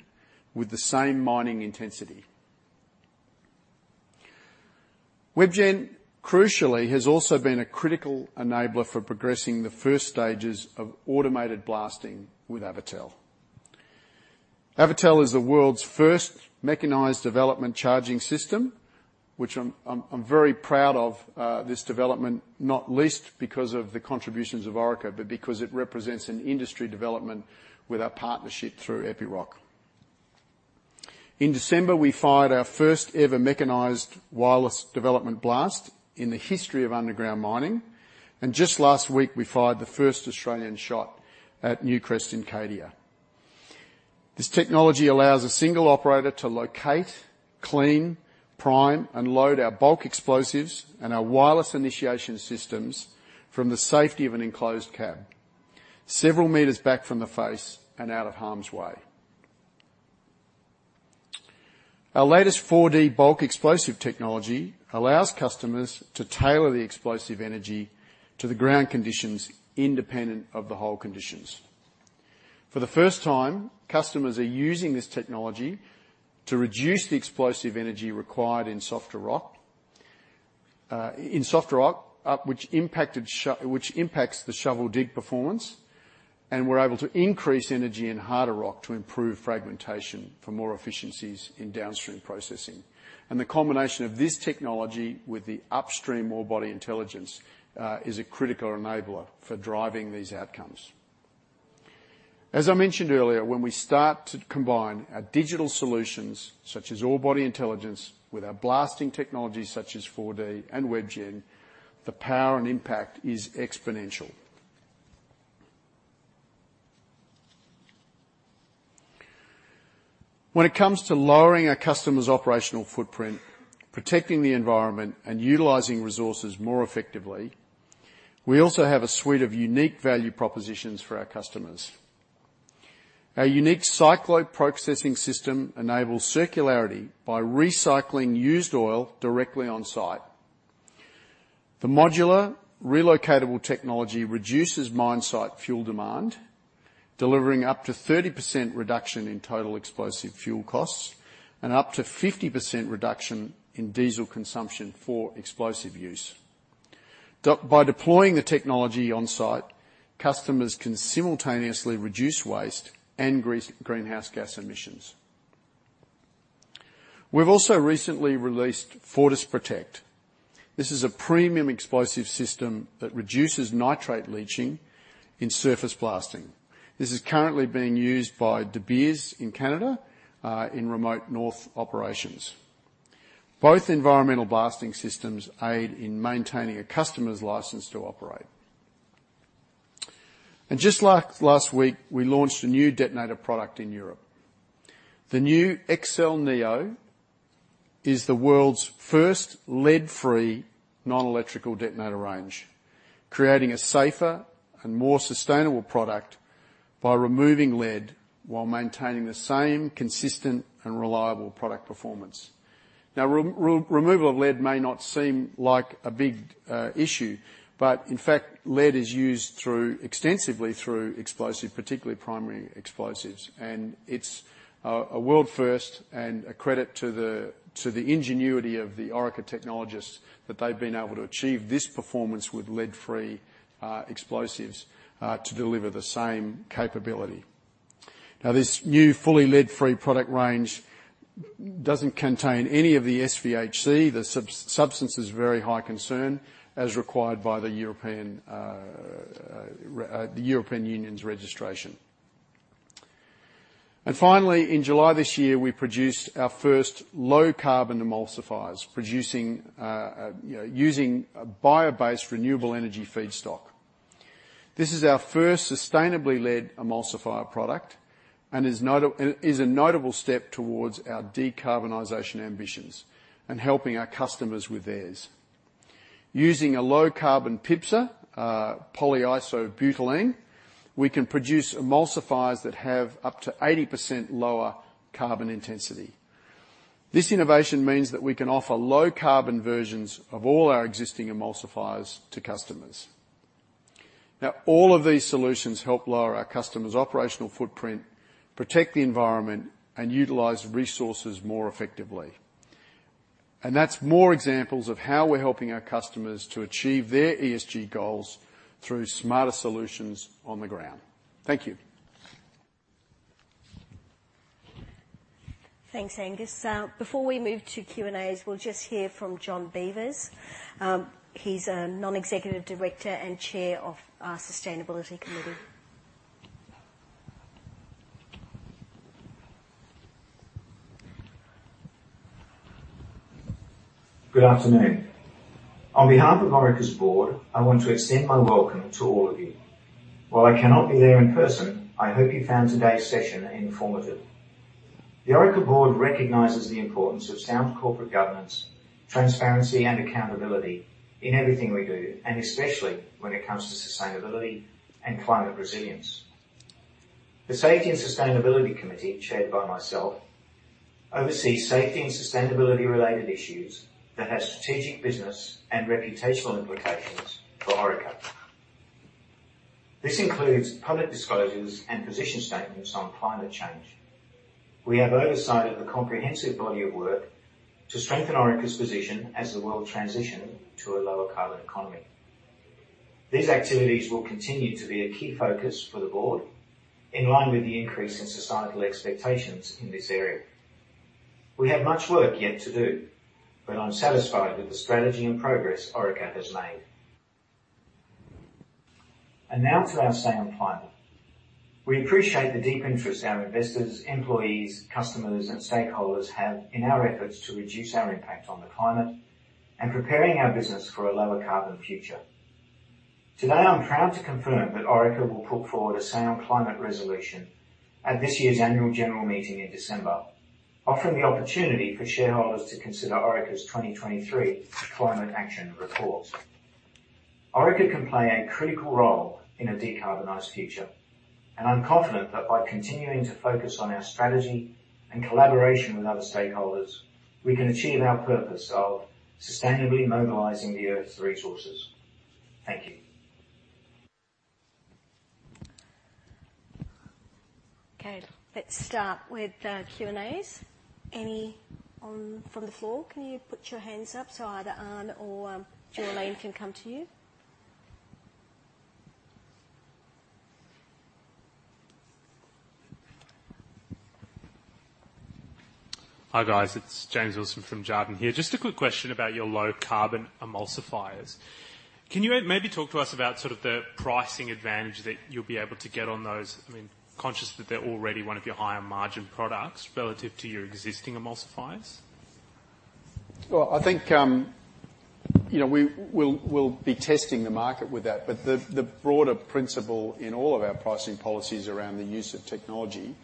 with the same mining intensity. WebGen, crucially, has also been a critical enabler for progressing the first stages of automated blasting with Avatel. Avatel is the world's first mechanized development charging system, which I'm very proud of, this development, not least because of the contributions of Orica, but because it represents an industry development with our partnership through Epiroc. In December, we fired our first-ever mechanized wireless development blast in the history of underground mining, and just last week, we fired the first Australian shot at Newcrest in Cadia. This technology allows a single operator to locate, clean, prime, and load our bulk explosives and our wireless initiation systems from the safety of an enclosed cab, several meters back from the face and out of harm's way. Our latest 4D bulk explosive technology allows customers to tailor the explosive energy to the ground conditions independent of the hole conditions. For the first time, customers are using this technology to reduce the explosive energy required in softer rock, in softer rock, which impacts the shovel dig performance, and we're able to increase energy in harder rock to improve fragmentation for more efficiencies in downstream processing. The combination of this technology with the upstream ore body intelligence is a critical enabler for driving these outcomes. As I mentioned earlier, when we start to combine our digital solutions, such as ore body intelligence, with our blasting technologies such as 4D and WebGen, the power and impact is exponential. When it comes to lowering our customers' operational footprint, protecting the environment, and utilizing resources more effectively, we also have a suite of unique value propositions for our customers. Our unique Cyclo processing system enables circularity by recycling used oil directly on site. The modular relocatable technology reduces mine site fuel demand, delivering up to 30% reduction in total explosive fuel costs and up to 50% reduction in diesel consumption for explosive use. By deploying the technology on site, customers can simultaneously reduce waste and greenhouse gas emissions. We've also recently released Fortis Protect. This is a premium explosive system that reduces nitrate leaching in surface blasting. This is currently being used by De Beers in Canada in remote north operations. Both environmental blasting systems aid in maintaining a customer's license to operate. Just like last week, we launched a new detonator product in Europe. The new Exel Neo is the world's first lead-free, non-electrical detonator range, creating a safer and more sustainable product by removing lead while maintaining the same consistent and reliable product performance. Now, removal of lead may not seem like a big issue, but in fact, lead is used extensively throughout explosives, particularly primary explosives. It's a world first and a credit to the ingenuity of the Orica technologists that they've been able to achieve this performance with lead-free explosives to deliver the same capability. Now, this new fully lead-free product range doesn't contain any of the SVHC, the Substances of Very High Concern, as required by the European REACH, the European Union's registration. And finally, in July this year, we produced our first low-carbon emulsifiers, you know, using a bio-based renewable energy feedstock. This is our first sustainably led emulsifier product and is a notable step towards our decarbonization ambitions and helping our customers with theirs. Using a low-carbon PIBSA, polyisobutylene, we can produce emulsifiers that have up to 80% lower carbon intensity. This innovation means that we can offer low-carbon versions of all our existing emulsifiers to customers. Now, all of these solutions help lower our customers' operational footprint, protect the environment, and utilize resources more effectively. That's more examples of how we're helping our customers to achieve their ESG goals through smarter solutions on the ground. Thank you. Thanks, Angus. Before we move to Q&As, we'll just hear from John Beevers. He's a non-executive director and chair of our Sustainability Committee. Good afternoon. On behalf of Orica's board, I want to extend my welcome to all of you. While I cannot be there in person, I hope you found today's session informative. The Orica board recognizes the importance of sound corporate governance, transparency, and accountability in everything we do, and especially when it comes to sustainability and climate resilience. The Safety and Sustainability Committee, chaired by myself, oversees safety and sustainability-related issues that have strategic business and reputational implications for Orica. This includes public disclosures and position statements on climate change. We have oversight of the comprehensive body of work to strengthen Orica's position as the world transitions to a lower carbon economy. These activities will continue to be a key focus for the board in line with the increase in societal expectations in this area. We have much work yet to do, but I'm satisfied with the strategy and progress Orica has made. And now to our Say on Climate. We appreciate the deep interest our investors, employees, customers, and stakeholders have in our efforts to reduce our impact on the climate and preparing our business for a lower carbon future. Today, I'm proud to confirm that Orica will put forward a Say on Climate resolution at this year's Annual General Meeting in December, offering the opportunity for shareholders to consider Orica's 2023 Climate Action Report. Orica can play a critical role in a decarbonized future, and I'm confident that by continuing to focus on our strategy and collaboration with other stakeholders, we can achieve our purpose of sustainably mobilizing the Earth's resources. Thank you. Okay, let's start with Q&A. Any on from the floor? Can you put your hands up so either Anne or Joanne can come to you? Hi, guys. It's James Wilson from Jarden here. Just a quick question about your low carbon emulsifiers. Can you maybe talk to us about sort of the pricing advantage that you'll be able to get on those? I mean, conscious that they're already one of your higher margin products relative to your existing emulsifiers. Well, I think, you know, we'll be testing the market with that. But the broader principle in all of our pricing policies around the use of technology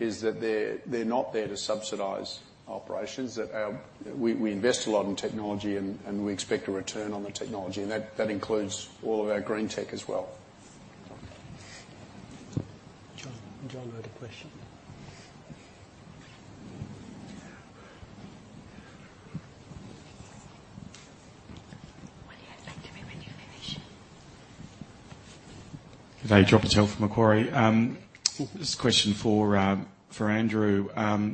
is that they're not there to subsidize operations. That our we invest a lot in technology and we expect a return on the technology, and that includes all of our green tech as well. John, John had a question. What do you expect to be when you finish? Good day. John Purtell from Macquarie. This question is for, for Andrew.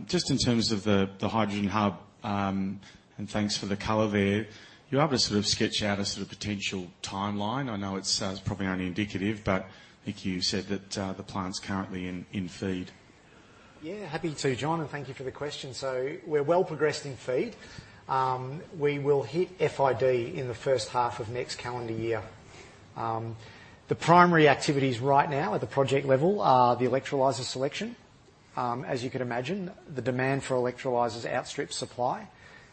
Just in terms of the, the hydrogen hub, and thanks for the color there. You were able to sort of sketch out a sort of potential timeline. I know it's, probably only indicative, but I think you said that, the plant's currently in, in feed. Yeah, happy to, John, and thank you for the question. So we're well progressed in FEED. We will hit FID in the first half of next calendar year. The primary activities right now at the project level are the electrolyzer selection. As you can imagine, the demand for electrolyzers outstrips supply,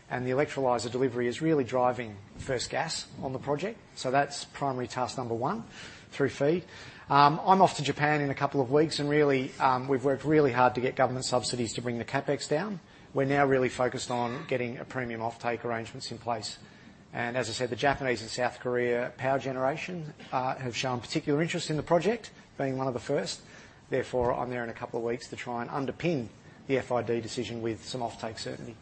and the electrolyzer delivery is really driving first gas on the project. So that's primary task number one through FEED. I'm off to Japan in a couple of weeks, and really, we've worked really hard to get government subsidies to bring the CapEx down. We're now really focused on getting a premium offtake arrangements in place, and as I said, the Japanese and South Korea power generation have shown particular interest in the project, being one of the first. Therefore, I'm there in a couple of weeks to try and underpin the FID decision with some offtake certainty.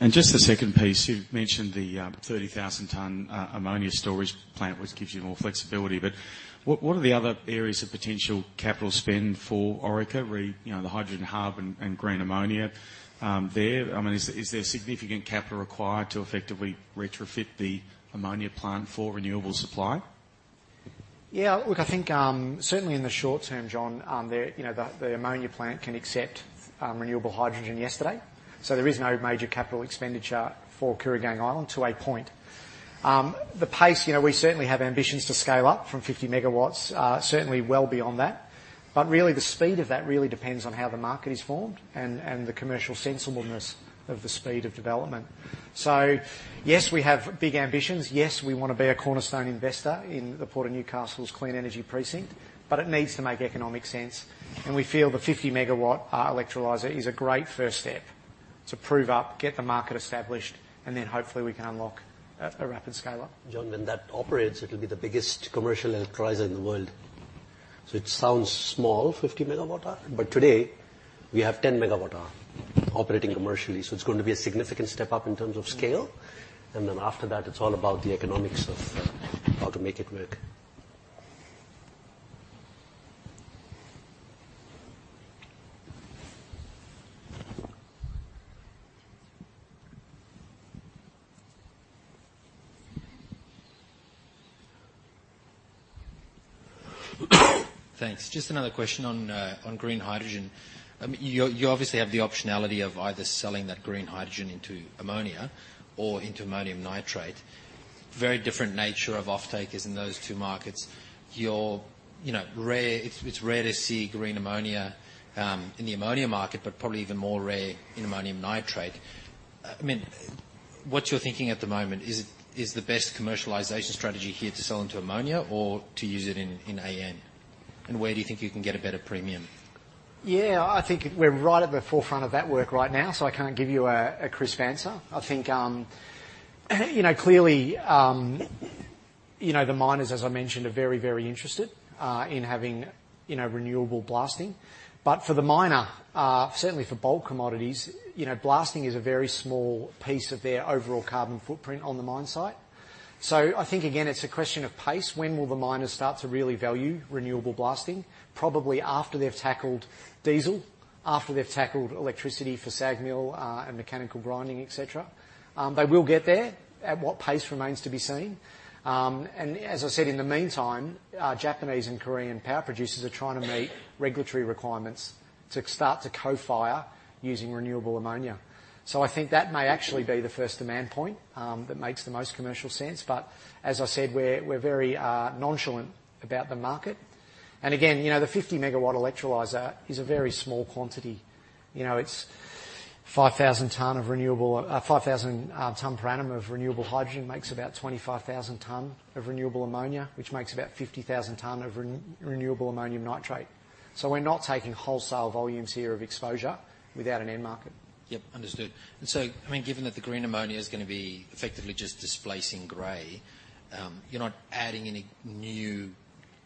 And just the second piece, you've mentioned the 30,000-ton ammonia storage plant, which gives you more flexibility. But what, what are the other areas of potential capital spend for Orica, re, you know, the hydrogen hub and, and green ammonia there? I mean, is, is there significant capital required to effectively retrofit the ammonia plant for renewable supply? Yeah, look, I think, certainly in the short term, John, there, you know, the, the ammonia plant can accept, renewable hydrogen yesterday, so there is no major capital expenditure for Kooragang Island to a point. The pace, you know, we certainly have ambitions to scale up from 50 megawatts, certainly well beyond that. But really, the speed of that really depends on how the market is formed and, and the commercial sensibleness of the speed of development. So yes, we have big ambitions. Yes, we want to be a cornerstone investor in the Port of Newcastle's Clean Energy Precinct, but it needs to make economic sense, and we feel the 50 megawatt, electrolyzer is a great first step to prove up, get the market established, and then hopefully we can unlock a, a rapid scale-up. John, when that operates, it'll be the biggest commercial electrolyzer in the world. So it sounds small, 50 MWh, but today we have 10 MWh operating commercially, so it's going to be a significant step up in terms of scale. And then after that, it's all about the economics of how to make it work. Thanks. Just another question on green hydrogen. You obviously have the optionality of either selling that green hydrogen into ammonia or into ammonium nitrate. Very different nature of offtakers in those two markets. You know, it's rare to see green ammonia in the ammonia market, but probably even more rare in ammonium nitrate. I mean, what's your thinking at the moment? Is the best commercialization strategy here to sell into ammonia or to use it in AN? And where do you think you can get a better premium? Yeah, I think we're right at the forefront of that work right now, so I can't give you a crisp answer. I think, you know, clearly, you know, the miners, as I mentioned, are very, very interested in having, you know, renewable blasting. But for the miner, certainly for bulk commodities, you know, blasting is a very small piece of their overall carbon footprint on the mine site. So I think, again, it's a question of pace. When will the miners start to really value renewable blasting? Probably after they've tackled diesel, after they've tackled electricity for SAG mill and mechanical grinding, et cetera. They will get there. At what pace remains to be seen. And as I said, in the meantime, Japanese and Korean power producers are trying to meet regulatory requirements to start to co-fire using renewable ammonia. So I think that may actually be the first demand point that makes the most commercial sense. But as I said, we're very nonchalant about the market. And again, you know, the 50 megawatt electrolyzer is a very small quantity. You know, it's 5,000 tons per annum of renewable hydrogen, makes about 25,000 tons of renewable ammonia, which makes about 50,000 tons of renewable ammonium nitrate. So we're not taking wholesale volumes here of exposure without an end market. Yep, understood. So, I mean, given that the green ammonia is gonna be effectively just displacing gray, you're not adding any new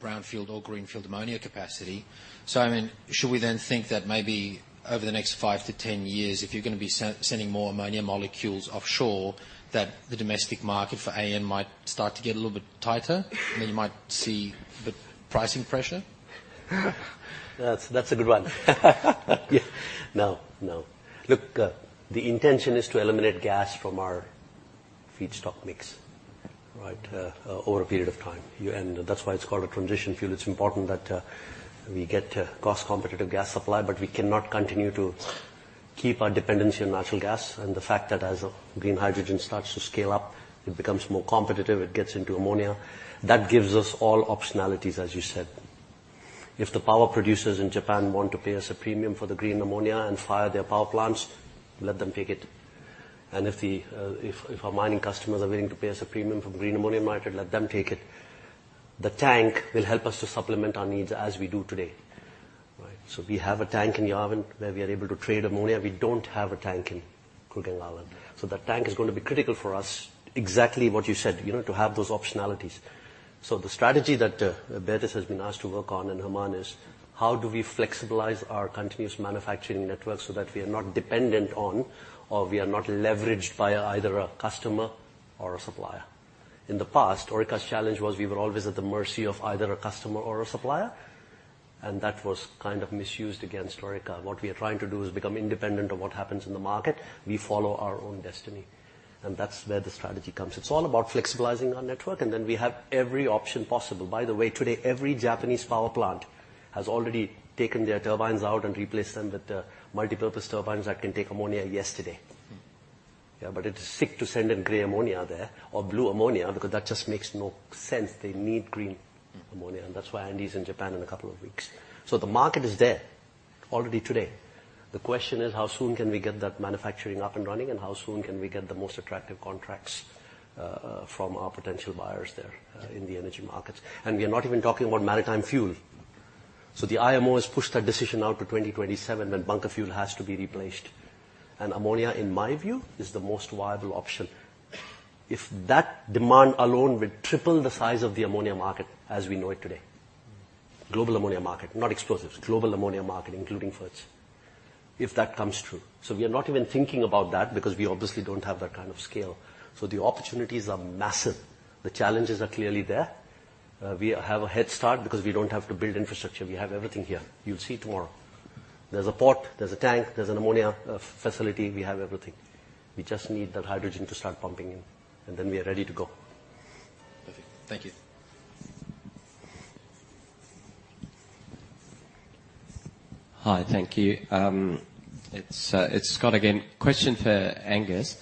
brownfield or greenfield ammonia capacity. So I mean, should we then think that maybe over the next five to 10 years, if you're gonna be sending more ammonia molecules offshore, that the domestic market for AN might start to get a little bit tighter, and then you might see the pricing pressure? That's, that's a good one. No, no. Look, the intention is to eliminate gas from our feedstock mix, right, over a period of time. Yeah, and that's why it's called a transition fuel. It's important that, we get a cost-competitive gas supply, but we cannot continue to keep our dependency on natural gas. And the fact that as green hydrogen starts to scale up, it becomes more competitive, it gets into ammonia, that gives us all optionalities, as you said. If the power producers in Japan want to pay us a premium for the green ammonia and fire their power plants, let them take it. And if the, if, if our mining customers are willing to pay us a premium for the green ammonia market, let them take it. The tank will help us to supplement our needs as we do today, right? So we have a tank in Yarwun where we are able to trade ammonia. We don't have a tank in Kooragang. So that tank is gonna be critical for us, exactly what you said, you know, to have those optionalities. So the strategy that, Bertus has been asked to work on, and Germán, is: how do we flexibilize our continuous manufacturing network so that we are not dependent on, or we are not leveraged by either a customer or a supplier? In the past, Orica's challenge was we were always at the mercy of either a customer or a supplier, and that was kind of misused against Orica. What we are trying to do is become independent of what happens in the market. We follow our own destiny, and that's where the strategy comes. It's all about flexibilizing our network, and then we have every option possible. By the way, today, every Japanese power plant has already taken their turbines out and replaced them with multipurpose turbines that can take ammonia yesterday. Yeah, but it's sick to send in gray ammonia there or blue ammonia because that just makes no sense. They need green ammonia, and that's why Andy's in Japan in a couple of weeks. So the market is there already today. The question is, how soon can we get that manufacturing up and running, and how soon can we get the most attractive contracts, from our potential buyers there, in the energy markets? And we are not even talking about maritime fuel. So the IMO has pushed that decision out to 2027, and bunker fuel has to be replaced, and ammonia, in my view, is the most viable option. If that demand alone will triple the size of the ammonia market as we know it today. Global ammonia market, not explosives. Global ammonia market, including ferts, if that comes true. So we are not even thinking about that because we obviously don't have that kind of scale. So the opportunities are massive. The challenges are clearly there. We have a head start because we don't have to build infrastructure. We have everything here. You'll see tomorrow. There's a port, there's a tank, there's an ammonia facility. We have everything. We just need that hydrogen to start pumping in, and then we are ready to go. Perfect. Thank you. Hi, thank you. It's Scott again. Question for Angus.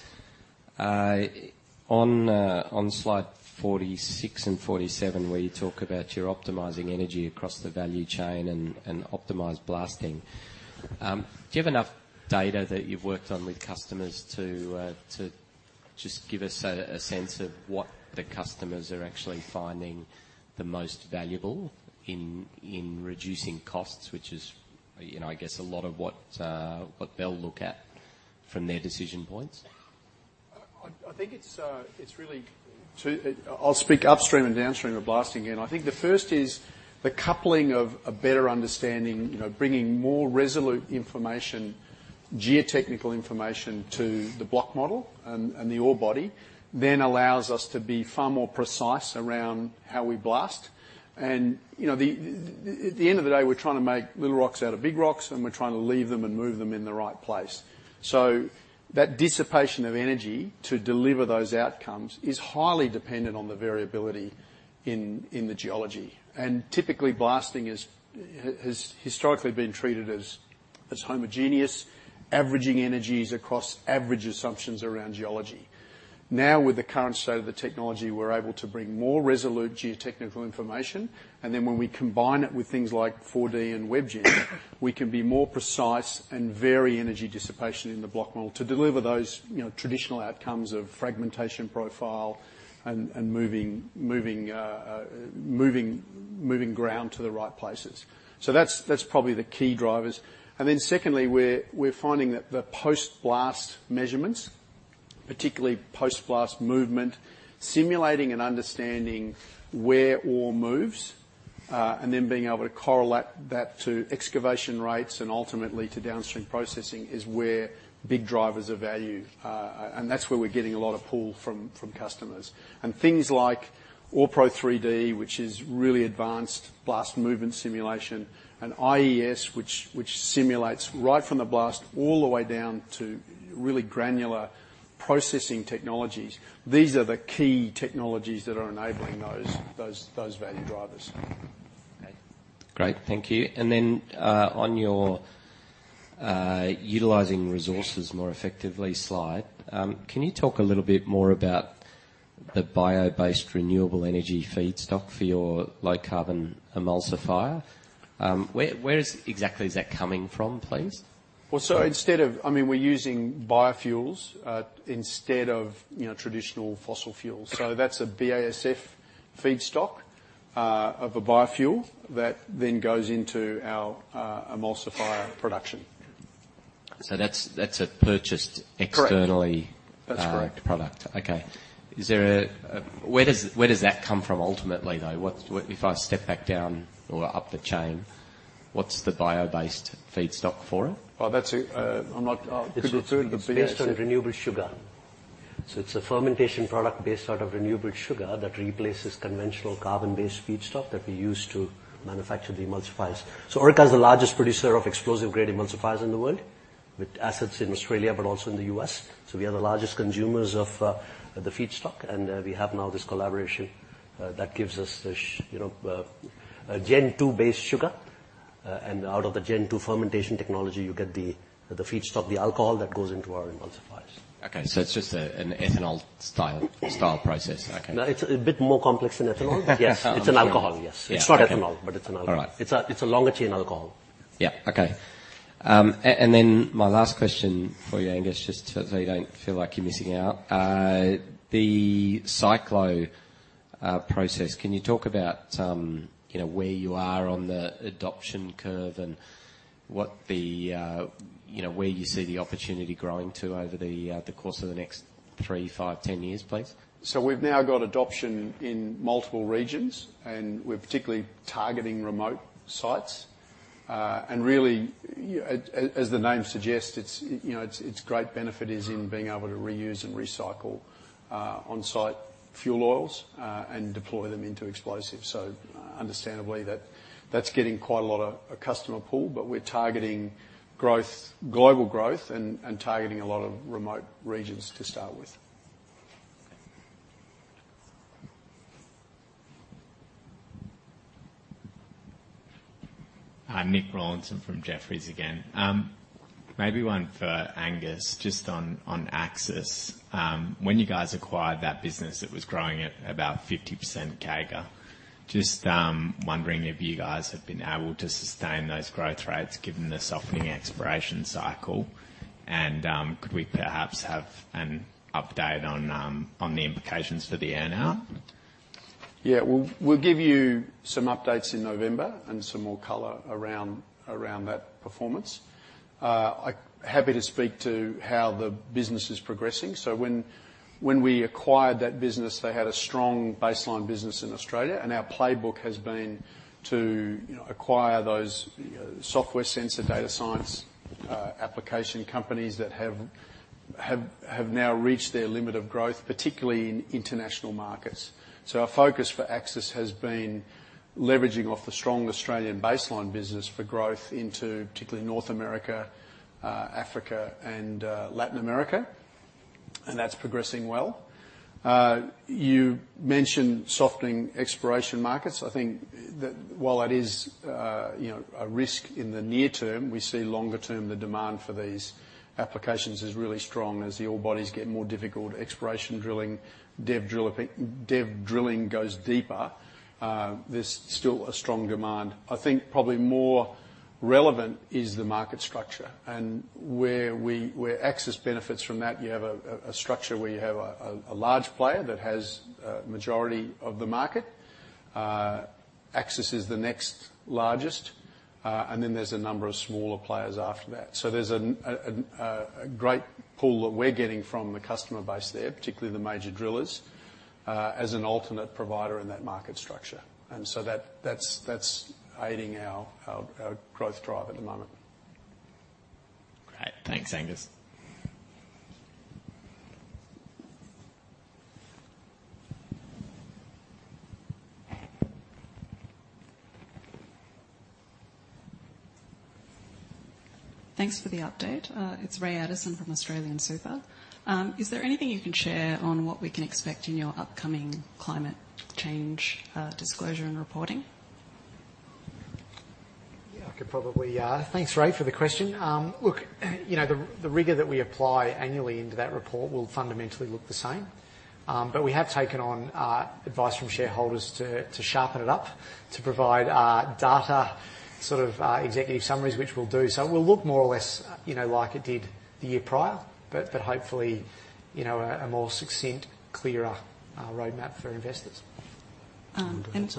On slide 46 and 47, where you talk about you're optimizing energy across the value chain and optimized blasting. Do you have enough data that you've worked on with customers to just give us a sense of what the customers are actually finding the most valuable in reducing costs, which is, you know, I guess a lot of what they'll look at from their decision points? I think it's really two. I'll speak upstream and downstream of blasting again. I think the first is the coupling of a better understanding, you know, bringing more resolute information, geotechnical information to the block model and the ore body, then allows us to be far more precise around how we blast. And, you know, that at the end of the day, we're trying to make little rocks out of big rocks, and we're trying to leave them and move them in the right place. So that dissipation of energy to deliver those outcomes is highly dependent on the variability in the geology. And typically, blasting has historically been treated as homogeneous, averaging energies across average assumptions around geology. Now, with the current state of the technology, we're able to bring more resolute geotechnical information, and then when we combine it with things like 4D and WebGen, we can be more precise and vary energy dissipation in the block model to deliver those, you know, traditional outcomes of fragmentation profile and moving ground to the right places. So that's probably the key drivers. And then secondly, we're finding that the post-blast measurements, particularly post-blast movement, simulating and understanding where ore moves, and then being able to correlate that to excavation rates and ultimately to downstream processing, is where big drivers of value are. And that's where we're getting a lot of pull from customers. Things like OrePro 3D, which is really advanced blast movement simulation, and IES, which simulates right from the blast all the way down to really granular processing technologies. These are the key technologies that are enabling those value drivers. Okay, great. Thank you. And then, on your utilizing resources more effectively slide, can you talk a little bit more about the bio-based renewable energy feedstock for your low-carbon emulsifier? Where, where is exactly is that coming from, please? Well, so instead of I mean, we're using biofuels, instead of, you know, traditional fossil fuels. So that's a BASF feedstock of a biofuel that then goes into our emulsifier production. So that's a purchased externally Correct. That's correct. Product. Okay. Is there a, where does, where does that come from ultimately, though? What, what if I step back down or up the chain, what's the bio-based feedstock for it? Well, that's a. I'm not could do it, but It's based on renewable sugar. So it's a fermentation product based out of renewable sugar that replaces conventional carbon-based feedstock that we use to manufacture the emulsifiers. So Orica is the largest producer of explosive-grade emulsifiers in the world, with assets in Australia, but also in the U.S. So we are the largest consumers of the feedstock, and we have now this collaboration that gives us this, you know, a Gen 2 based sugar. And out of the Gen 2 fermentation technology, you get the feedstock, the alcohol that goes into our emulsifiers. Okay, so it's just an ethanol style process. Okay. No, it's a bit more complex than ethanol. Yes, it's an alcohol. Yes. Yeah. It's not ethanol, but it's an alcohol. All right. It's a longer-chain alcohol. Yeah. Okay. And then my last question for you, Angus, just so you don't feel like you're missing out. The Cyclo process, can you talk about, you know, where you are on the adoption curve and what the, you know, where you see the opportunity growing to over the course of the next three, five, 10 years, please? So we've now got adoption in multiple regions, and we're particularly targeting remote sites. And really, as the name suggests, it's, you know, its great benefit is in being able to reuse and recycle on-site fuel oils and deploy them into explosives. So understandably, that's getting quite a lot of a customer pool, but we're targeting growth, global growth and targeting a lot of remote regions to start with. Okay. Hi, Nick Rawlinson from Jefferies again. Maybe one for Angus, just on Axis. When you guys acquired that business, it was growing at about 50% CAGR. Just wondering if you guys have been able to sustain those growth rates, given the softening exploration cycle? And could we perhaps have an update on the implications for the earn-out? Yeah. We'll give you some updates in November and some more color around that performance. I'm happy to speak to how the business is progressing. So when we acquired that business, they had a strong baseline business in Australia, and our playbook has been to, you know, acquire those software sensor data science application companies that have now reached their limit of growth, particularly in international markets. So our focus for Axis has been leveraging off the strong Australian baseline business for growth into particularly North America, Africa, and Latin America, and that's progressing well. You mentioned softening exploration markets. I think that while it is, you know, a risk in the near term, we see longer term, the demand for these applications is really strong. As the ore bodies get more difficult, exploration drilling, dev drilling goes deeper. There's still a strong demand. I think probably more relevant is the market structure and where we where Axis benefits from that, you have a structure where you have a large player that has a majority of the market. Axis is the next largest, and then there's a number of smaller players after that. So there's a great pull that we're getting from the customer base there, particularly the major drillers, as an alternate provider in that market structure. And so that's aiding our growth drive at the moment. Great. Thanks, Angus. Thanks for the update. It's Rae Addison from AustralianSuper. Is there anything you can share on what we can expect in your upcoming climate change disclosure and reporting? Yeah, I could probably. Thanks, Rae, for the question. Look, you know, the rigor that we apply annually into that report will fundamentally look the same. But we have taken on advice from shareholders to sharpen it up, to provide data, sort of, executive summaries, which we'll do. So it will look more or less, you know, like it did the year prior, but hopefully, you know, a more succinct, clearer roadmap for investors. Um, and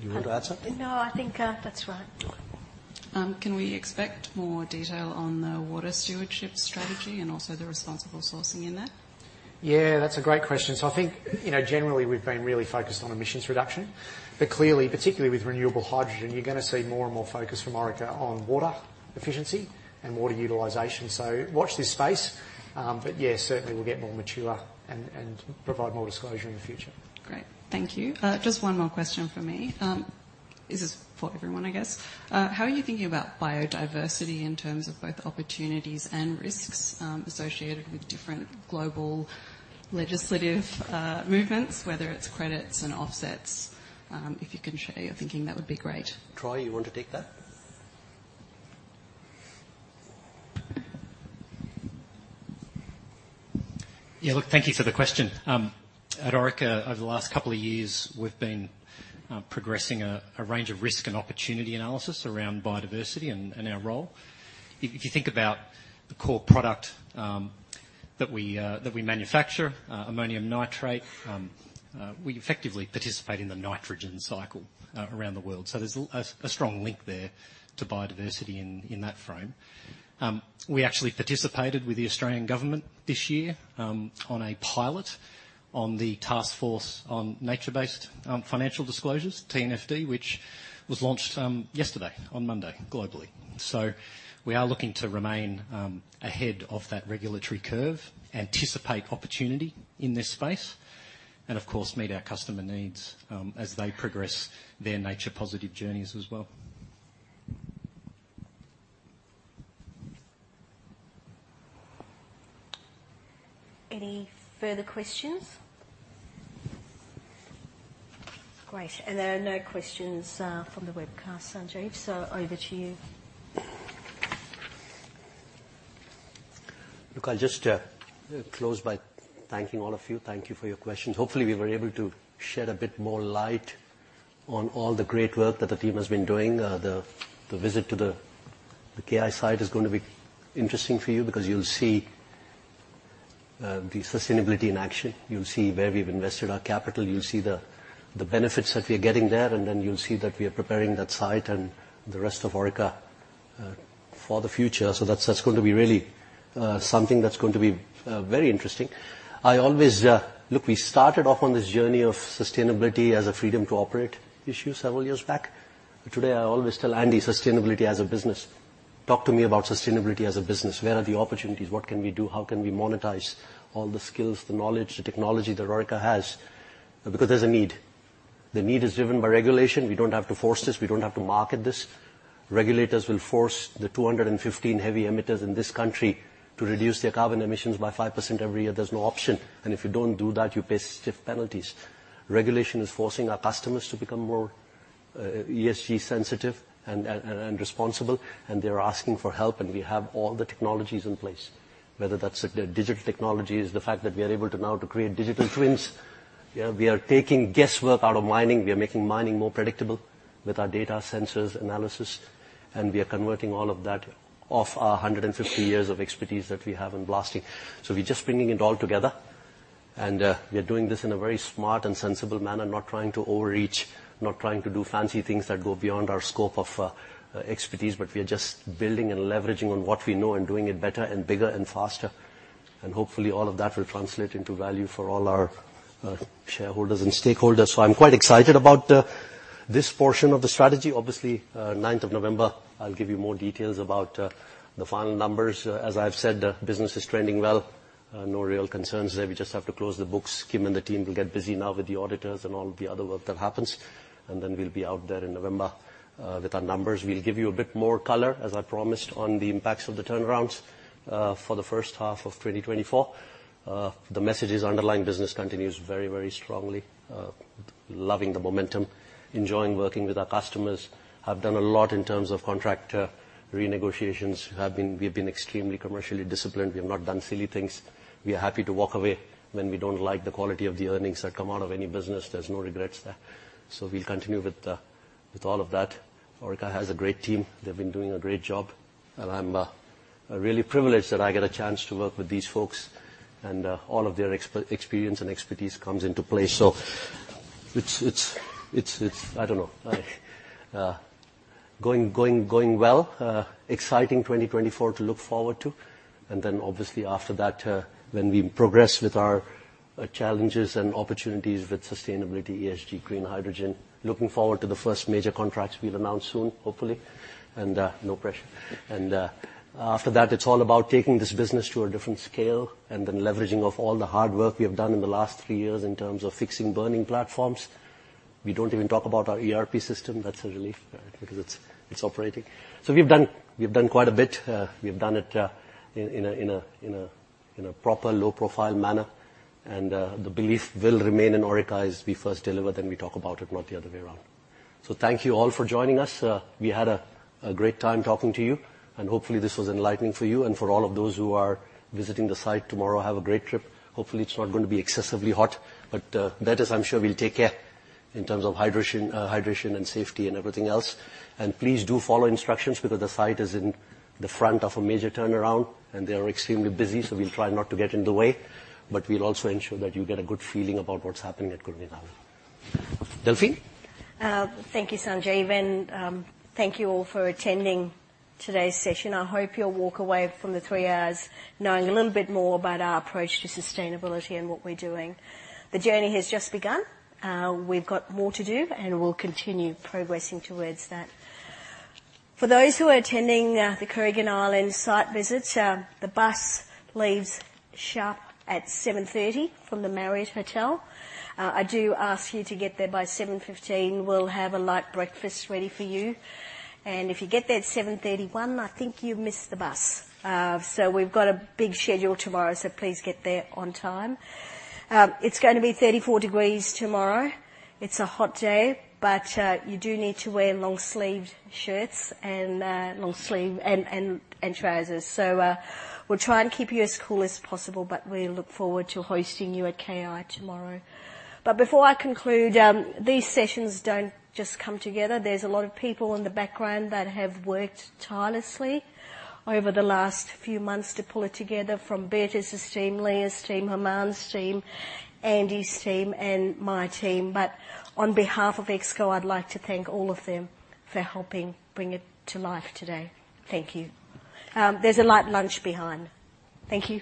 Do you want to add something, Dov? You want to add something? No, I think that's right. Okay. Can we expect more detail on the water stewardship strategy and also the responsible sourcing in that? Yeah, that's a great question. So I think, you know, generally, we've been really focused on emissions reduction, but clearly, particularly with renewable hydrogen, you're gonna see more and more focus from Orica on water efficiency and water utilization. So watch this space. But yeah, certainly we'll get more mature and provide more disclosure in the future. Great. Thank you. Just one more question from me. This is for everyone, I guess. How are you thinking about biodiversity in terms of both opportunities and risks, associated with different global legislative movements, whether it's credits and offsets? If you can share your thinking, that would be great. Troy, you want to take that? Yeah, look, thank you for the question. At Orica, over the last couple of years, we've been progressing a range of risk and opportunity analysis around biodiversity and our role. If you think about the core product, that we manufacture, ammonium nitrate. We effectively participate in the nitrogen cycle, around the world, so there's a strong link there to biodiversity in that frame. We actually participated with the Australian government this year, on a pilot on the Taskforce on Nature-based Financial Disclosures, TNFD, which was launched yesterday, on Monday, globally. So we are looking to remain ahead of that regulatory curve, anticipate opportunity in this space, and of course, meet our customer needs, as they progress their nature-positive journeys as well. Any further questions? Great, and there are no questions from the webcast, Sanjeev, so over to you. Look, I'll just close by thanking all of you. Thank you for your questions. Hopefully, we were able to shed a bit more light on all the great work that the team has been doing. The visit to the KI site is going to be interesting for you because you'll see the sustainability in action. You'll see where we've invested our capital. You'll see the benefits that we are getting there, and then you'll see that we are preparing that site and the rest of Orica for the future. So that's going to be really something that's going to be very interesting. I always look, we started off on this journey of sustainability as a freedom to operate issue several years back. Today, I always tell Andy, "Sustainability as a business. Talk to me about sustainability as a business. Where are the opportunities? What can we do? How can we monetize all the skills, the knowledge, the technology that Orica has?" Because there's a need. The need is driven by regulation. We don't have to force this. We don't have to market this. Regulators will force the 215 heavy emitters in this country to reduce their carbon emissions by 5% every year. There's no option, and if you don't do that, you pay stiff penalties. Regulation is forcing our customers to become more ESG sensitive and responsible, and they're asking for help, and we have all the technologies in place, whether that's the digital technologies, the fact that we are able to now to create digital twins. You know, we are taking guesswork out of mining. We are making mining more predictable with our data sensors analysis, and we are converting all of that off our 150 years of expertise that we have in blasting. So we're just bringing it all together, and we are doing this in a very smart and sensible manner, not trying to overreach, not trying to do fancy things that go beyond our scope of expertise, but we are just building and leveraging on what we know and doing it better and bigger and faster. And hopefully, all of that will translate into value for all our shareholders and stakeholders. So I'm quite excited about this portion of the strategy. Obviously, ninth of November, I'll give you more details about the final numbers. As I've said, business is trending well. No real concerns there. We just have to close the books. Kim and the team will get busy now with the auditors and all the other work that happens, and then we'll be out there in November, with our numbers. We'll give you a bit more color, as I promised, on the impacts of the turnarounds, for the first half of 2024. The message is underlying business continues very, very strongly. Loving the momentum, enjoying working with our customers, have done a lot in terms of contract, renegotiations. We've been extremely commercially disciplined. We have not done silly things. We are happy to walk away when we don't like the quality of the earnings that come out of any business. There's no regrets there. So we'll continue with, with all of that. Orica has a great team. They've been doing a great job, and I'm really privileged that I get a chance to work with these folks, and all of their experience and expertise comes into play. So it's I don't know, going well. Exciting 2024 to look forward to. And then, obviously, after that, when we progress with our challenges and opportunities with sustainability, ESG, green hydrogen. Looking forward to the first major contracts we'll announce soon, hopefully, and no pressure. And after that, it's all about taking this business to a different scale, and then leveraging off all the hard work we have done in the last three years in terms of fixing burning platforms. We don't even talk about our ERP system. That's a relief because it's operating. So we've done quite a bit. We've done it in a proper low-profile manner, and the belief will remain in Orica is we first deliver, then we talk about it, not the other way around. So thank you all for joining us. We had a great time talking to you, and hopefully, this was enlightening for you. And for all of those who are visiting the site tomorrow, have a great trip. Hopefully, it's not going to be excessively hot, but that is, I'm sure we'll take care in terms of hydration and safety and everything else. And please do follow instructions, because the site is in the front of a major turnaround, and they are extremely busy, so we'll try not to get in the way, but we'll also ensure that you get a good feeling about what's happening at Kooragang.Delphi? Thank you, Sanjeev, and thank you all for attending today's session. I hope you'll walk away from the 3 hours knowing a little bit more about our approach to sustainability and what we're doing. The journey has just begun. We've got more to do, and we'll continue progressing towards that. For those who are attending, the Kooragang Island site visits, the bus leaves sharp at 7:30 from the Marriott Hotel. I do ask you to get there by 7:15. We'll have a light breakfast ready for you, and if you get there at 7:31, I think you've missed the bus. So we've got a big schedule tomorrow, so please get there on time. It's going to be 34 degrees tomorrow. It's a hot day, but you do need to wear long-sleeved shirts and long sleeve and trousers. So, we'll try and keep you as cool as possible, but we look forward to hosting you at KI tomorrow. But before I conclude, these sessions don't just come together. There's a lot of people in the background that have worked tirelessly over the last few months to pull it together, from Bertus' team, Leah's team, Germán's team, Andy's team, and my team. But on behalf of ExCo, I'd like to thank all of them for helping bring it to life today. Thank you. There's a light lunch behind. Thank you.